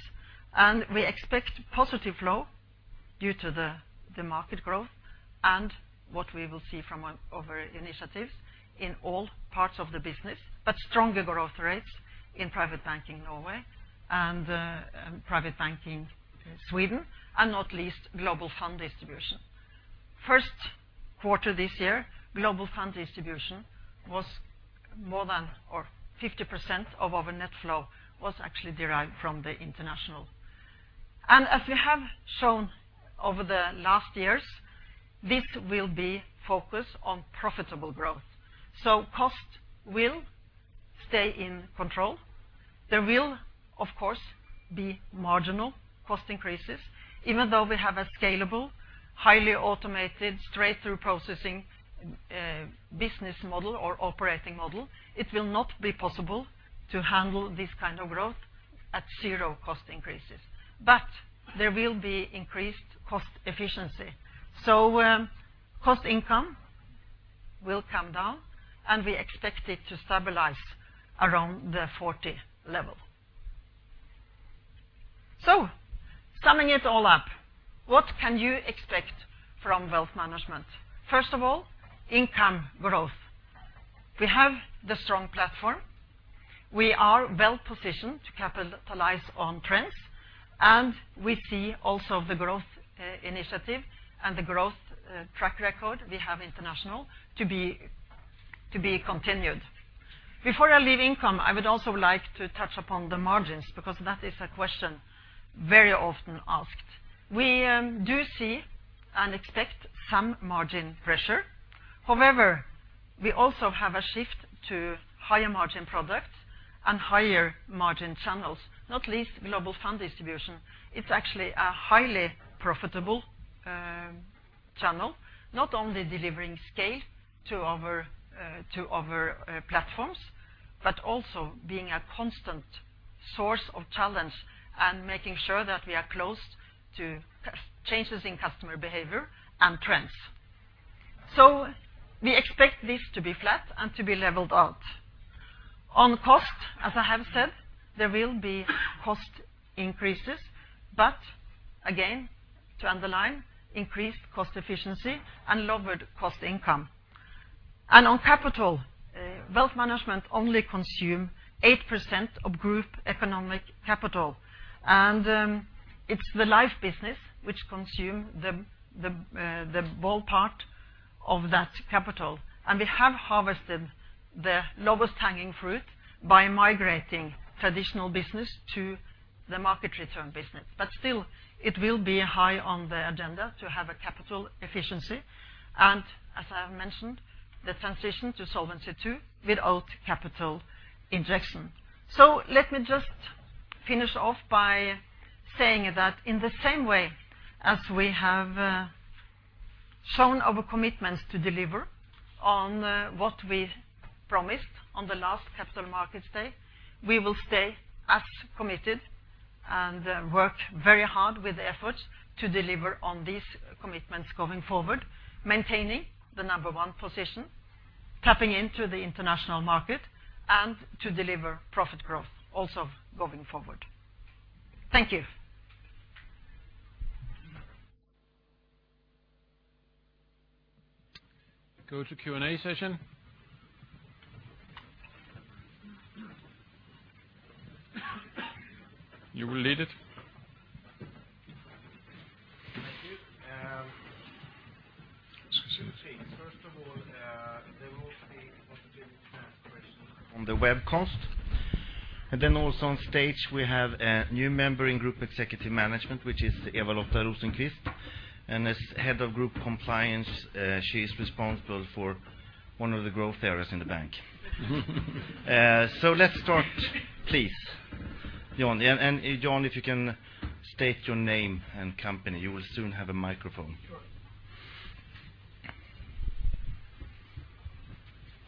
We expect positive flow due to the market growth and what we will see from our initiatives in all parts of the business, but stronger growth rates in Private Banking Norway and Private Banking Sweden, and not least global fund distribution. First quarter this year, global fund distribution was more than, or 50% of our net flow was actually derived from the international. As we have shown over the last years, this will be focused on profitable growth. Cost will stay in control. There will, of course, be marginal cost increases, even though we have a scalable, highly automated, straight-through processing business model or operating model. It will not be possible to handle this kind of growth at zero cost increases. There will be increased cost efficiency. Cost-income will come down, and we expect it to stabilize around the 40 level. Summing it all up, what can you expect from Wealth Management? First of all, income growth. We have the strong platform. We are well-positioned to capitalize on trends, and we see also the growth initiative and the growth track record we have international to be continued. Before I leave income, I would also like to touch upon the margins, because that is a question very often asked. We do see and expect some margin pressure. However, we also have a shift to higher margin products and higher margin channels, not least global fund distribution. It's actually a highly profitable channel, not only delivering scale to our platforms, but also being a constant source of challenge and making sure that we are close to changes in customer behavior and trends. We expect this to be flat and to be leveled out. On cost, as I have said, there will be cost increases, again, to underline, increased cost efficiency and lowered cost-income. On capital, Wealth Management only consume 8% of group economic capital. It's the life business which consume the bulk part of that capital. We have harvested the lowest hanging fruit by migrating traditional business to the market return business. Still, it will be high on the agenda to have a capital efficiency. As I have mentioned, the transition to Solvency II without capital injection. Let me just finish off by saying that in the same way as we have shown our commitments to deliver on what we promised on the last Capital Markets Day, we will stay as committed and work very hard with efforts to deliver on these commitments going forward, maintaining the number one position, tapping into the international market and to deliver profit growth also going forward. Thank you. Go to Q&A session. You will lead it. Thank you. Let me see. First of all, there will be possibility to ask questions on the webcast. Then also on stage, we have a new member in Group Executive Management, which is Eva Lotta Rosenqvist. As Head of Group Compliance, she is responsible for one of the growth areas in the bank. Let's start, please. Jan. Jan, if you can state your name and company, you will soon have a microphone. Sure.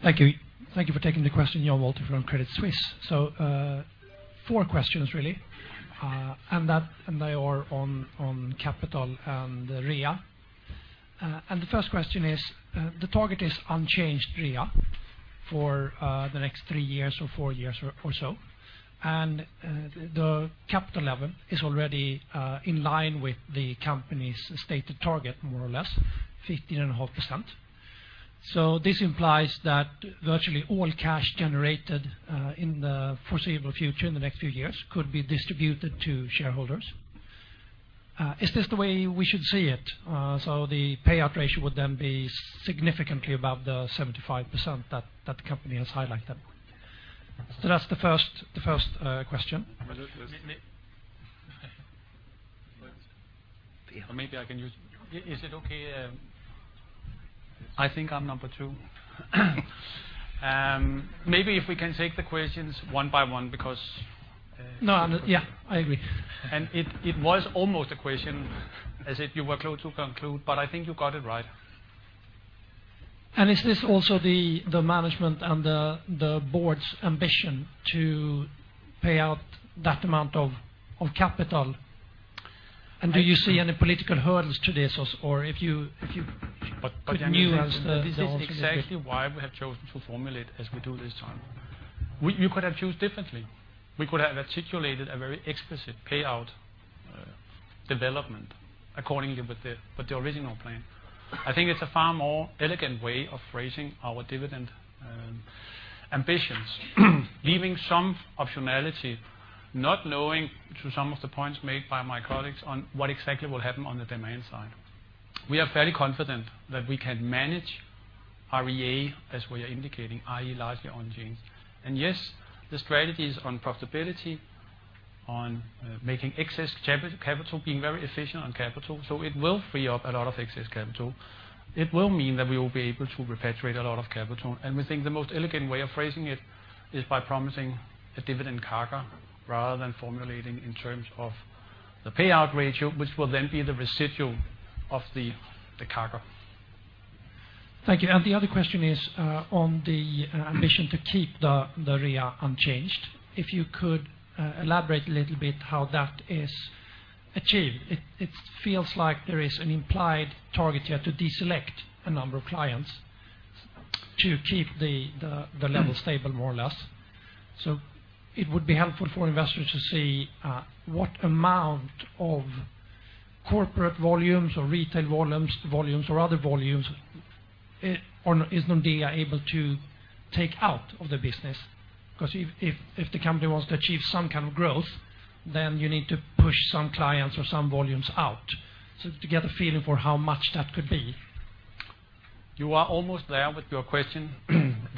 Thank you. Thank you for taking the question, Jan Wolter from Credit Suisse. Four questions, really, and they are on capital and RWA. The first question is, the target is unchanged RWA for the next three years or four years or so. The capital level is already in line with the company's stated target, more or less, 15.5%. This implies that virtually all cash generated in the foreseeable future, in the next few years, could be distributed to shareholders. Is this the way we should see it? The payout ratio would then be significantly above the 75% that the company has highlighted. That's the first question. Maybe I can use Is it okay? I think I'm number 2. Maybe if we can take the questions one by one, because. I agree. It was almost a question as if you were close to conclude, but I think you got it right. Is this also the management and the board's ambition to pay out that amount of capital? Do you see any political hurdles to this or if you could muse- This is exactly why we have chosen to formulate as we do this time. We could have chosen differently. We could have articulated a very explicit payout development accordingly with the original plan. I think it's a far more elegant way of phrasing our dividend ambitions, leaving some optionality, not knowing, to some of the points made by my colleagues, on what exactly will happen on the demand side. We are fairly confident that we can manage our EA as we are indicating, i.e. largely unchanged. Yes, the strategy is on profitability, on making excess capital, being very efficient on capital. It will free up a lot of excess capital. It will mean that we will be able to repatriate a lot of capital. We think the most elegant way of phrasing it is by promising a dividend CAGR rather than formulating in terms of the payout ratio, which will then be the residual of the CAGR. Thank you. The other question is on the ambition to keep the RWA unchanged. If you could elaborate a little bit how that is achieved. It feels like there is an implied target here to deselect a number of clients to keep the level stable more or less. It would be helpful for investors to see what amount of corporate volumes or retail volumes or other volumes is Nordea able to take out of the business. Because if the company wants to achieve some kind of growth, then you need to push some clients or some volumes out. To get a feeling for how much that could be. You are almost there with your question.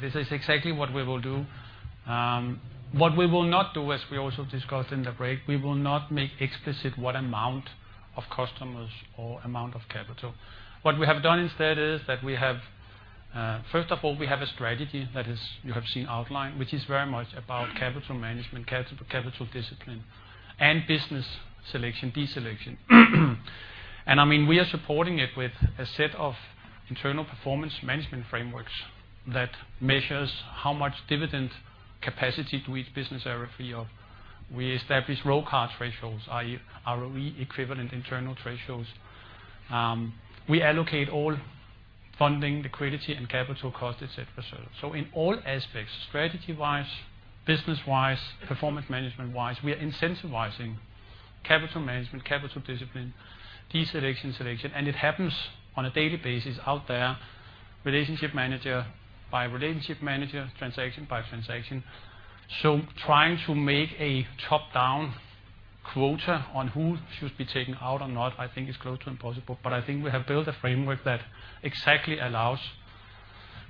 This is exactly what we will do. What we will not do, as we also discussed in the break, we will not make explicit what amount of customers or amount of capital. What we have done instead is that we have, first of all, we have a strategy that is, you have seen outlined, which is very much about capital management, capital discipline, and business selection, deselection. We are supporting it with a set of internal performance management frameworks that measures how much dividend capacity to each business area free up. We establish ROCAR ratios, i.e. ROE equivalent internal thresholds. We allocate all funding liquidity and capital cost et cetera. In all aspects, strategy-wise, business-wise, performance management-wise, we are incentivizing capital management, capital discipline, deselection, selection, and it happens on a daily basis out there, relationship manager by relationship manager, transaction by transaction. Trying to make a top-down quota on who should be taken out or not, I think is close to impossible. I think we have built a framework that exactly allows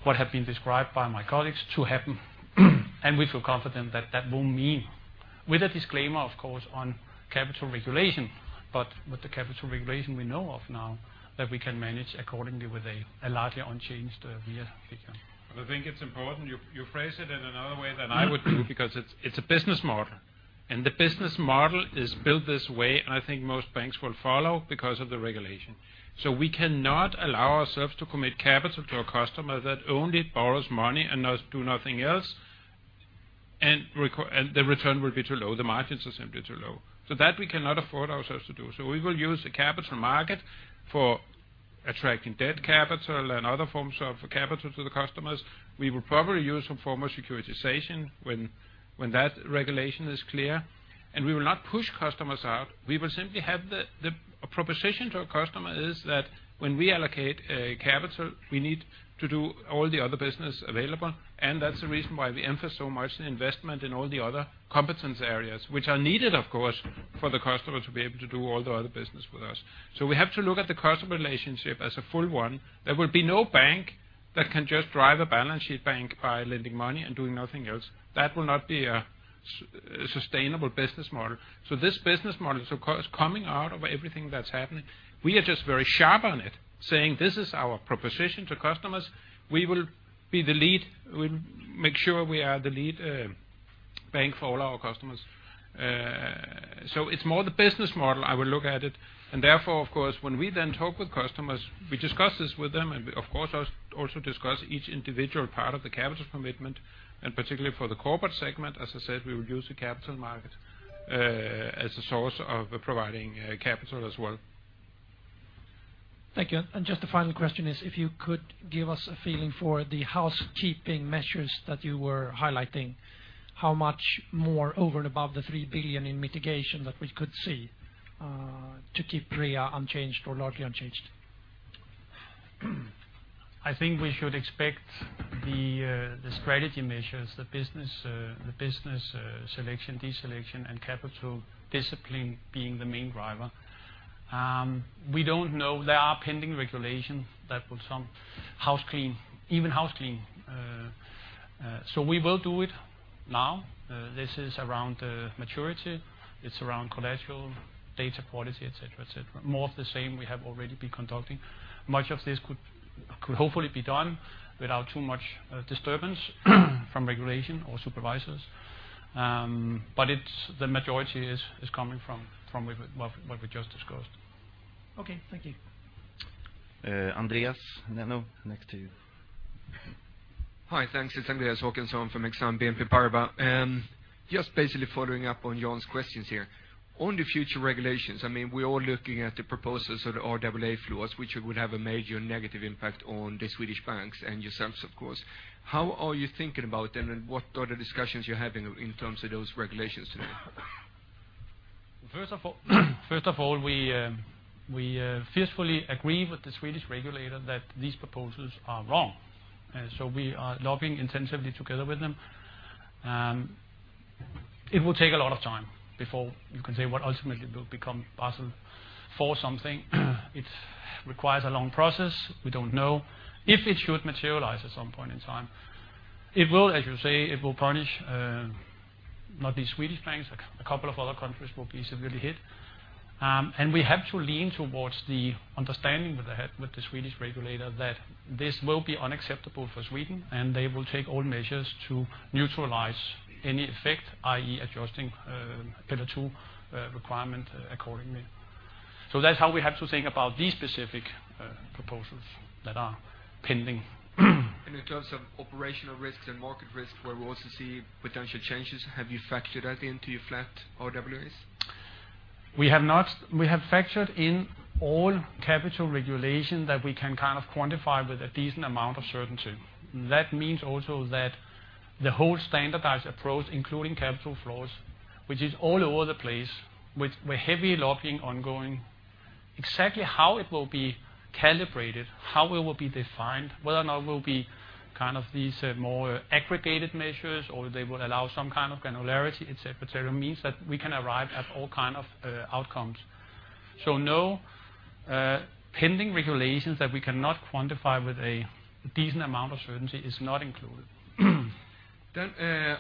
what have been described by my colleagues to happen, and we feel confident that that will mean with a disclaimer, of course, on capital regulation, but with the capital regulation we know of now that we can manage accordingly with a largely unchanged year figure. I think it's important you phrase it in another way than I would do because it's a business model, and the business model is built this way, and I think most banks will follow because of the regulation. We cannot allow ourselves to commit capital to a customer that only borrows money and does nothing else, and the return will be too low, the margins are simply too low. That we cannot afford ourselves to do. We will use the capital market for attracting debt capital and other forms of capital to the customers. We will probably use some form of securitization when that regulation is clear. We will not push customers out. We will simply have the a proposition to a customer is that when we allocate a capital, we need to do all the other business available. That's the reason why we emphasize so much the investment in all the other competence areas, which are needed, of course, for the customer to be able to do all the other business with us. We have to look at the customer relationship as a full one. There will be no bank that can just drive a balance sheet bank by lending money and doing nothing else. That will not be a sustainable business model. This business model is coming out of everything that's happening. We are just very sharp on it, saying this is our proposition to customers. We will be the lead. We'll make sure we are the lead bank for all our customers. It's more the business model I will look at it. Therefore, of course, when we then talk with customers, we discuss this with them, and we of course also discuss each individual part of the capital commitment. Particularly for the corporate segment, as I said, we will use the capital market as a source of providing capital as well. Thank you. Just the final question is if you could give us a feeling for the housekeeping measures that you were highlighting, how much more over and above the 3 billion in mitigation that we could see to keep RWA unchanged or largely unchanged? I think we should expect the strategy measures, the business selection, deselection, and capital discipline being the main driver. We don't know. There are pending regulations that will some house clean, even house clean. We will do it now. This is around maturity, it's around collateral, data quality, et cetera. More of the same we have already been conducting. Much of this could hopefully be done without too much disturbance from regulation or supervisors. The majority is coming from what we just discussed. Okay. Thank you. Andreas Håkansson next to you. Hi. Thanks. It's Andreas Håkansson from Exane BNP Paribas. Just basically following up on Gunn's questions here. On the future regulations, we're all looking at the proposals of the RWA floors, which would have a major negative impact on the Swedish banks and yourselves, of course. How are you thinking about them and what are the discussions you're having in terms of those regulations? First of all, we fiercely agree with the Swedish regulator that these proposals are wrong. We are lobbying intensively together with them. It will take a lot of time before you can say what ultimately will become possible for something. It requires a long process. We don't know if it should materialize at some point in time. As you say, it will punish not the Swedish banks, a couple of other countries will be severely hit. We have to lean towards the understanding with the Swedish regulator that this will be unacceptable for Sweden, and they will take all measures to neutralize any effect, i.e., adjusting Pillar 2 requirement accordingly. That's how we have to think about these specific proposals that are pending. In terms of operational risks and market risks, where we also see potential changes, have you factored that into your flat RWA? We have factored in all capital regulation that we can quantify with a decent amount of certainty. That means also that the whole standardized approach, including capital flows, which is all over the place with heavy lobbying ongoing. Exactly how it will be calibrated, how it will be defined, whether or not it will be these more aggregated measures, or they will allow some kind of granularity, et cetera, means that we can arrive at all kind of outcomes. No pending regulations that we cannot quantify with a decent amount of certainty is not included.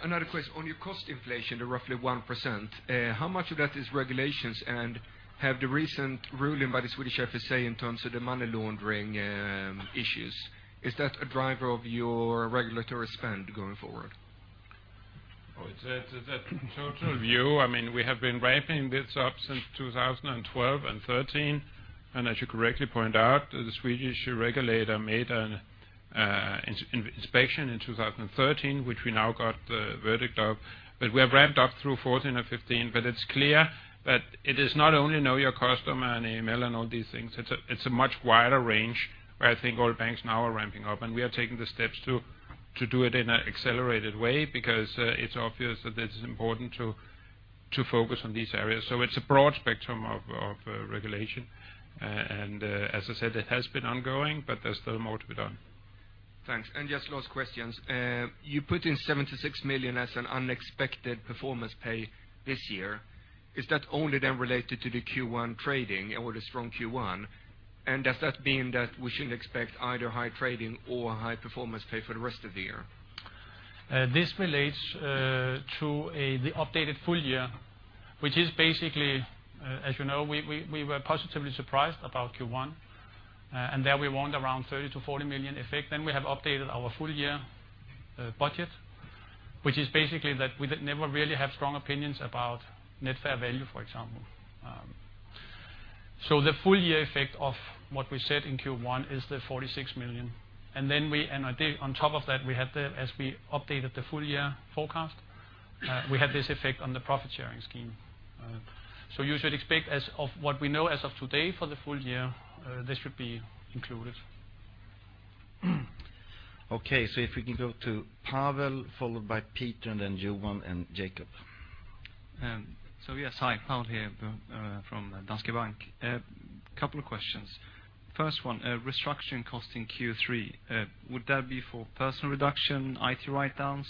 Another question. On your cost inflation to roughly 1%, how much of that is regulations, and have the recent ruling by the Swedish FSA in terms of the money laundering issues, is that a driver of your regulatory spend going forward? Oh, it's a total view. We have been ramping this up since 2012 and 2013, as you correctly point out, the Swedish regulator made an inspection in 2013, which we now got the verdict of. We have ramped up through 2014 and 2015. It's clear that it is not only KYC and AML and all these things. It's a much wider range where I think all banks now are ramping up, and we are taking the steps to do it in an accelerated way because it's obvious that it's important to focus on these areas. It's a broad spectrum of regulation. As I said, it has been ongoing, but there's still more to be done. Thanks. Just last questions. You put in 76 million as an unexpected performance pay this year. Is that only then related to the Q1 trading or the strong Q1? Does that mean that we shouldn't expect either high trading or high performance pay for the rest of the year? This relates to the updated full year, which is basically, as you know, we were positively surprised about Q1, and there we want around 30 million to 40 million effect. We have updated our full year budget, which is basically that we never really have strong opinions about net fair value, for example. The full year effect of what we said in Q1 is the 46 million. On top of that, as we updated the full year forecast, we had this effect on the profit-sharing scheme. You should expect as of what we know as of today for the full year, this should be included. Okay. If we can go to Pavel, followed by Peter, and then Johan and Jacob. Yes, hi, Pavel here from Danske Bank. Couple of questions. First one, restructuring cost in Q3. Would that be for personnel reduction, IT writedowns,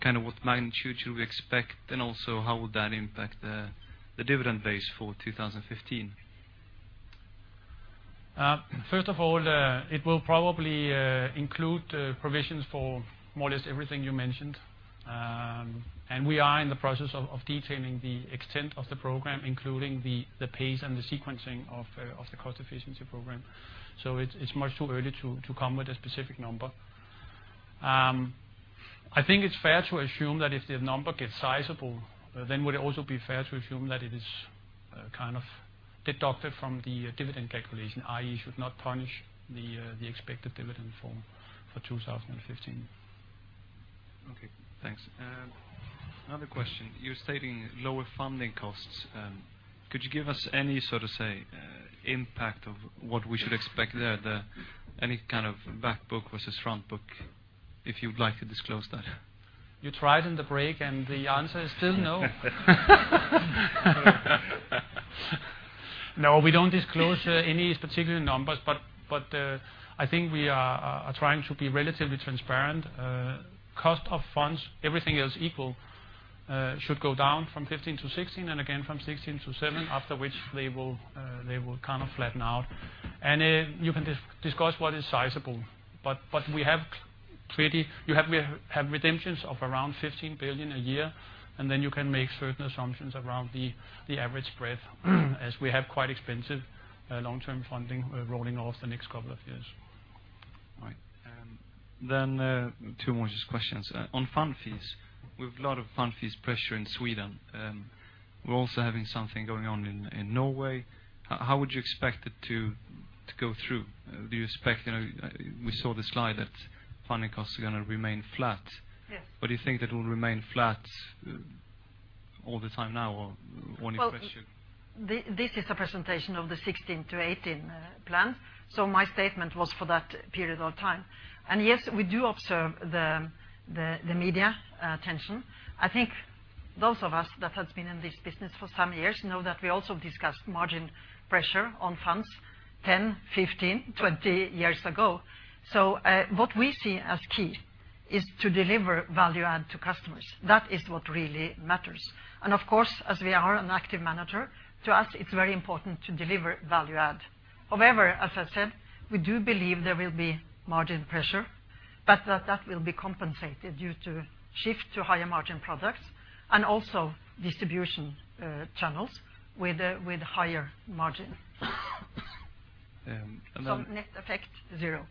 kind of what magnitude should we expect, also how would that impact the dividend base for 2015? First of all, it will probably include provisions for more or less everything you mentioned. We are in the process of detailing the extent of the program, including the pace and the sequencing of the cost efficiency program. It's much too early to come with a specific number. I think it's fair to assume that if the number gets sizable, then would it also be fair to assume that it is kind of deducted from the dividend calculation, i.e. should not punish the expected dividend for 2015. Okay, thanks. Another question. You're stating lower funding costs. Could you give us any sort of, say, impact of what we should expect there? Any kind of back book versus front book, if you'd like to disclose that. You tried in the break, and the answer is still no. No, we don't disclose any particular numbers, but I think we are trying to be relatively transparent. Cost of funds, everything is equal, should go down from 2015 to 2016, and again from 2016 to 2017, after which they will kind of flatten out. You can discuss what is sizable, but we have- You have redemptions of around 15 billion a year, then you can make certain assumptions around the average spread, as we have quite expensive long-term funding rolling off the next couple of years. All right. Two more just questions. On fund fees, we have a lot of fund fees pressure in Sweden. We are also having something going on in Norway. How would you expect it to go through? We saw the slide that funding costs are going to remain flat. Yes. Do you think that it will remain flat all the time now, or when is pressure? Well, this is a presentation of the 2016 to 2018 plan. My statement was for that period of time. Yes, we do observe the media attention. I think those of us that has been in this business for some years know that we also discussed margin pressure on funds 10, 15, 20 years ago. What we see as key is to deliver value add to customers. That is what really matters. Of course, as we are an active manager, to us, it is very important to deliver value add. However, as I said, we do believe there will be margin pressure, that will be compensated due to shift to higher margin products and also distribution channels with higher margin. And then- Net effect, 0.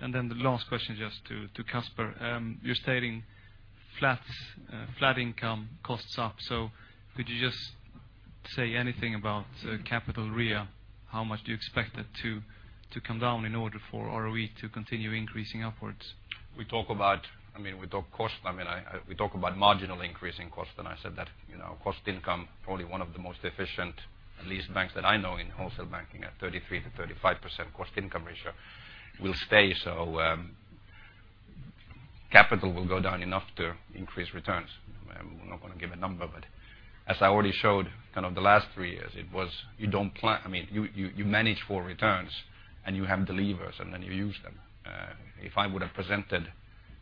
Then the last question just to Casper. You're stating flat income costs up. Could you just say anything about capital RWA? How much do you expect it to come down in order for ROE to continue increasing upwards? We talk about marginal increase in cost, I said that cost income, probably one of the most efficient lean banks that I know in Wholesale Banking at 33%-35% cost-income ratio will stay so, capital will go down enough to increase returns. I'm not going to give a number, but as I already showed the last three years, you manage for returns and you have the levers, then you use them. If I would have presented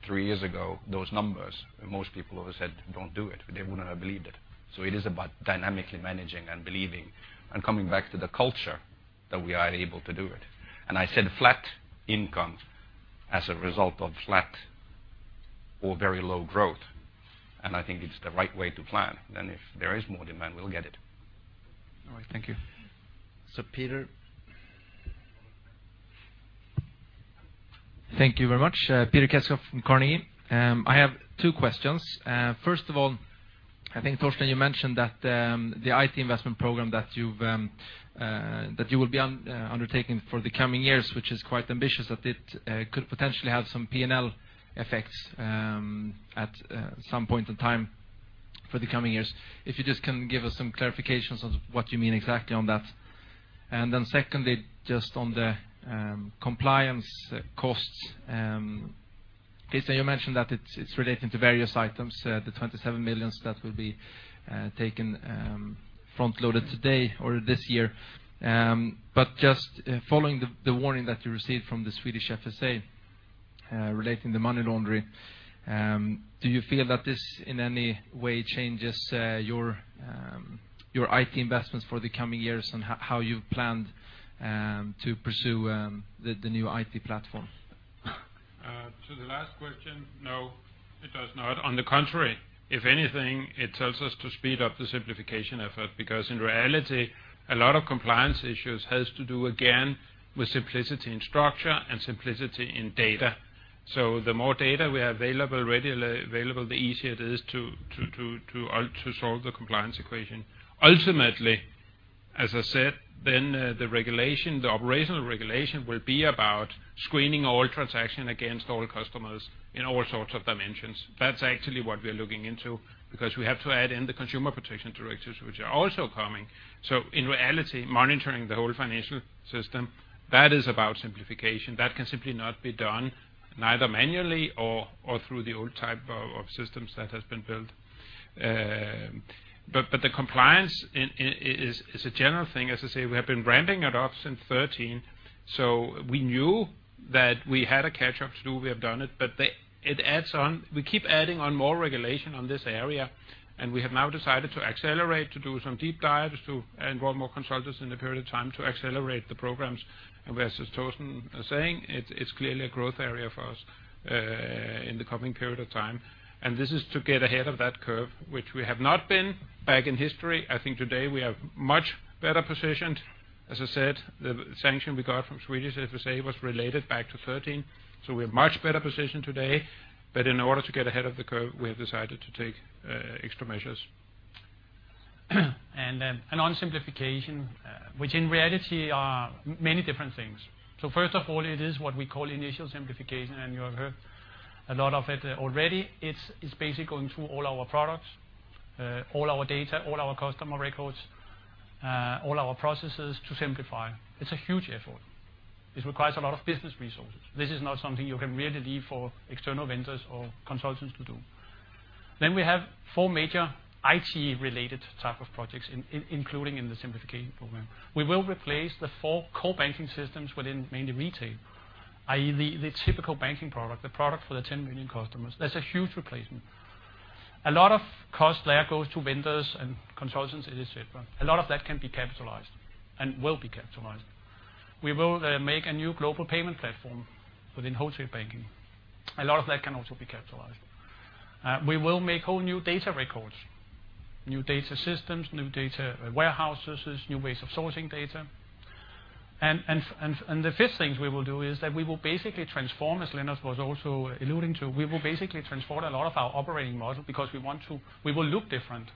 three years ago those numbers, most people would have said, "Don't do it." They wouldn't have believed it. It is about dynamically managing and believing and coming back to the culture that we are able to do it. I said flat income as a result of flat or very low growth, and I think it's the right way to plan. If there is more demand, we'll get it. All right. Thank you, Peter. Thank you very much. Peter Ketzel from Carnegie. I have two questions. First of all, I think, Torsten, you mentioned that the IT investment program that you will be undertaking for the coming years, which is quite ambitious, that it could potentially have some P&L effects at some point in time for the coming years. If you just can give us some clarifications on what you mean exactly on that. Secondly, just on the compliance costs. Please, you mentioned that it's relating to various items, the 27 million that will be taken front-loaded today or this year. Just following the warning that you received from the Swedish FSA relating the money laundering, do you feel that this in any way changes your IT investments for the coming years and how you've planned to pursue the new IT platform? To the last question, no, it does not. On the contrary, if anything, it tells us to speed up the simplification effort, in reality, a lot of compliance issues has to do again, with simplicity in structure and simplicity in data. The more data we have readily available, the easier it is to solve the compliance equation. Ultimately, as I said, the operational regulation will be about screening all transaction against all customers in all sorts of dimensions. That's actually what we are looking into because we have to add in the consumer protection directives, which are also coming. In reality, monitoring the whole financial system, that is about simplification. That can simply not be done, neither manually or through the old type of systems that has been built. The compliance is a general thing. As I say, we have been ramping it up since 2013. We knew that we had a catch-up to do. We have done it. We keep adding on more regulation on this area, and we have now decided to accelerate to do some deep dives to involve more consultants in the period of time to accelerate the programs. As Torsten is saying, it's clearly a growth area for us in the coming period of time. This is to get ahead of that curve, which we have not been back in history. I think today we are much better positioned. As I said, the sanction we got from Swedish FSA was related back to 2013, so we are much better positioned today. In order to get ahead of the curve, we have decided to take extra measures. On simplification, which in reality are many different things. First of all, it is what we call initial simplification, and you have heard a lot of it already. It's basically going through all our products, all our data, all our customer records, all our processes to simplify. It's a huge effort. It requires a lot of business resources. This is not something you can really leave for external vendors or consultants to do. We have four major IT-related type of projects, including in the simplification program. We will replace the four core banking systems within mainly retail, i.e. the typical banking product, the product for the 10 million customers. That's a huge replacement. A lot of cost there goes to vendors and consultants, et cetera. A lot of that can be capitalized and will be capitalized. We will make a new global payment platform within Wholesale Banking. A lot of that can also be capitalized. We will make whole new data records, new data systems, new data warehouses, new ways of sourcing data. The fifth thing we will do is that we will basically transform, as Lennart was also alluding to, we will basically transform a lot of our operating model because we will look different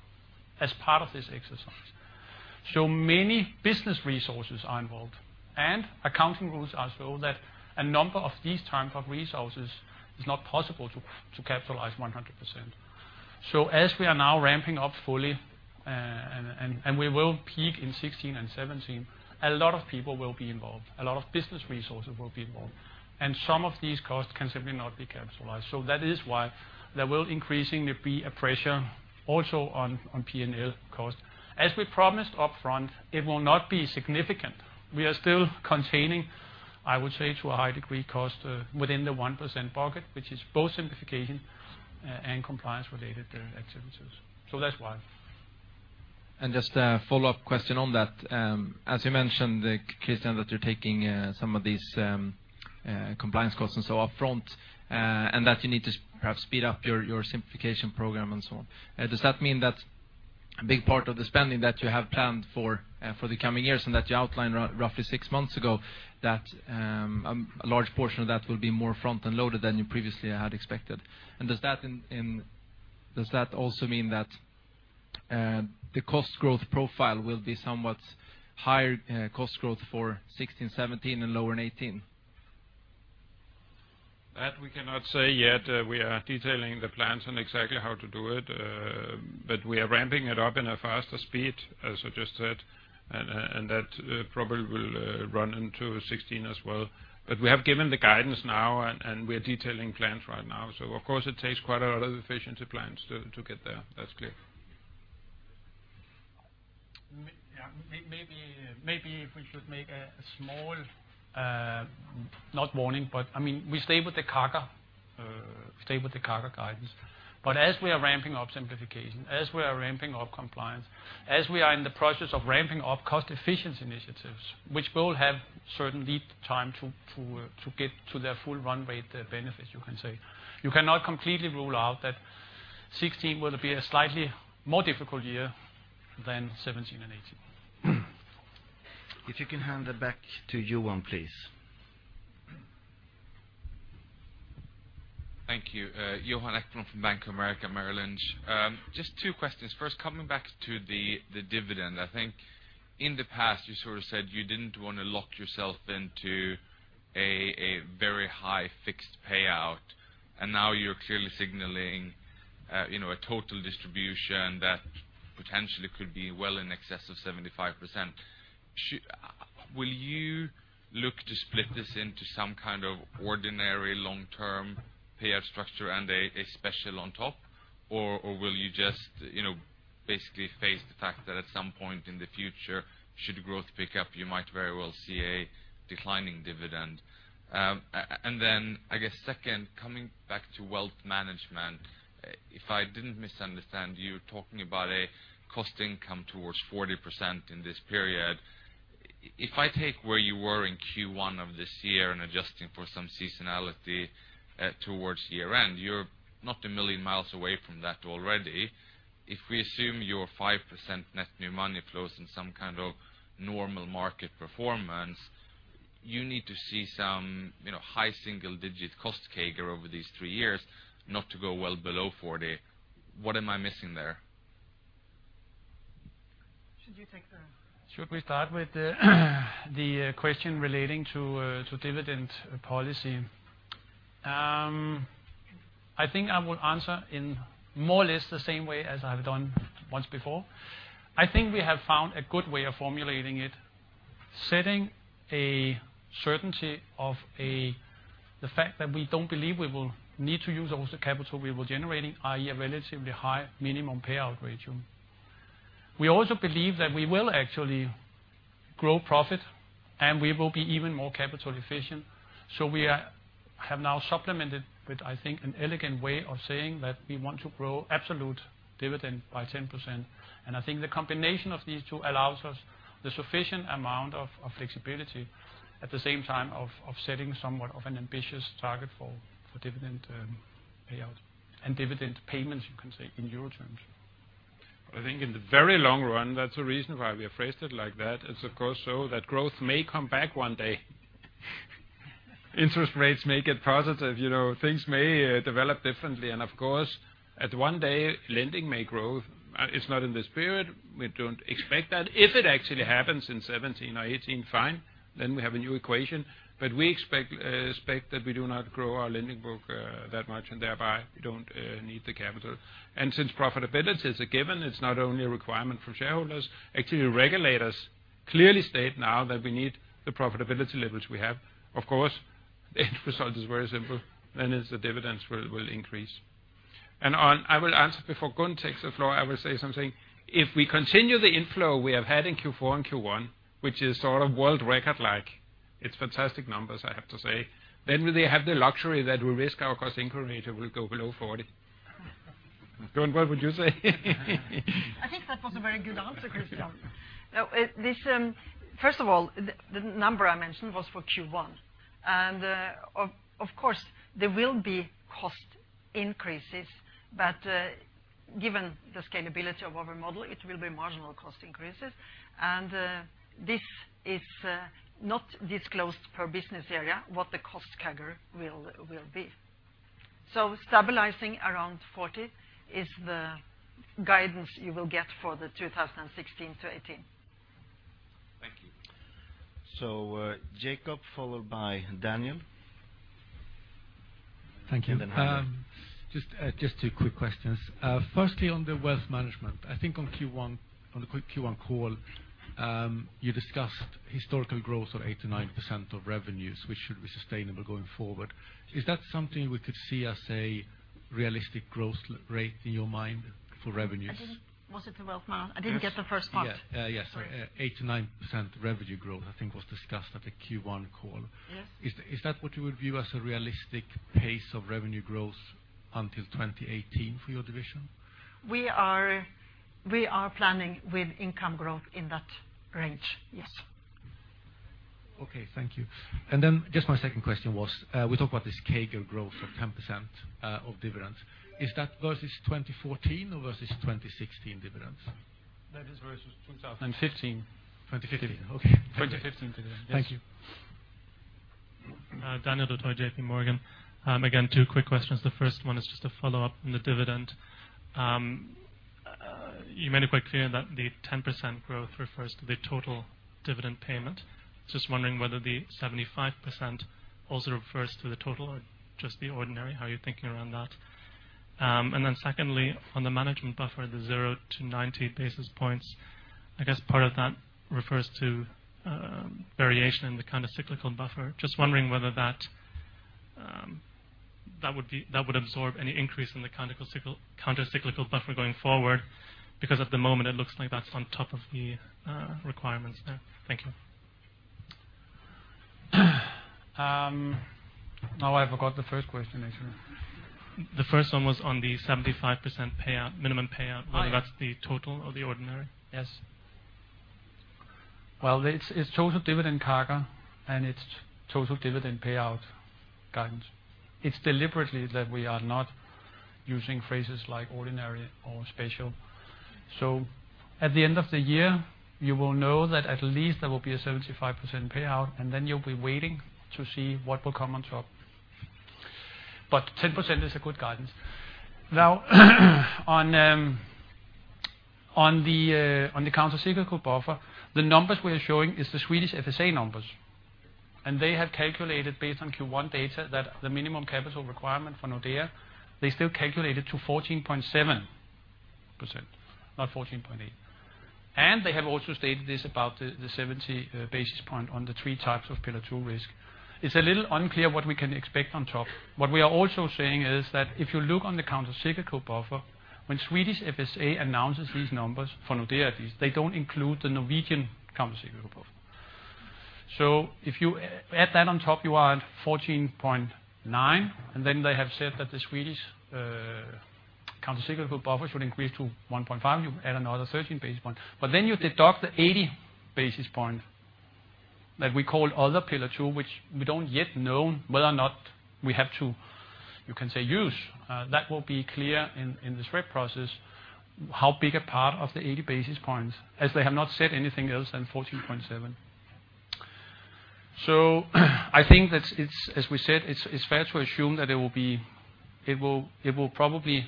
as part of this exercise. Many business resources are involved, and accounting rules are so that a number of these type of resources is not possible to capitalize 100%. As we are now ramping up fully, and we will peak in 2016 and 2017, a lot of people will be involved, a lot of business resources will be involved. Some of these costs can simply not be capitalized. That is why there will increasingly be a pressure also on P&L cost. As we promised upfront, it will not be significant. We are still containing, I would say, to a high degree, cost within the 1% bucket, which is both simplification and compliance-related expenditures. That's why. Just a follow-up question on that. As you mentioned, Christian, that you're taking some of these compliance costs and so upfront, and that you need to perhaps speed up your simplification program and so on. Does that mean that a big part of the spending that you have planned for the coming years and that you outlined roughly 6 months ago, that a large portion of that will be more front-end loaded than you previously had expected? Does that also mean that the cost growth profile will be somewhat higher cost growth for 2016, 2017 and lower in 2018? That we cannot say yet. We are detailing the plans on exactly how to do it. We are ramping it up in a faster speed, as I just said, and that probably will run into 2016 as well. We have given the guidance now, and we're detailing plans right now. Of course, it takes quite a lot of efficiency plans to get there. That's clear. Maybe if we should make a small, not warning, we stay with the CAGR guidance. As we are ramping up simplification, as we are ramping up compliance, as we are in the process of ramping up cost efficiency initiatives, which will have certain lead time to get to their full run-rate benefits, you can say. You cannot completely rule out that 2016 will be a slightly more difficult year than 2017 and 2018. If you can hand it back to Johan, please. Thank you. Johan Eklund from Bank of America Merrill Lynch. Just two questions. First, coming back to the dividend. I think in the past you sort of said you didn't want to lock yourself into a very high fixed payout, and now you're clearly signaling a total distribution that potentially could be well in excess of 75%. Will you look to split this into some kind of ordinary long-term payout structure and a special on top? Will you just basically face the fact that at some point in the future, should growth pick up, you might very well see a declining dividend? I guess second, coming back to wealth management. If I didn't misunderstand you talking about a cost income towards 40% in this period. If I take where you were in Q1 of this year and adjusting for some seasonality towards year-end, you're not a million miles away from that already. If we assume your 5% net new money flows in some kind of normal market performance, you need to see some high single-digit cost CAGR over these three years, not to go well below 40. What am I missing there? Should you take that? Should we start with the question relating to dividend policy? I think I will answer in more or less the same way as I've done once before. I think we have found a good way of formulating it, setting a certainty of the fact that we don't believe we will need to use all the capital we were generating, i.e., a relatively high minimum payout ratio. We also believe that we will actually grow profit, and we will be even more capital efficient. We have now supplemented with, I think, an elegant way of saying that we want to grow absolute dividend by 10%. I think the combination of these two allows us the sufficient amount of flexibility at the same time of setting somewhat of an ambitious target for dividend payout and dividend payments, you can say in your terms. I think in the very long run, that's the reason why we have phrased it like that. It's of course so that growth may come back one day. Interest rates may get positive. Things may develop differently. Of course, at one day lending may grow. It's not in this period. We don't expect that. If it actually happens in 2017 or 2018, fine. We have a new equation. We expect that we do not grow our lending book that much, and thereby we don't need the capital. Since profitability is a given, it's not only a requirement from shareholders. Actually, regulators clearly state now that we need the profitability levels we have. Of course, the end result is very simple, then it's the dividends will increase. I will answer before Gunn takes the floor, I will say something. If we continue the inflow we have had in Q4 and Q1, which is sort of world record-like. It's fantastic numbers, I have to say. We have the luxury that we risk our cost-to-income ratio will go below 40. Gunn, what would you say? I think that was a very good answer, Christian. First of all, the number I mentioned was for Q1. Of course, there will be cost increases. Given the scalability of our model, it will be marginal cost increases. This is not disclosed per business area what the cost CAGR will be. Stabilizing around 40 is the guidance you will get for the 2016-2018. Thank you. Jacob, followed by Daniel- Thank you. and then Heinrich. Just two quick questions. Firstly, on the wealth management. I think on the Q1 call, you discussed historical growth of 8%-9% of revenues, which should be sustainable going forward. Is that something we could see as a realistic growth rate in your mind for revenues? Was it the wealth management? I didn't get the first part. Yes. Sorry. 8%-9% revenue growth, I think, was discussed at the Q1 call. Yes. Is that what you would view as a realistic pace of revenue growth until 2018 for your division? We are planning with income growth in that range. Yes. Okay. Thank you. Just my second question was, we talk about this CAGR growth of 10% of dividends. Is that versus 2014 or versus 2016 dividends? That is versus 2015. 2015. Okay. 2015 dividend. Yes. Thank you. Daniel Dutoit, JP Morgan. Again, two quick questions. The first one is just a follow-up on the dividend. You made it quite clear that the 10% growth refers to the total dividend payment. Just wondering whether the 75% also refers to the total or just the ordinary. How are you thinking around that? Secondly, on the management buffer, the zero to 90 basis points. I guess part of that refers to variation in the countercyclical buffer. Just wondering whether that would absorb any increase in the countercyclical buffer going forward, because at the moment it looks like that's on top of the requirements there. Thank you. Now I forgot the first question, actually. The first one was on the 75% minimum payout- Right whether that's the total or the ordinary? Yes. It's total dividend CAGR, it's total dividend payout guidance. It's deliberately that we are not using phrases like ordinary or special. At the end of the year, you will know that at least there will be a 75% payout, you'll be waiting to see what will come on top. 10% is a good guidance. On the countercyclical buffer, the numbers we are showing is the Swedish FSA numbers, they have calculated based on Q1 data that the minimum capital requirement for Nordea, they still calculate it to 14.7%, not 14.8. They have also stated this about the 70 basis points on the 3 types of Pillar 2 risk. It's a little unclear what we can expect on top. What we are also saying is that if you look on the countercyclical buffer, when Swedish FSA announces these numbers for Nordea at least, they don't include the Norwegian countercyclical buffer. If you add that on top, you are at 14.9, they have said that the Swedish countercyclical buffer should increase to 1.5. You add another 13 basis points. You deduct the 80 basis points that we call other Pillar 2, which we don't yet know whether or not we have to, you can say, use. That will be clear in the SREP process how big a part of the 80 basis points, as they have not said anything else than 14.7. I think that as we said, it's fair to assume that it will probably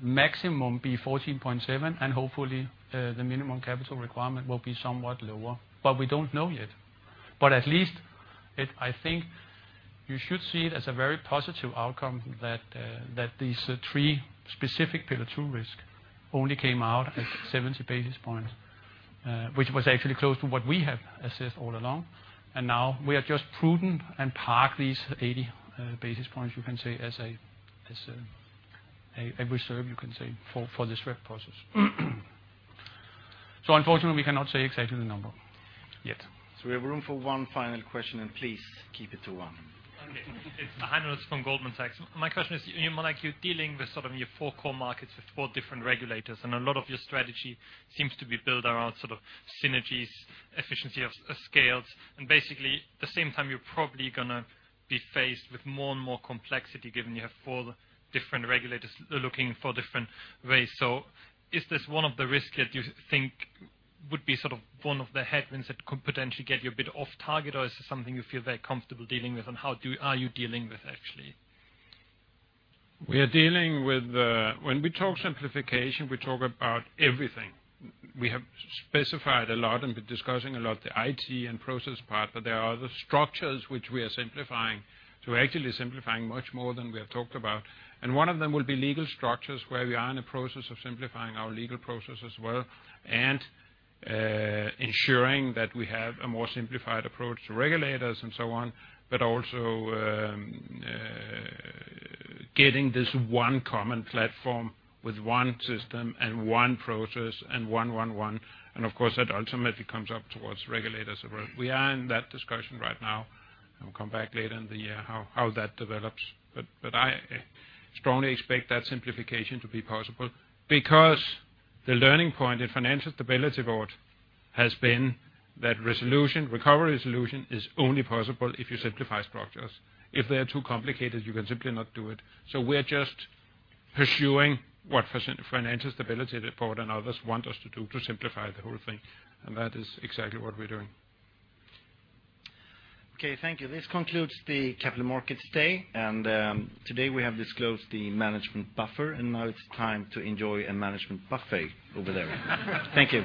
maximum be 14.7, hopefully the minimum capital requirement will be somewhat lower. We don't know yet. At least I think you should see it as a very positive outcome that these 3 specific Pillar 2 risk only came out at 70 basis points, which was actually close to what we have assessed all along. Now we are just prudent and park these 80 basis points, you can say, as a reserve for the SREP process. Unfortunately, we cannot say exactly the number yet. We have room for one final question. Please keep it to one. Okay. It's Heinrich from Goldman Sachs. My question is you're dealing with your four core markets with four different regulators. A lot of your strategy seems to be built around synergies, economies of scale. Basically the same time you're probably going to be faced with more and more complexity given you have four different regulators looking for different ways. Is this one of the risks that you think would be one of the headwinds that could potentially get you a bit off target, or is this something you feel very comfortable dealing with, and how are you dealing with actually? When we talk simplification, we talk about everything. We have specified a lot and been discussing a lot the IT and process part. There are other structures which we are simplifying. We're actually simplifying much more than we have talked about. One of them will be legal structures where we are in a process of simplifying our legal process as well, ensuring that we have a more simplified approach to regulators and so on, also getting this one common platform with one system and one process and one. Of course, that ultimately comes up towards regulators as well. We are in that discussion right now. We'll come back later in the year how that develops. I strongly expect that simplification to be possible because the learning point in Financial Stability Board has been that recovery solution is only possible if you simplify structures. If they are too complicated, you can simply not do it. We're just pursuing what Financial Stability Board and others want us to do to simplify the whole thing. That is exactly what we're doing. Okay. Thank you. This concludes the Capital Markets Day, and today we have disclosed the management buffer, and now it's time to enjoy a management buffet over there. Thank you.